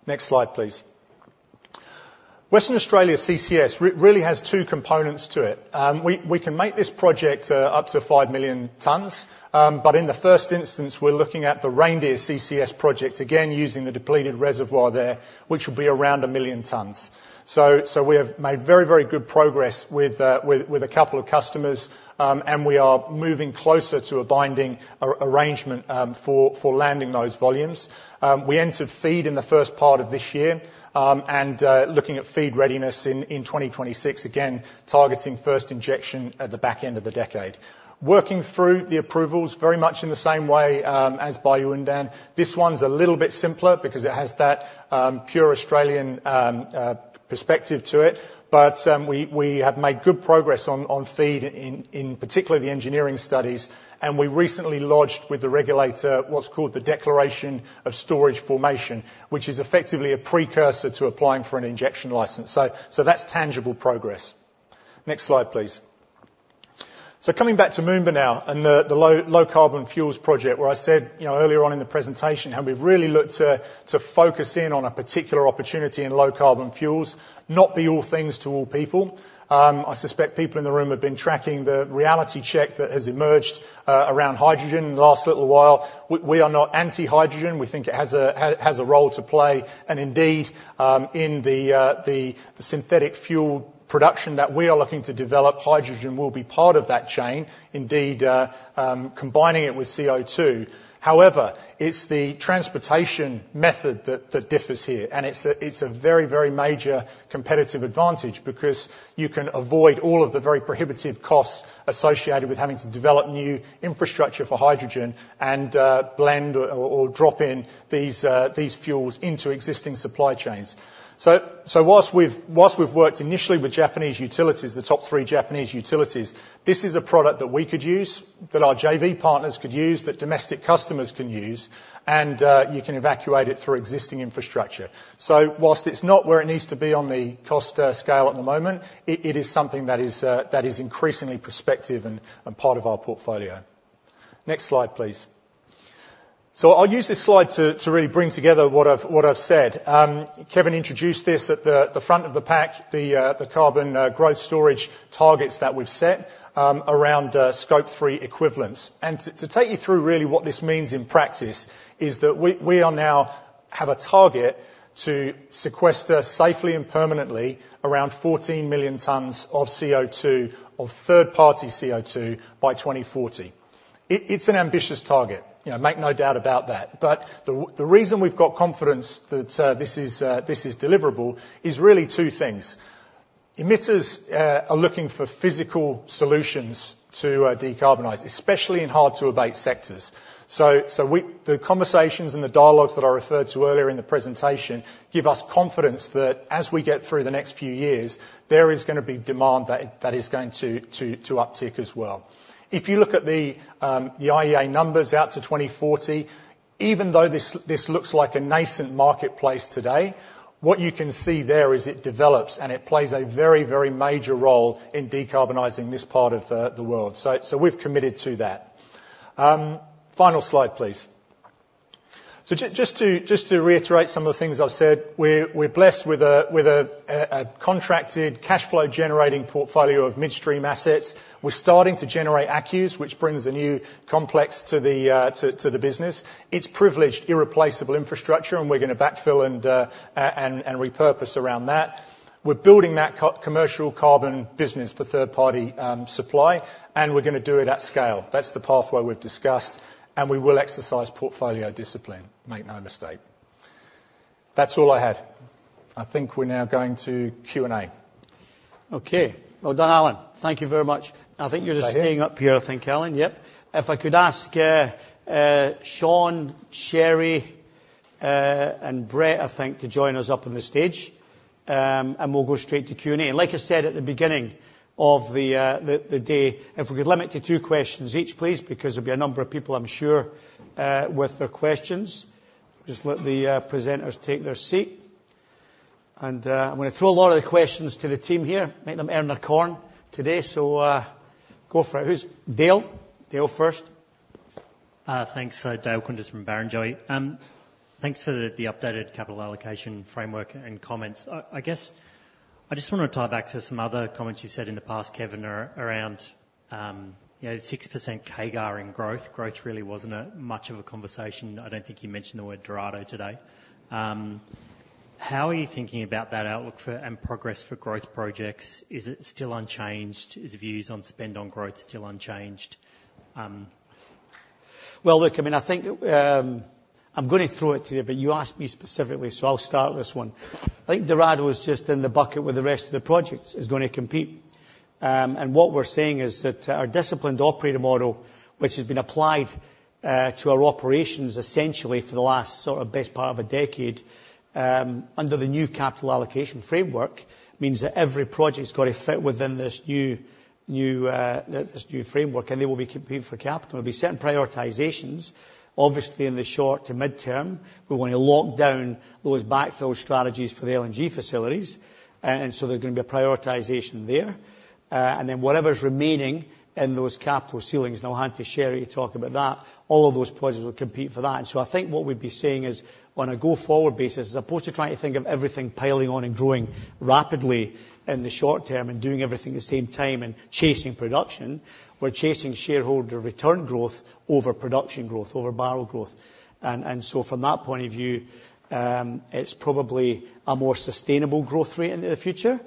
Next slide, please. Western Australia CCS really has two components to it. We can make this project up to five million tons, but in the first instance, we're looking at the Reindeer CCS project, again, using the depleted reservoir there, which will be around one million tons. So we have made very, very good progress with a couple of customers, and we are moving closer to a binding arrangement for landing those volumes. We entered feed in the first part of this year and looking at feed readiness in 2026, again, targeting first injection at the back end of the decade. Working through the approvals, very much in the same way as Bayu-Undan. This one's a little bit simpler because it has that pure Australian perspective to it, but we have made good progress on feed, in particular the engineering studies, and we recently lodged with the regulator what's called the Declaration of Storage Formation, which is effectively a precursor to applying for an injection license, so that's tangible progress. Next slide, please, so coming back to Moomba now and the low carbon fuels project where I said earlier on in the presentation how we've really looked to focus in on a particular opportunity in low carbon fuels, not be all things to all people. I suspect people in the room have been tracking the reality check that has emerged around hydrogen in the last little while. We are not anti-hydrogen. We think it has a role to play. And indeed, in the synthetic fuel production that we are looking to develop, hydrogen will be part of that chain, indeed combining it with CO2. However, it's the transportation method that differs here, and it's a very, very major competitive advantage because you can avoid all of the very prohibitive costs associated with having to develop new infrastructure for hydrogen and blend or drop in these fuels into existing supply chains. So whilst we've worked initially with Japanese utilities, the top three Japanese utilities, this is a product that we could use, that our JV partners could use, that domestic customers can use, and you can evacuate it through existing infrastructure. So whilst it's not where it needs to be on the cost scale at the moment, it is something that is increasingly prospective and part of our portfolio. Next slide, please. So I'll use this slide to really bring together what I've said. Kevin introduced this at the front of the pack, the carbon capture and storage targets that we've set around Scope 3 equivalents. And to take you through really what this means in practice is that we now have a target to sequester safely and permanently around 14 million tons of CO2, of third-party CO2, by 2040. It's an ambitious target. Make no doubt about that. But the reason we've got confidence that this is deliverable is really two things. Emitters are looking for physical solutions to decarbonize, especially in hard-to-abate sectors. So the conversations and the dialogues that I referred to earlier in the presentation give us confidence that as we get through the next few years, there is going to be demand that is going to uptick as well. If you look at the IEA numbers out to 2040, even though this looks like a nascent marketplace today, what you can see there is it develops and it plays a very, very major role in decarbonizing this part of the world. So we've committed to that. Final slide, please. So just to reiterate some of the things I've said, we're blessed with a contracted cash flow generating portfolio of midstream assets. We're starting to generate ACCUs, which brings a new complex to the business. It's privileged, irreplaceable infrastructure, and we're going to backfill and repurpose around that. We're building that commercial carbon business for third-party supply, and we're going to do it at scale. That's the pathway we've discussed, and we will exercise portfolio discipline, make no mistake. That's all I had. I think we're now going to Q&A. Okay. Well done, Alan. Thank you very much. I think you're just staying up here, I think, Alan. Yep. If I could ask Sean, Sherry, and Brett, I think, to join us up on the stage, and we'll go straight to Q&A. And like I said at the beginning of the day, if we could limit to two questions each, please, because there'll be a number of people, I'm sure, with their questions. Just let the presenters take their seat. And I'm going to throw a lot of the questions to the team here. Make them earn their corn today. So go for it. Who's Dale? Dale first. Thanks. Dale Koenders from Barrenjoey. Thanks for the updated capital allocation framework and comments. I guess I just want to tie back to some other comments you've said in the past, Kevin, around 6% CAGR in growth. Growth really wasn't much of a conversation. I don't think you mentioned the word Dorado today. How are you thinking about that outlook and progress for growth projects? Is it still unchanged? Is views on spend on growth still unchanged? Well, look, I mean, I think I'm going to throw it to you, but you asked me specifically, so I'll start this one. I think Dorado is just in the bucket with the rest of the projects is going to compete. And what we're seeing is that our disciplined operator model, which has been applied to our operations essentially for the last sort of best part of a decade under the new capital allocation framework, means that every project's got to fit within this new framework, and they will be competing for capital. There'll be certain prioritizations. Obviously, in the short to midterm, we want to lock down those backfill strategies for the LNG facilities, and so there's going to be a prioritisation there, and then whatever's remaining in those capital ceilings, now, Sean, Sherry, you talk about that, all of those projects will compete for that, and so I think what we'd be seeing is on a go-forward basis, as opposed to trying to think of everything piling on and growing rapidly in the short term and doing everything at the same time and chasing production, we're chasing shareholder return growth over production growth, over barrel growth, and so from that point of view, it's probably a more sustainable growth rate in the future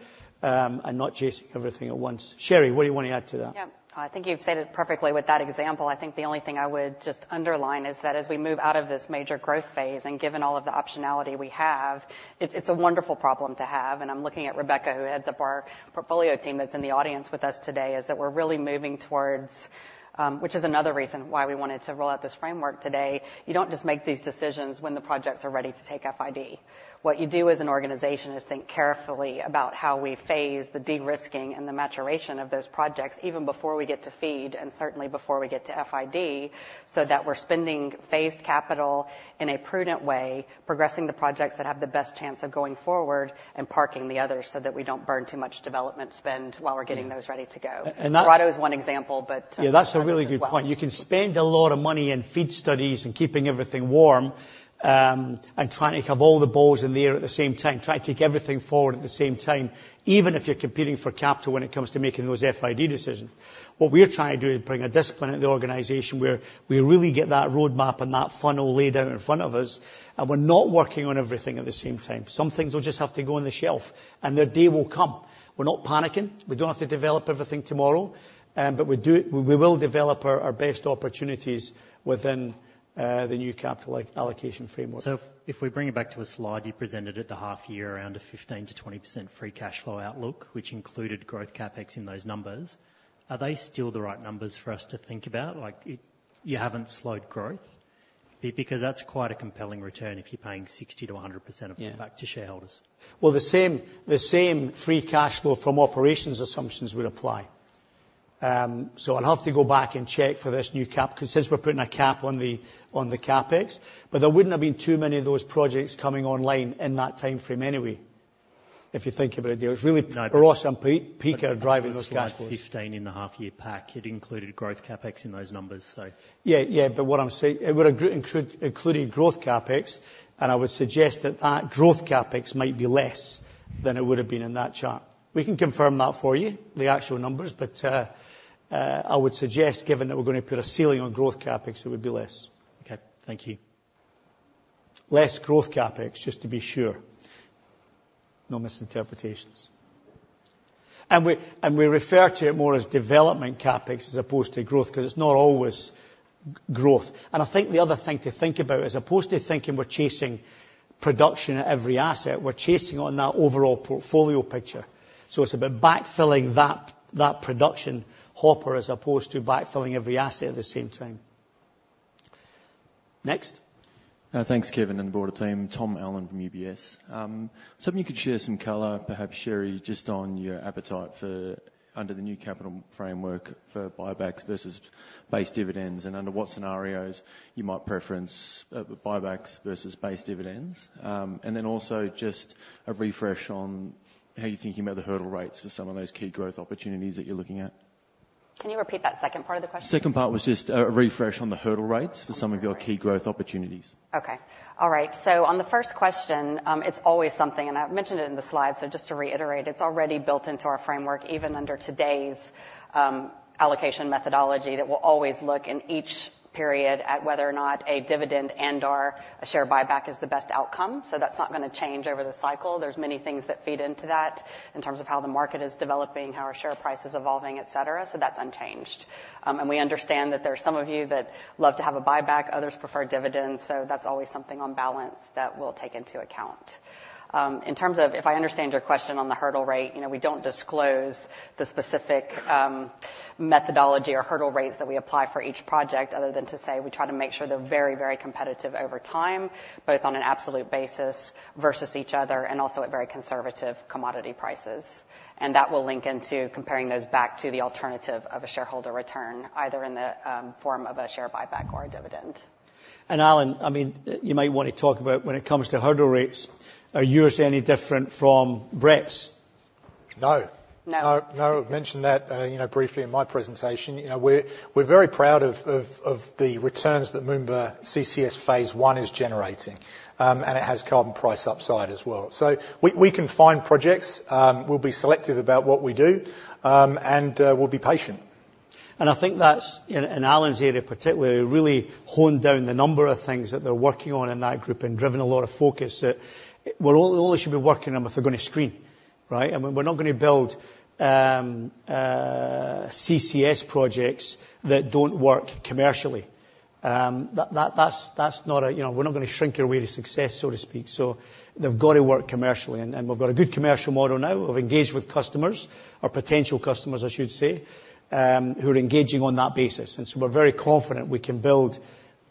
and not chasing everything at once. Sherry, what do you want to add to that? Yep. I think you've said it perfectly with that example. I think the only thing I would just underline is that as we move out of this major growth phase and given all of the optionality we have, it's a wonderful problem to have, and I'm looking at Rebecca, who heads up our portfolio team that's in the audience with us today, as that we're really moving towards, which is another reason why we wanted to roll out this framework today. You don't just make these decisions when the projects are ready to take FID. What you do as an organization is think carefully about how we phase the de-risking and the maturation of those projects even before we get to feed and certainly before we get to FID so that we're spending phased capital in a prudent way, progressing the projects that have the best chance of going forward and parking the others so that we don't burn too much development spend while we're getting those ready to go. And that Dorado is one example, but. Yeah, that's a really good point. You can spend a lot of money in feed studies and keeping everything warm and trying to have all the balls in the air at the same time, trying to take everything forward at the same time, even if you're competing for capital when it comes to making those FID decisions. What we're trying to do is bring a discipline at the organization where we really get that roadmap and that funnel laid out in front of us, and we're not working on everything at the same time. Some things will just have to go on the shelf, and their day will come. We're not panicking. We don't have to develop everything tomorrow, but we will develop our best opportunities within the new capital allocation framework. If we bring it back to a slide you presented at the half year, around a 15%-20% free cash flow outlook, which included growth CapEx in those numbers, are they still the right numbers for us to think about? You haven't slowed growth because that's quite a compelling return if you're paying 60%-100% of it back to shareholders. The same free cash flow from operations assumptions would apply. So I'll have to go back and check for this new cap because since we're putting a cap on the CapEx, but there wouldn't have been too many of those projects coming online in that timeframe anyway, if you think about it. It was really Barossa and Pikka are driving those cash flows. 15 in the half-year pack. It included growth CapEx in those numbers, so. Yeah, yeah, but what I'm saying, it would have included growth CapEx, and I would suggest that that growth CapEx might be less than it would have been in that chart. We can confirm that for you, the actual numbers, but I would suggest, given that we're going to put a ceiling on growth CapEx, it would be less. Okay. Thank you. Less growth CapEx, just to be sure. No misinterpretations. We refer to it more as development CapEx as opposed to growth because it's not always growth. And I think the other thing to think about, as opposed to thinking we're chasing production at every asset, we're chasing on that overall portfolio picture. So it's about backfilling that production hopper as opposed to backfilling every asset at the same time. Next. Thanks, Kevin, and the board. Out of time. Tom Allen from UBS. Something you could share some color, perhaps, Sherry, just on your appetite under the new capital framework for buybacks versus base dividends and under what scenarios you might preference buybacks versus base dividends. And then also just a refresh on how you're thinking about the hurdle rates for some of those key growth opportunities that you're looking at. Can you repeat that second part of the question? Second part was just a refresh on the hurdle rates for some of your key growth opportunities. Okay. All right. So on the first question, it's always something, and I've mentioned it in the slide, so just to reiterate, it's already built into our framework, even under today's allocation methodology, that we'll always look in each period at whether or not a dividend and/or a share buyback is the best outcome. So that's not going to change over the cycle. There's many things that feed into that in terms of how the market is developing, how our share price is evolving, etc. So that's unchanged. And we understand that there are some of you that love to have a buyback. Others prefer dividends. So that's always something on balance that we'll take into account. In terms of, if I understand your question on the hurdle rate, we don't disclose the specific methodology or hurdle rates that we apply for each project other than to say we try to make sure they're very, very competitive over time, both on an absolute basis versus each other, and also at very conservative commodity prices. And that will link into comparing those back to the alternative of a shareholder return, either in the form of a share buyback or a dividend. And Alan, I mean, you might want to talk about when it comes to hurdle rates, are yours any different from Brett's? No. No. No. I've mentioned that briefly in my presentation. We're very proud of the returns that Moomba CCS phase I is generating, and it has carbon price upside as well. So we can find projects. We'll be selective about what we do, and we'll be patient. I think that's, in Alan's area particularly, really honed down the number of things that they're working on in that group and driven a lot of focus that we all should be working on if we're going to succeed, right? I mean, we're not going to build CCS projects that don't work commercially. That's not a - we're not going to shrink our way to success, so to speak. They've got to work commercially, and we've got a good commercial model now. We've engaged with customers, or potential customers, I should say, who are engaging on that basis. We're very confident we can build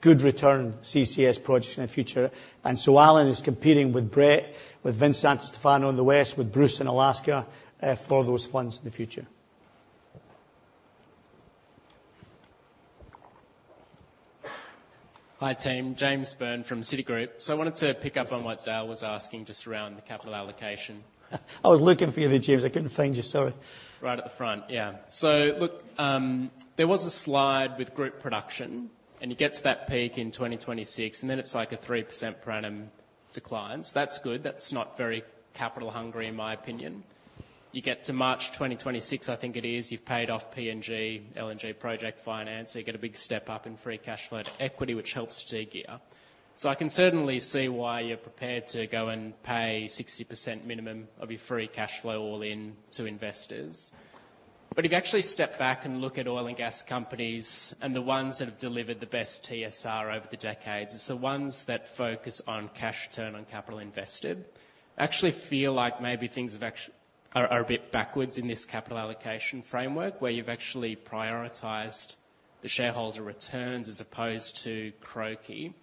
good return CCS projects in the future. Alan is competing with Brett, with Vince Santostefano in the west, with Bruce in Alaska for those funds in the future. Hi, team. James Byrne from Citi. So I wanted to pick up on what Dale was asking just around the capital allocation. I was looking for you there, James. I couldn't find you. Sorry. Right at the front. Yeah. So look, there was a slide with group production, and you get to that peak in 2026, and then it's like a 3% per annum decline. So that's good. That's not very capital hungry, in my opinion. You get to March 2026, I think it is, you've paid off PNG LNG project finance, so you get a big step up in free cash flow to equity, which helps gearing. So I can certainly see why you're prepared to go and pay 60% minimum of your free cash flow all in to investors. But if you actually step back and look at oil and gas companies and the ones that have delivered the best TSR over the decades, it's the ones that focus on cash return on capital invested. Actually feel like maybe things are a bit backwards in this capital allocation framework where you've actually prioritized the shareholder returns as opposed to CROCI.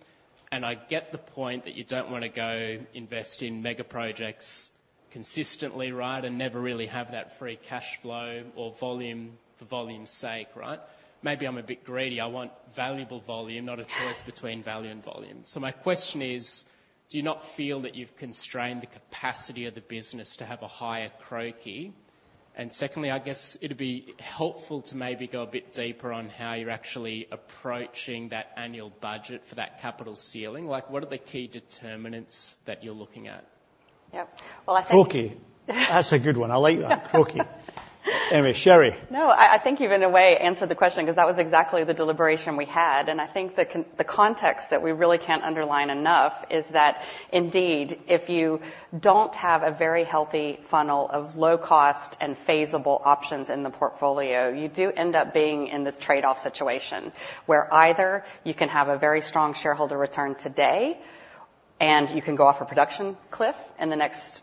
And I get the point that you don't want to go invest in mega projects consistently, right, and never really have that free cash flow or volume for volume's sake, right? Maybe I'm a bit greedy. I want valuable volume, not a choice between value and volume. So my question is, do you not feel that you've constrained the capacity of the business to have a higher CROCI? And secondly, I guess it'd be helpful to maybe go a bit deeper on how you're actually approaching that annual budget for that capital ceiling. What are the key determinants that you're looking at? Yep. Well, I think. CROCI. That's a good one. I like that. CROCI. Anyway, Sherry. No, I think you've, in a way, answered the question because that was exactly the deliberation we had. And I think the context that we really can't underline enough is that, indeed, if you don't have a very healthy funnel of low-cost and phase-able options in the portfolio, you do end up being in this trade-off situation where either you can have a very strong shareholder return today, and you can go off a production cliff in the next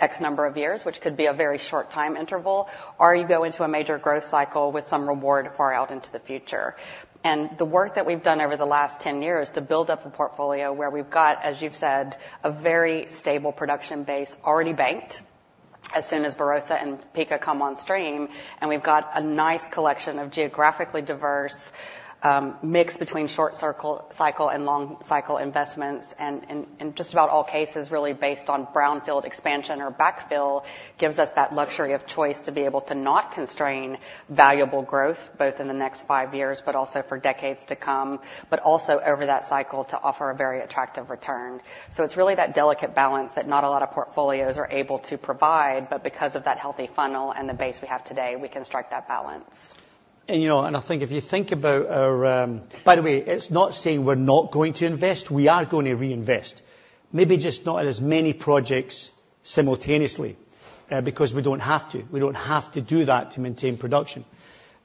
x number of years, which could be a very short time interval, or you go into a major growth cycle with some reward far out into the future. And the work that we've done over the last 10 years to build up a portfolio where we've got, as you've said, a very stable production base already banked as soon as Barossa and Pikka come on stream, and we've got a nice collection of geographically diverse mix between short-cycle and long-cycle investments. In just about all cases, really based on brownfield expansion or backfill, gives us that luxury of choice to be able to not constrain valuable growth both in the next five years but also for decades to come, but also over that cycle to offer a very attractive return. It's really that delicate balance that not a lot of portfolios are able to provide, but because of that healthy funnel and the base we have today, we can strike that balance. I think if you think about our. By the way, it's not saying we're not going to invest. We are going to reinvest. Maybe just not at as many projects simultaneously because we don't have to. We don't have to do that to maintain production.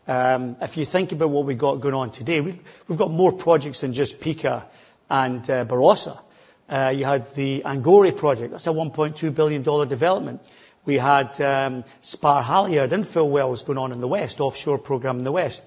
If you think about what we've got going on today, we've got more projects than just Pikka and Barossa. You had the Angore project. That's a $1.2 billion development. We had our Halyard infill well, what was going on in the West offshore program in the West.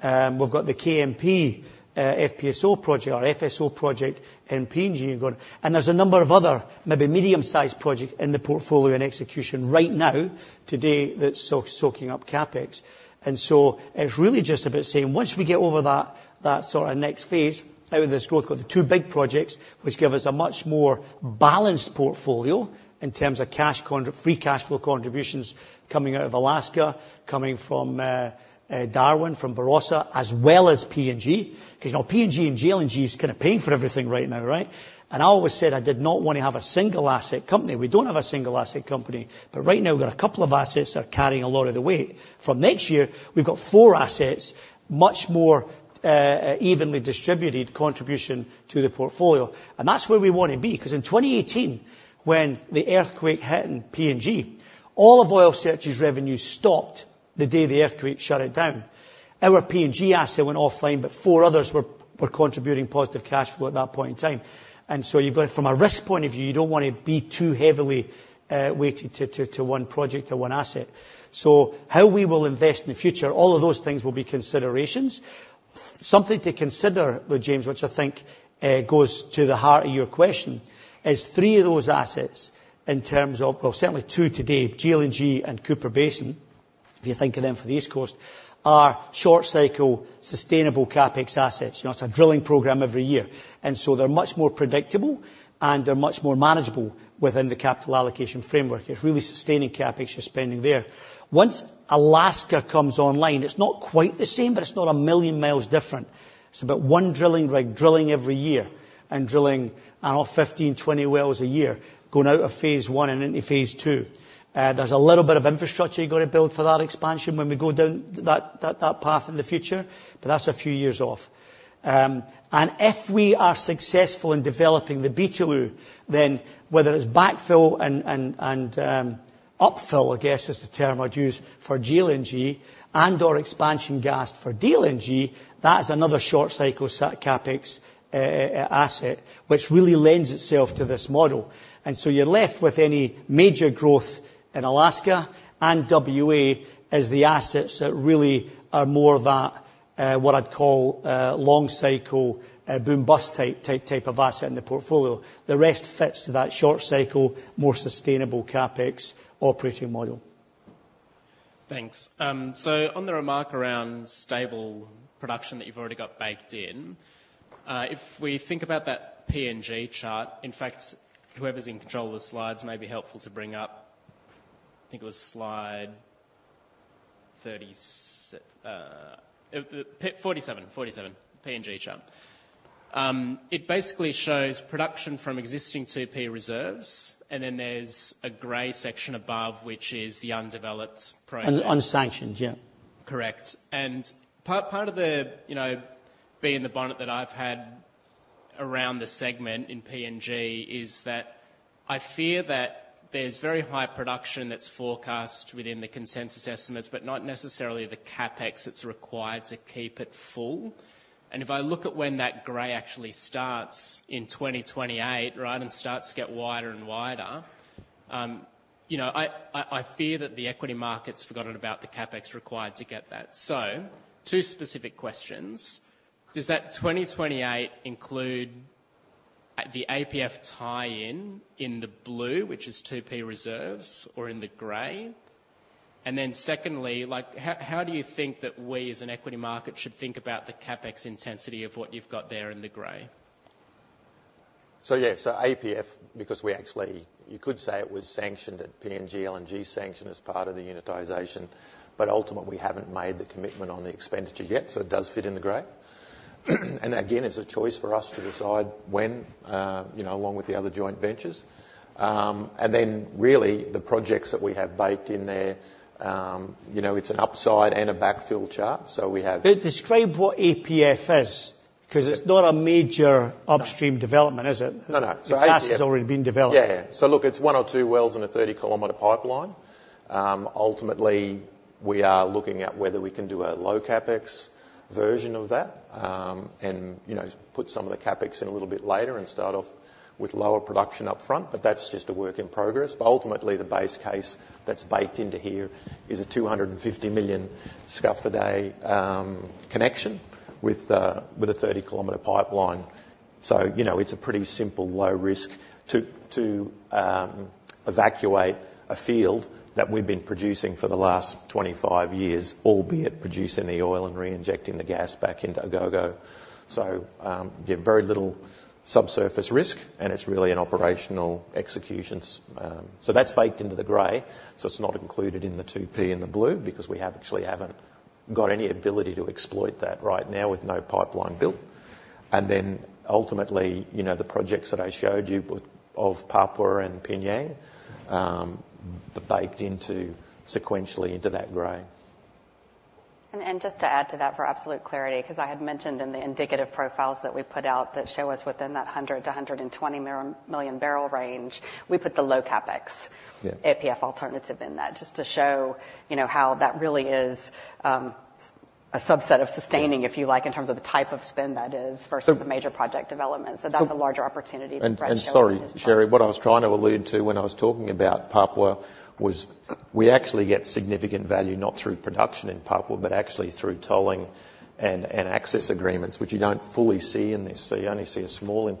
We've got the KMT FPSO project or FSO project in PNG. And there's a number of other maybe medium-sized projects in the portfolio and execution right now today that's soaking up CapEx. And so it's really just about saying, once we get over that sort of next phase out of this growth, got the two big projects, which give us a much more balanced portfolio in terms of free cash flow contributions coming out of Alaska, coming from Darwin, from Barossa, as well as PNG. Because PNG and GLNG is kind of paying for everything right now, right? And I always said I did not want to have a single asset company. We don't have a single asset company. But right now, we've got a couple of assets that are carrying a lot of the weight. From next year, we've got four assets, much more evenly distributed contribution to the portfolio. And that's where we want to be. Because in 2018, when the earthquake hit in PNG, all of Oil Search's revenue stopped the day the earthquake shut it down. Our PNG asset went offline, but four others were contributing positive cash flow at that point in time. And so you've got it from a risk point of view. You don't want to be too heavily weighted to one project, to one asset. So how we will invest in the future, all of those things will be considerations. Something to consider, James, which I think goes to the heart of your question, is three of those assets in terms of, well, certainly two today, GLNG and Cooper Basin, if you think of them for the East Coast, are short-cycle sustainable CapEx assets. It's a drilling program every year. And so they're much more predictable, and they're much more manageable within the capital allocation framework. It's really sustaining CapEx you're spending there. Once Alaska comes online, it's not quite the same, but it's not a million miles different. It's about one drilling rig drilling every year and drilling another 15-20 wells a year, going out of phase I and into phase II. There's a little bit of infrastructure you've got to build for that expansion when we go down that path in the future, but that's a few years off. If we are successful in developing the Beetaloo, then whether it's backfill and upfill, I guess is the term I'd use for GLNG and/or expansion gas for DLNG, that is another short-cycle CapEx asset which really lends itself to this model. You're left with any major growth in Alaska, and WA is the assets that really are more that what I'd call long-cycle boom-bust type of asset in the portfolio. The rest fits to that short-cycle, more sustainable CapEx operating model. Thanks. On the remark around stable production that you've already got baked in, if we think about that PNG chart, in fact, whoever's in control of the slides may be helpful to bring up. I think it was slide 47, 47, PNG chart. It basically shows production from existing 2P reserves, and then there's a gray section above, which is the undeveloped program. Unsanctioned, yeah. Correct. And part of the bee in the bonnet that I've had around the segment in PNG is that I fear that there's very high production that's forecast within the consensus estimates, but not necessarily the CapEx that's required to keep it full. And if I look at when that gray actually starts in 2028, right, and starts to get wider and wider, I fear that the equity market's forgotten about the CapEx required to get that. So two specific questions. Does that 2028 include the APF tie-in in the blue, which is 2P reserves, or in the gray? And then secondly, how do you think that we, as an equity market, should think about the CapEx intensity of what you've got there in the gray? So yeah, so APF, because we actually—you could say it was sanctioned at PNG LNG sanctioned as part of the unitization, but ultimately we haven't made the commitment on the expenditure yet, so it does fit in the gray. And again, it's a choice for us to decide when, along with the other joint ventures. And then really, the projects that we have baked in there, it's an upside and a backfill chart, so we have. Describe what APF has because it's not a major upstream development, is it? No, no. So look, it's one or two wells in a 30-kilometer pipeline. Ultimately, we are looking at whether we can do a low CapEx version of that and put some of the CapEx in a little bit later and start off with lower production upfront, but that's just a work in progress. But ultimately, the base case that's baked into here is a 250 million scf a day connection with a 30-kilometer pipeline. So it's a pretty simple low risk to evacuate a field that we've been producing for the last 25 years, albeit producing the oil and reinjecting the gas back into Agogo. So very little subsurface risk, and it's really an operational execution. So that's baked into the gray, so it's not included in the 2P in the blue because we actually haven't got any ability to exploit that right now with no pipeline built. And then ultimately, the projects that I showed you of Papua and P'nyang, baked sequentially into that gray. Just to add to that for absolute clarity, because I had mentioned in the indicative profiles that we put out that show us within that 100-120 million barrel range, we put the low CapEx APF alternative in that just to show how that really is a subset of sustaining, if you like, in terms of the type of spend that is versus the major project development. So that's a larger opportunity to structure. And sorry, Sherry, what I was trying to allude to when I was talking about Papua was we actually get significant value not through production in Papua, but actually through tolling and access agreements, which you don't fully see in this. So you only see a small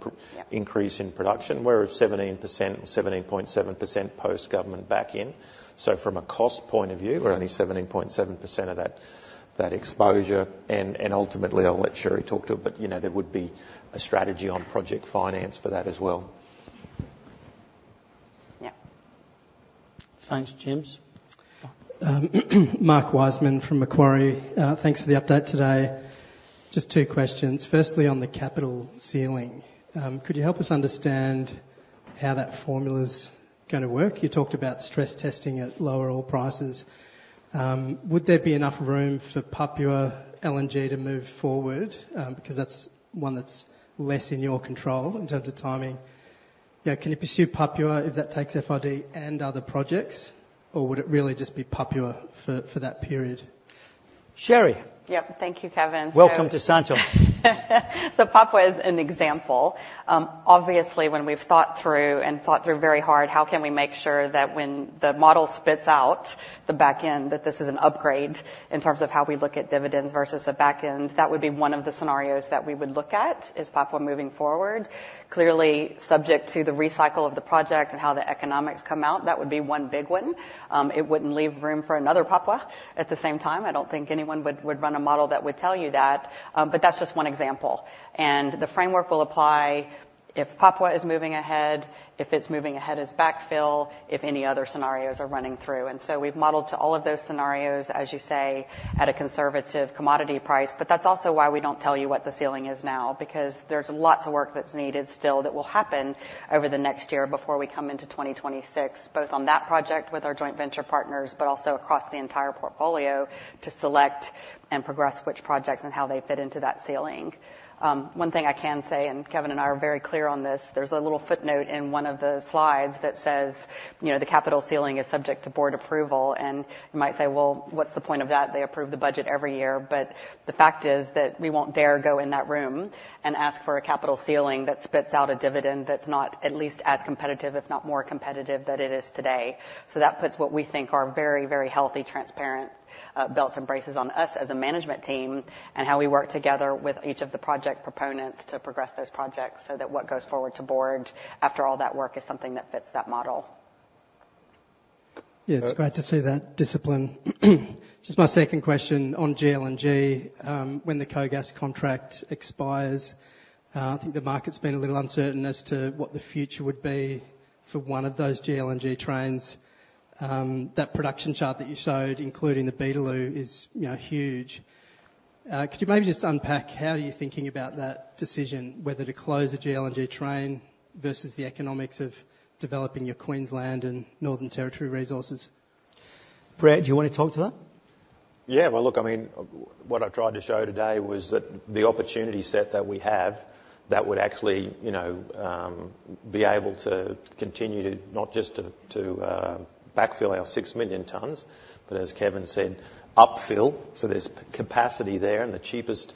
increase in production, whereas 17% or 17.7% post-government back in. So from a cost point of view, we're only 17.7% of that exposure. And ultimately, I'll let Sherry talk to it, but there would be a strategy on project finance for that as well. Yeah. Thanks, James. Mark Wiseman from Macquarie. Thanks for the update today. Just two questions. Firstly, on the capital ceiling, could you help us understand how that formula's going to work? You talked about stress testing at lower oil prices. Would there be enough room for Papua LNG to move forward? Because that's one that's less in your control in terms of timing. Can you pursue Papua if that takes FID and other projects, or would it really just be Papua for that period? Sherry. Yep. Thank you, Kevin. Welcome to Santos. So Papua is an example. Obviously, when we've thought through and thought through very hard, how can we make sure that when the model spits out the back end, that this is an upgrade in terms of how we look at dividends versus a back end? That would be one of the scenarios that we would look at is Papua moving forward. Clearly, subject to the recycle of the project and how the economics come out, that would be one big one. It wouldn't leave room for another Papua at the same time. I don't think anyone would run a model that would tell you that, but that's just one example. And the framework will apply if Papua is moving ahead, if it's moving ahead as backfill, if any other scenarios are running through. And so we've modeled to all of those scenarios, as you say, at a conservative commodity price. But that's also why we don't tell you what the ceiling is now, because there's lots of work that's needed still that will happen over the next year before we come into 2026, both on that project with our joint venture partners, but also across the entire portfolio to select and progress which projects and how they fit into that ceiling. One thing I can say, and Kevin and I are very clear on this, there's a little footnote in one of the slides that says the capital ceiling is subject to board approval. And you might say, "Well, what's the point of that? They approve the budget every year." But the fact is that we won't dare go in that room and ask for a capital ceiling that spits out a dividend that's not at least as competitive, if not more competitive, than it is today. So that puts what we think are very, very healthy, transparent belts and braces on us as a management team and how we work together with each of the project proponents to progress those projects so that what goes forward to the board after all that work is something that fits that model. Yeah, it's great to see that discipline. Just my second question on GLNG. When the CSG contract expires, I think the market's been a little uncertain as to what the future would be for one of those GLNG trains. That production chart that you showed, including the Beetaloo, is huge. Could you maybe just unpack how are you thinking about that decision, whether to close a GLNG train versus the economics of developing your Queensland and Northern Territory resources? Brett, do you want to talk to that? Yeah. Well, look, I mean, what I tried to show today was that the opportunity set that we have that would actually be able to continue to not just to backfill our six million tons, but as Kevin said, upfill. So there's capacity there, and the cheapest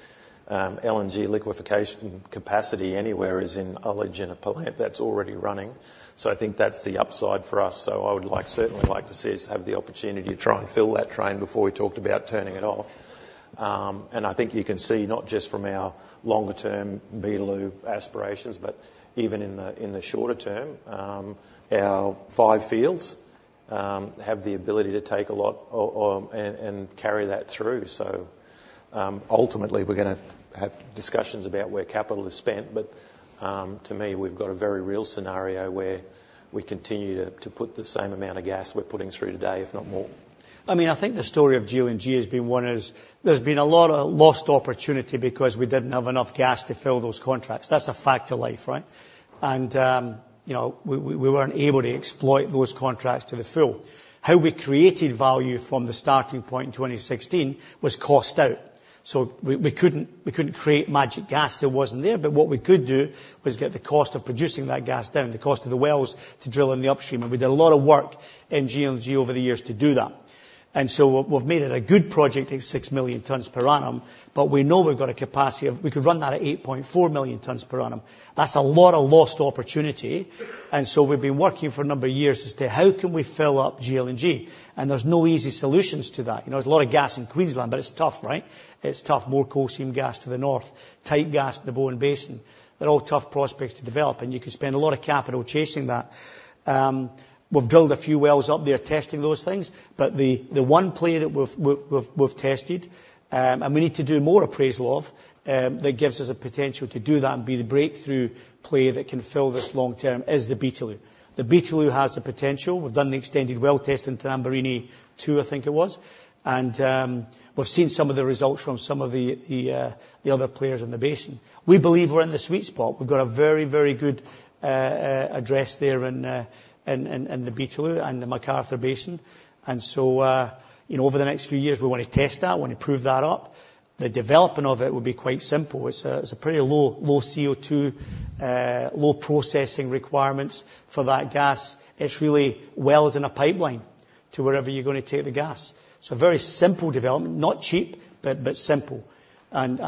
LNG liquefaction capacity anywhere is in Darwin in a plant that's already running. So I think that's the upside for us. So I would certainly like to see us have the opportunity to try and fill that train before we talked about turning it off. And I think you can see not just from our longer-term Beetaloo aspirations, but even in the shorter term, our five fields have the ability to take a lot and carry that through. So ultimately, we're going to have discussions about where capital is spent. But to me, we've got a very real scenario where we continue to put the same amount of gas we're putting through today, if not more. I mean, I think the story of GLNG has been one is there's been a lot of lost opportunity because we didn't have enough gas to fill those contracts. That's a fact of life, right? And we weren't able to exploit those contracts to the full. How we created value from the starting point in 2016 was cost out. So we couldn't create magic gas that wasn't there. But what we could do was get the cost of producing that gas down, the cost of the wells to drill in the upstream. And we did a lot of work in GLNG over the years to do that. We've made it a good project at six million tons per annum, but we know we've got a capacity of we could run that at 8.4 million tons per annum. That's a lot of lost opportunity. We've been working for a number of years as to how can we fill up GLNG? There's no easy solutions to that. There's a lot of gas in Queensland, but it's tough, right? It's tough. More coal seam gas to the north, tight gas to the Bowen Basin. They're all tough prospects to develop, and you can spend a lot of capital chasing that. We've drilled a few wells up there testing those things, but the one play that we've tested, and we need to do more appraisal of that gives us a potential to do that and be the breakthrough play that can fill this long term is the Beetaloo. The Beetaloo has the potential. We've done the extended well testing to Tanumbirini 2, I think it was, and we've seen some of the results from some of the other players in the basin. We believe we're in the sweet spot. We've got a very, very good address there in the Beetaloo and the McArthur Basin, and so over the next few years, we want to test that. We want to prove that up. The development of it would be quite simple. It's a pretty low CO2, low processing requirements for that gas. It's really wells in a pipeline to wherever you're going to take the gas. So very simple development, not cheap, but simple. And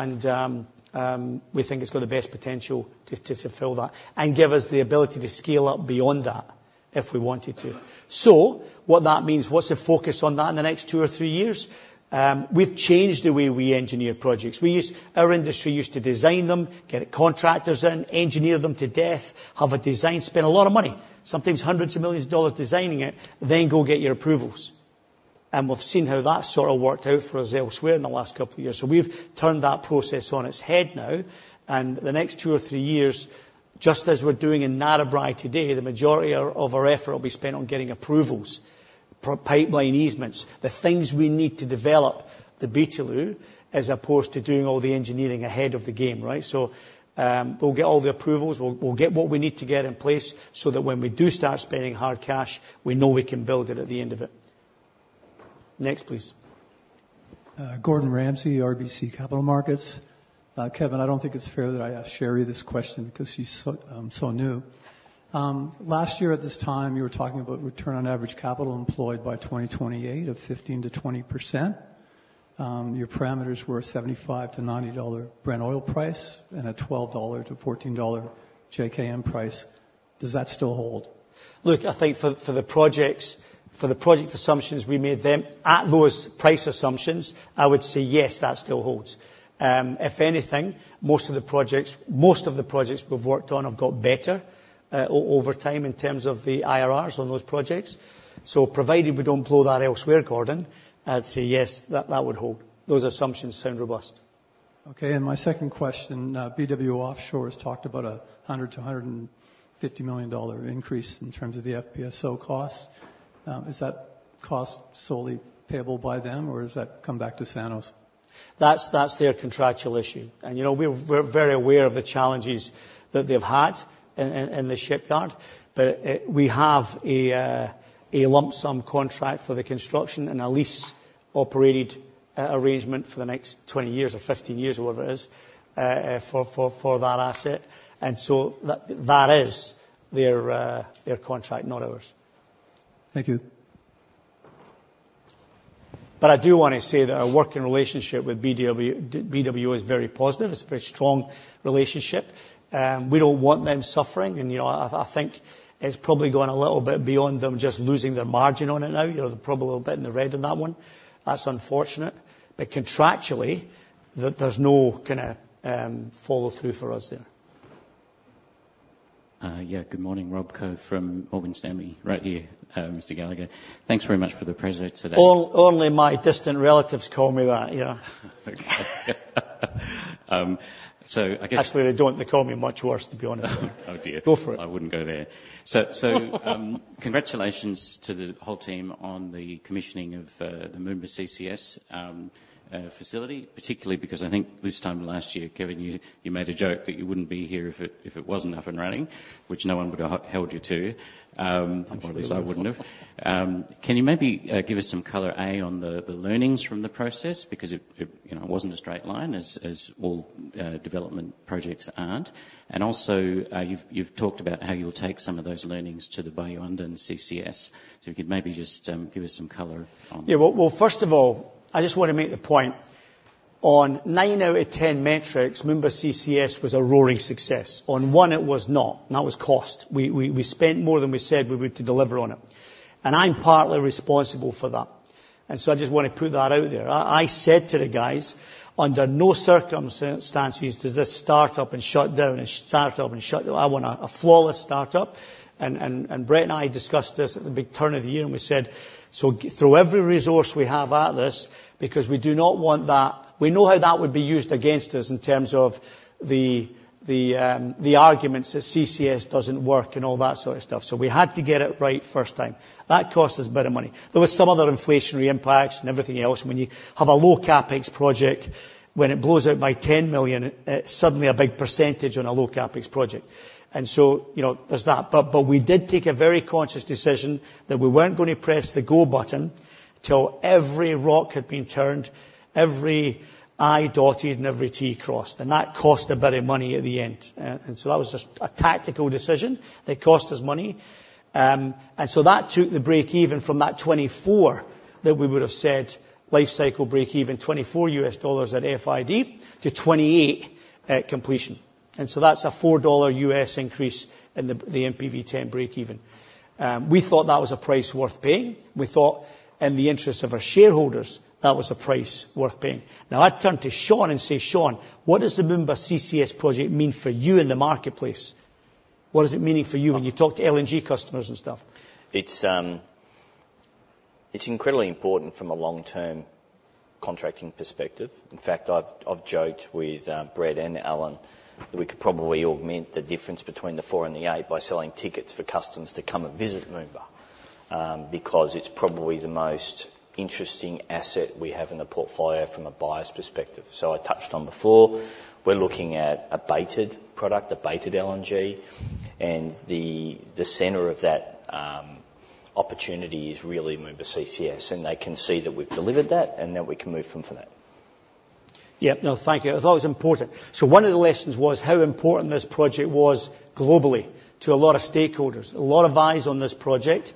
we think it's got the best potential to fill that and give us the ability to scale up beyond that if we wanted to. So what that means, what's the focus on that in the next two or three years? We've changed the way we engineer projects. Our industry used to design them, get contractors in, engineer them to death, have a design, spend a lot of money, sometimes hundreds of millions of dollars designing it, then go get your approvals. And we've seen how that sort of worked out for us elsewhere in the last couple of years. So we've turned that process on its head now. The next two or three years, just as we're doing in Narrabri today, the majority of our effort will be spent on getting approvals, pipeline easements, the things we need to develop the Beetaloo as opposed to doing all the engineering ahead of the game, right? So we'll get all the approvals. We'll get what we need to get in place so that when we do start spending hard cash, we know we can build it at the end of it. Next, please. Gordon Ramsay, RBC Capital Markets. Kevin, I don't think it's fair that I ask Sherry this question because she's so new. Last year at this time, you were talking about return on average capital employed by 2028 of 15%-20%. Your parameters were a $75-$90 Brent oil price and a $12-$14 JKM price. Does that still hold? Look, I think for the projects, for the project assumptions, we made them at those price assumptions. I would say yes, that still holds. If anything, most of the projects, most of the projects we've worked on have got better over time in terms of the IRRs on those projects. So provided we don't blow that elsewhere, Gordon, I'd say yes, that would hold. Those assumptions sound robust. Okay. And my second question, BW Offshore has talked about a $100-$150 million increase in terms of the FPSO costs. Is that cost solely payable by them, or does that come back to Santos? That's their contractual issue. And we're very aware of the challenges that they've had in the shipyard, but we have a lump sum contract for the construction and a lease-operated arrangement for the next 20 years or 15 years, whatever it is, for that asset. And so that is their contract, not ours. Thank you. But I do want to say that our working relationship with BW Offshore is very positive. It's a very strong relationship. We don't want them suffering. And I think it's probably gone a little bit beyond them just losing their margin on it now. They're probably a little bit in the red on that one. That's unfortunate. But contractually, there's no kind of follow-through for us there. Yeah. Good morning, Rob Koh from Morgan Stanley right here, Mr. Gallagher. Thanks very much for the pleasure today. Only my distant relatives call me that. So I guess actually, they don't. They call me much worse, to be honest. Oh, dear. Go for it. I wouldn't go there. So congratulations to the whole team on the commissioning of the Moomba CCS facility, particularly because I think this time last year, Kevin, you made a joke that you wouldn't be here if it wasn't up and running, which no one would have held you to. I apologize. I wouldn't have. Can you maybe give us some color on the learnings from the process? Because it wasn't a straight line, as all development projects aren't. And also, you've talked about how you'll take some of those learnings to the Bayu-Undan CCS. So if you could maybe just give us some color on that. Yeah. Well, first of all, I just want to make the point. On nine out of 10 metrics, Moomba CCS was a roaring success. On one, it was not. And that was cost. We spent more than we said we were to deliver on it. I'm partly responsible for that. So I just want to put that out there. I said to the guys, under no circumstances does this startup and shut down and startup and shut down. I want a flawless startup. Brett and I discussed this at the big turn of the year, and we said, "So throw every resource we have at this because we do not want that." We know how that would be used against us in terms of the arguments that CCS doesn't work and all that sort of stuff. So we had to get it right first time. That cost us a bit of money. There were some other inflationary impacts and everything else. When you have a low CapEx project, when it blows out by $10 million, it's suddenly a big percentage on a low CapEx project. So there's that. But we did take a very conscious decision that we weren't going to press the go button till every rock had been turned, every I dotted and every T crossed. And that cost a bit of money at the end. And so that was just a tactical decision that cost us money. And so that took the breakeven from that $24 that we would have said lifecycle breakeven $24 at FID to $28 at completion. And so that's a $4 increase in the NPV10 breakeven. We thought that was a price worth paying. We thought, in the interest of our shareholders, that was a price worth paying. Now, I'd turn to Sean and say, "Sean, what does the Moomba CCS project mean for you in the marketplace? What does it mean for you when you talk to LNG customers and stuff?" It's incredibly important from a long-term contracting perspective. In fact, I've joked with Brett and Alan that we could probably augment the difference between the four and the eight by selling tickets for customers to come and visit Moomba because it's probably the most interesting asset we have in the portfolio from a buyers' perspective. So I touched on before, we're looking at an abated product, an abated LNG, and the center of that opportunity is really Moomba CCS. And they can see that we've delivered that and that we can move from that. Yeah. No, thank you. It's always important. So one of the lessons was how important this project was globally to a lot of stakeholders, a lot of eyes on this project.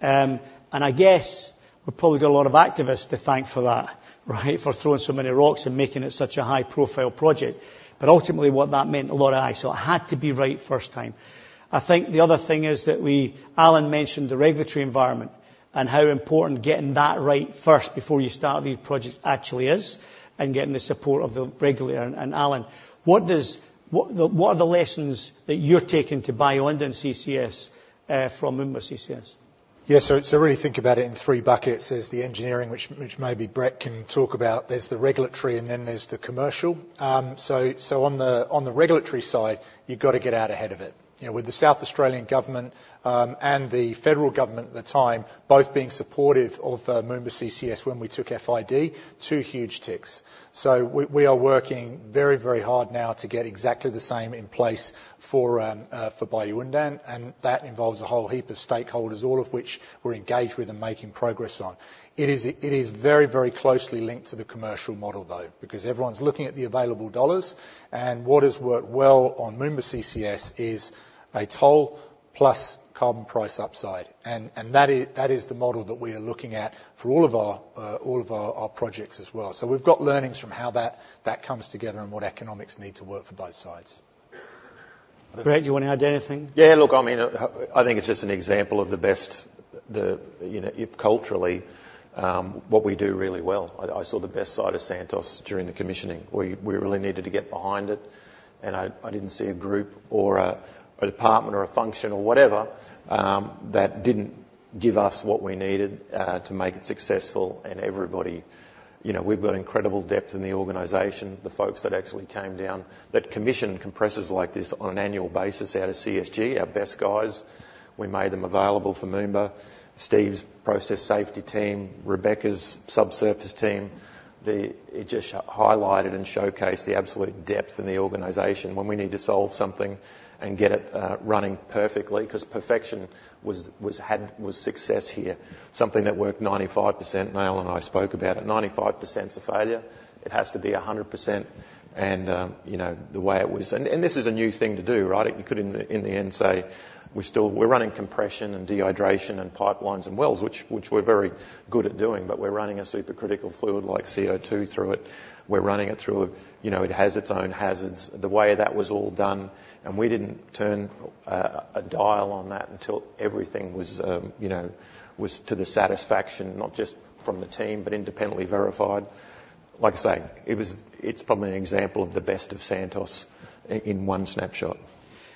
And I guess we probably got a lot of activists to thank for that, right, for throwing so many rocks and making it such a high-profile project. But ultimately, what that meant, a lot of eyes. So it had to be right first time. I think the other thing is that Alan mentioned the regulatory environment and how important getting that right first before you start these projects actually is and getting the support of the regulator. And Alan, what are the lessons that you're taking to Bayu-Undan CCS from Moomba CCS? Yeah. So really think about it in three buckets. There's the engineering, which maybe Brett can talk about. There's the regulatory, and then there's the commercial. So on the regulatory side, you've got to get out ahead of it. With the South Australian government and the federal government at the time, both being supportive of Moomba CCS when we took FID, two huge ticks. So we are working very, very hard now to get exactly the same in place for Bayu-Undan. And that involves a whole heap of stakeholders, all of which we're engaged with and making progress on. It is very, very closely linked to the commercial model, though, because everyone's looking at the available dollars. And what has worked well on Moomba CCS is a toll plus carbon price upside. And that is the model that we are looking at for all of our projects as well. So we've got learnings from how that comes together and what economics need to work for both sides. Brett, do you want to add anything? Yeah. Look, I mean, I think it's just an example of the best culturally what we do really well. I saw the best side of Santos during the commissioning. We really needed to get behind it. And I didn't see a group or a department or a function or whatever that didn't give us what we needed to make it successful. And everybody, we've got incredible depth in the organization, the folks that actually came down that commissioned compressors like this on an annual basis out of CSG, our best guys. We made them available for Moomba. Steve's process safety team, Rebecca's subsurface team, it just highlighted and showcased the absolute depth in the organization when we need to solve something and get it running perfectly because perfection was success here. Something that worked 95%, Neil and I spoke about it, 95%'s a failure. It has to be 100%. And the way it was, and this is a new thing to do, right? You could, in the end, say, "We're running compression and dehydration and pipelines and wells," which we're very good at doing, but we're running a supercritical fluid like CO2 through it. We're running it through. It has its own hazards. The way that was all done, and we didn't turn a dial on that until everything was to the satisfaction, not just from the team, but independently verified. Like I say, it's probably an example of the best of Santos in one snapshot.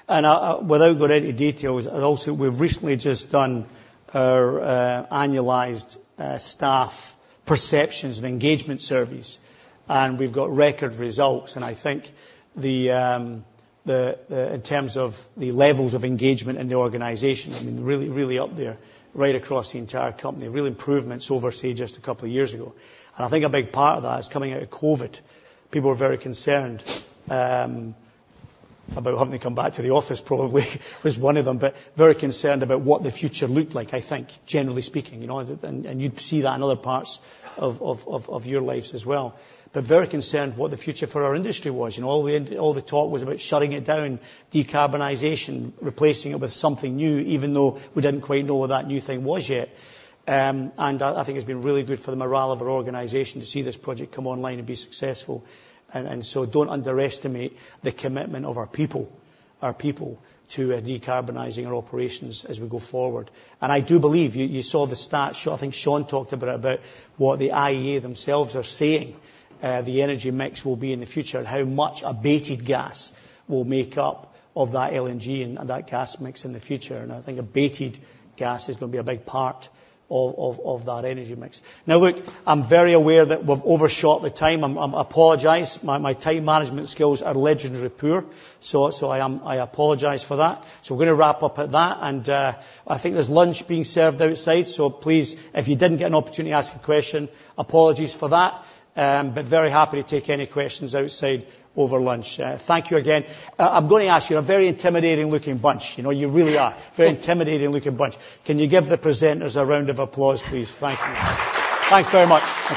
And without going into details, also, we've recently just done our annualized staff perceptions and engagement surveys. And we've got record results. I think in terms of the levels of engagement in the organization, I mean, really up there, right across the entire company, real improvements overseas just a couple of years ago. I think a big part of that is coming out of COVID. People were very concerned about having to come back to the office, probably, was one of them, but very concerned about what the future looked like, I think, generally speaking. You'd see that in other parts of your lives as well. Very concerned what the future for our industry was. All the talk was about shutting it down, decarbonization, replacing it with something new, even though we didn't quite know what that new thing was yet. I think it's been really good for the morale of our organization to see this project come online and be successful. And so don't underestimate the commitment of our people to decarbonizing our operations as we go forward. And I do believe you saw the stats. I think Sean talked about what the IEA themselves are saying the energy mix will be in the future and how much abated gas will make up of that LNG and that gas mix in the future. And I think abated gas is going to be a big part of that energy mix. Now, look, I'm very aware that we've overshot the time. I apologize. My time management skills are legendary poor. So I apologize for that. So we're going to wrap up at that. And I think there's lunch being served outside. So please, if you didn't get an opportunity to ask a question, apologies for that. But very happy to take any questions outside over lunch. Thank you again. I'm going to ask you, a very intimidating-looking bunch. You really are. Very intimidating-looking bunch. Can you give the presenters a round of applause, please? Thank you. Thanks very much.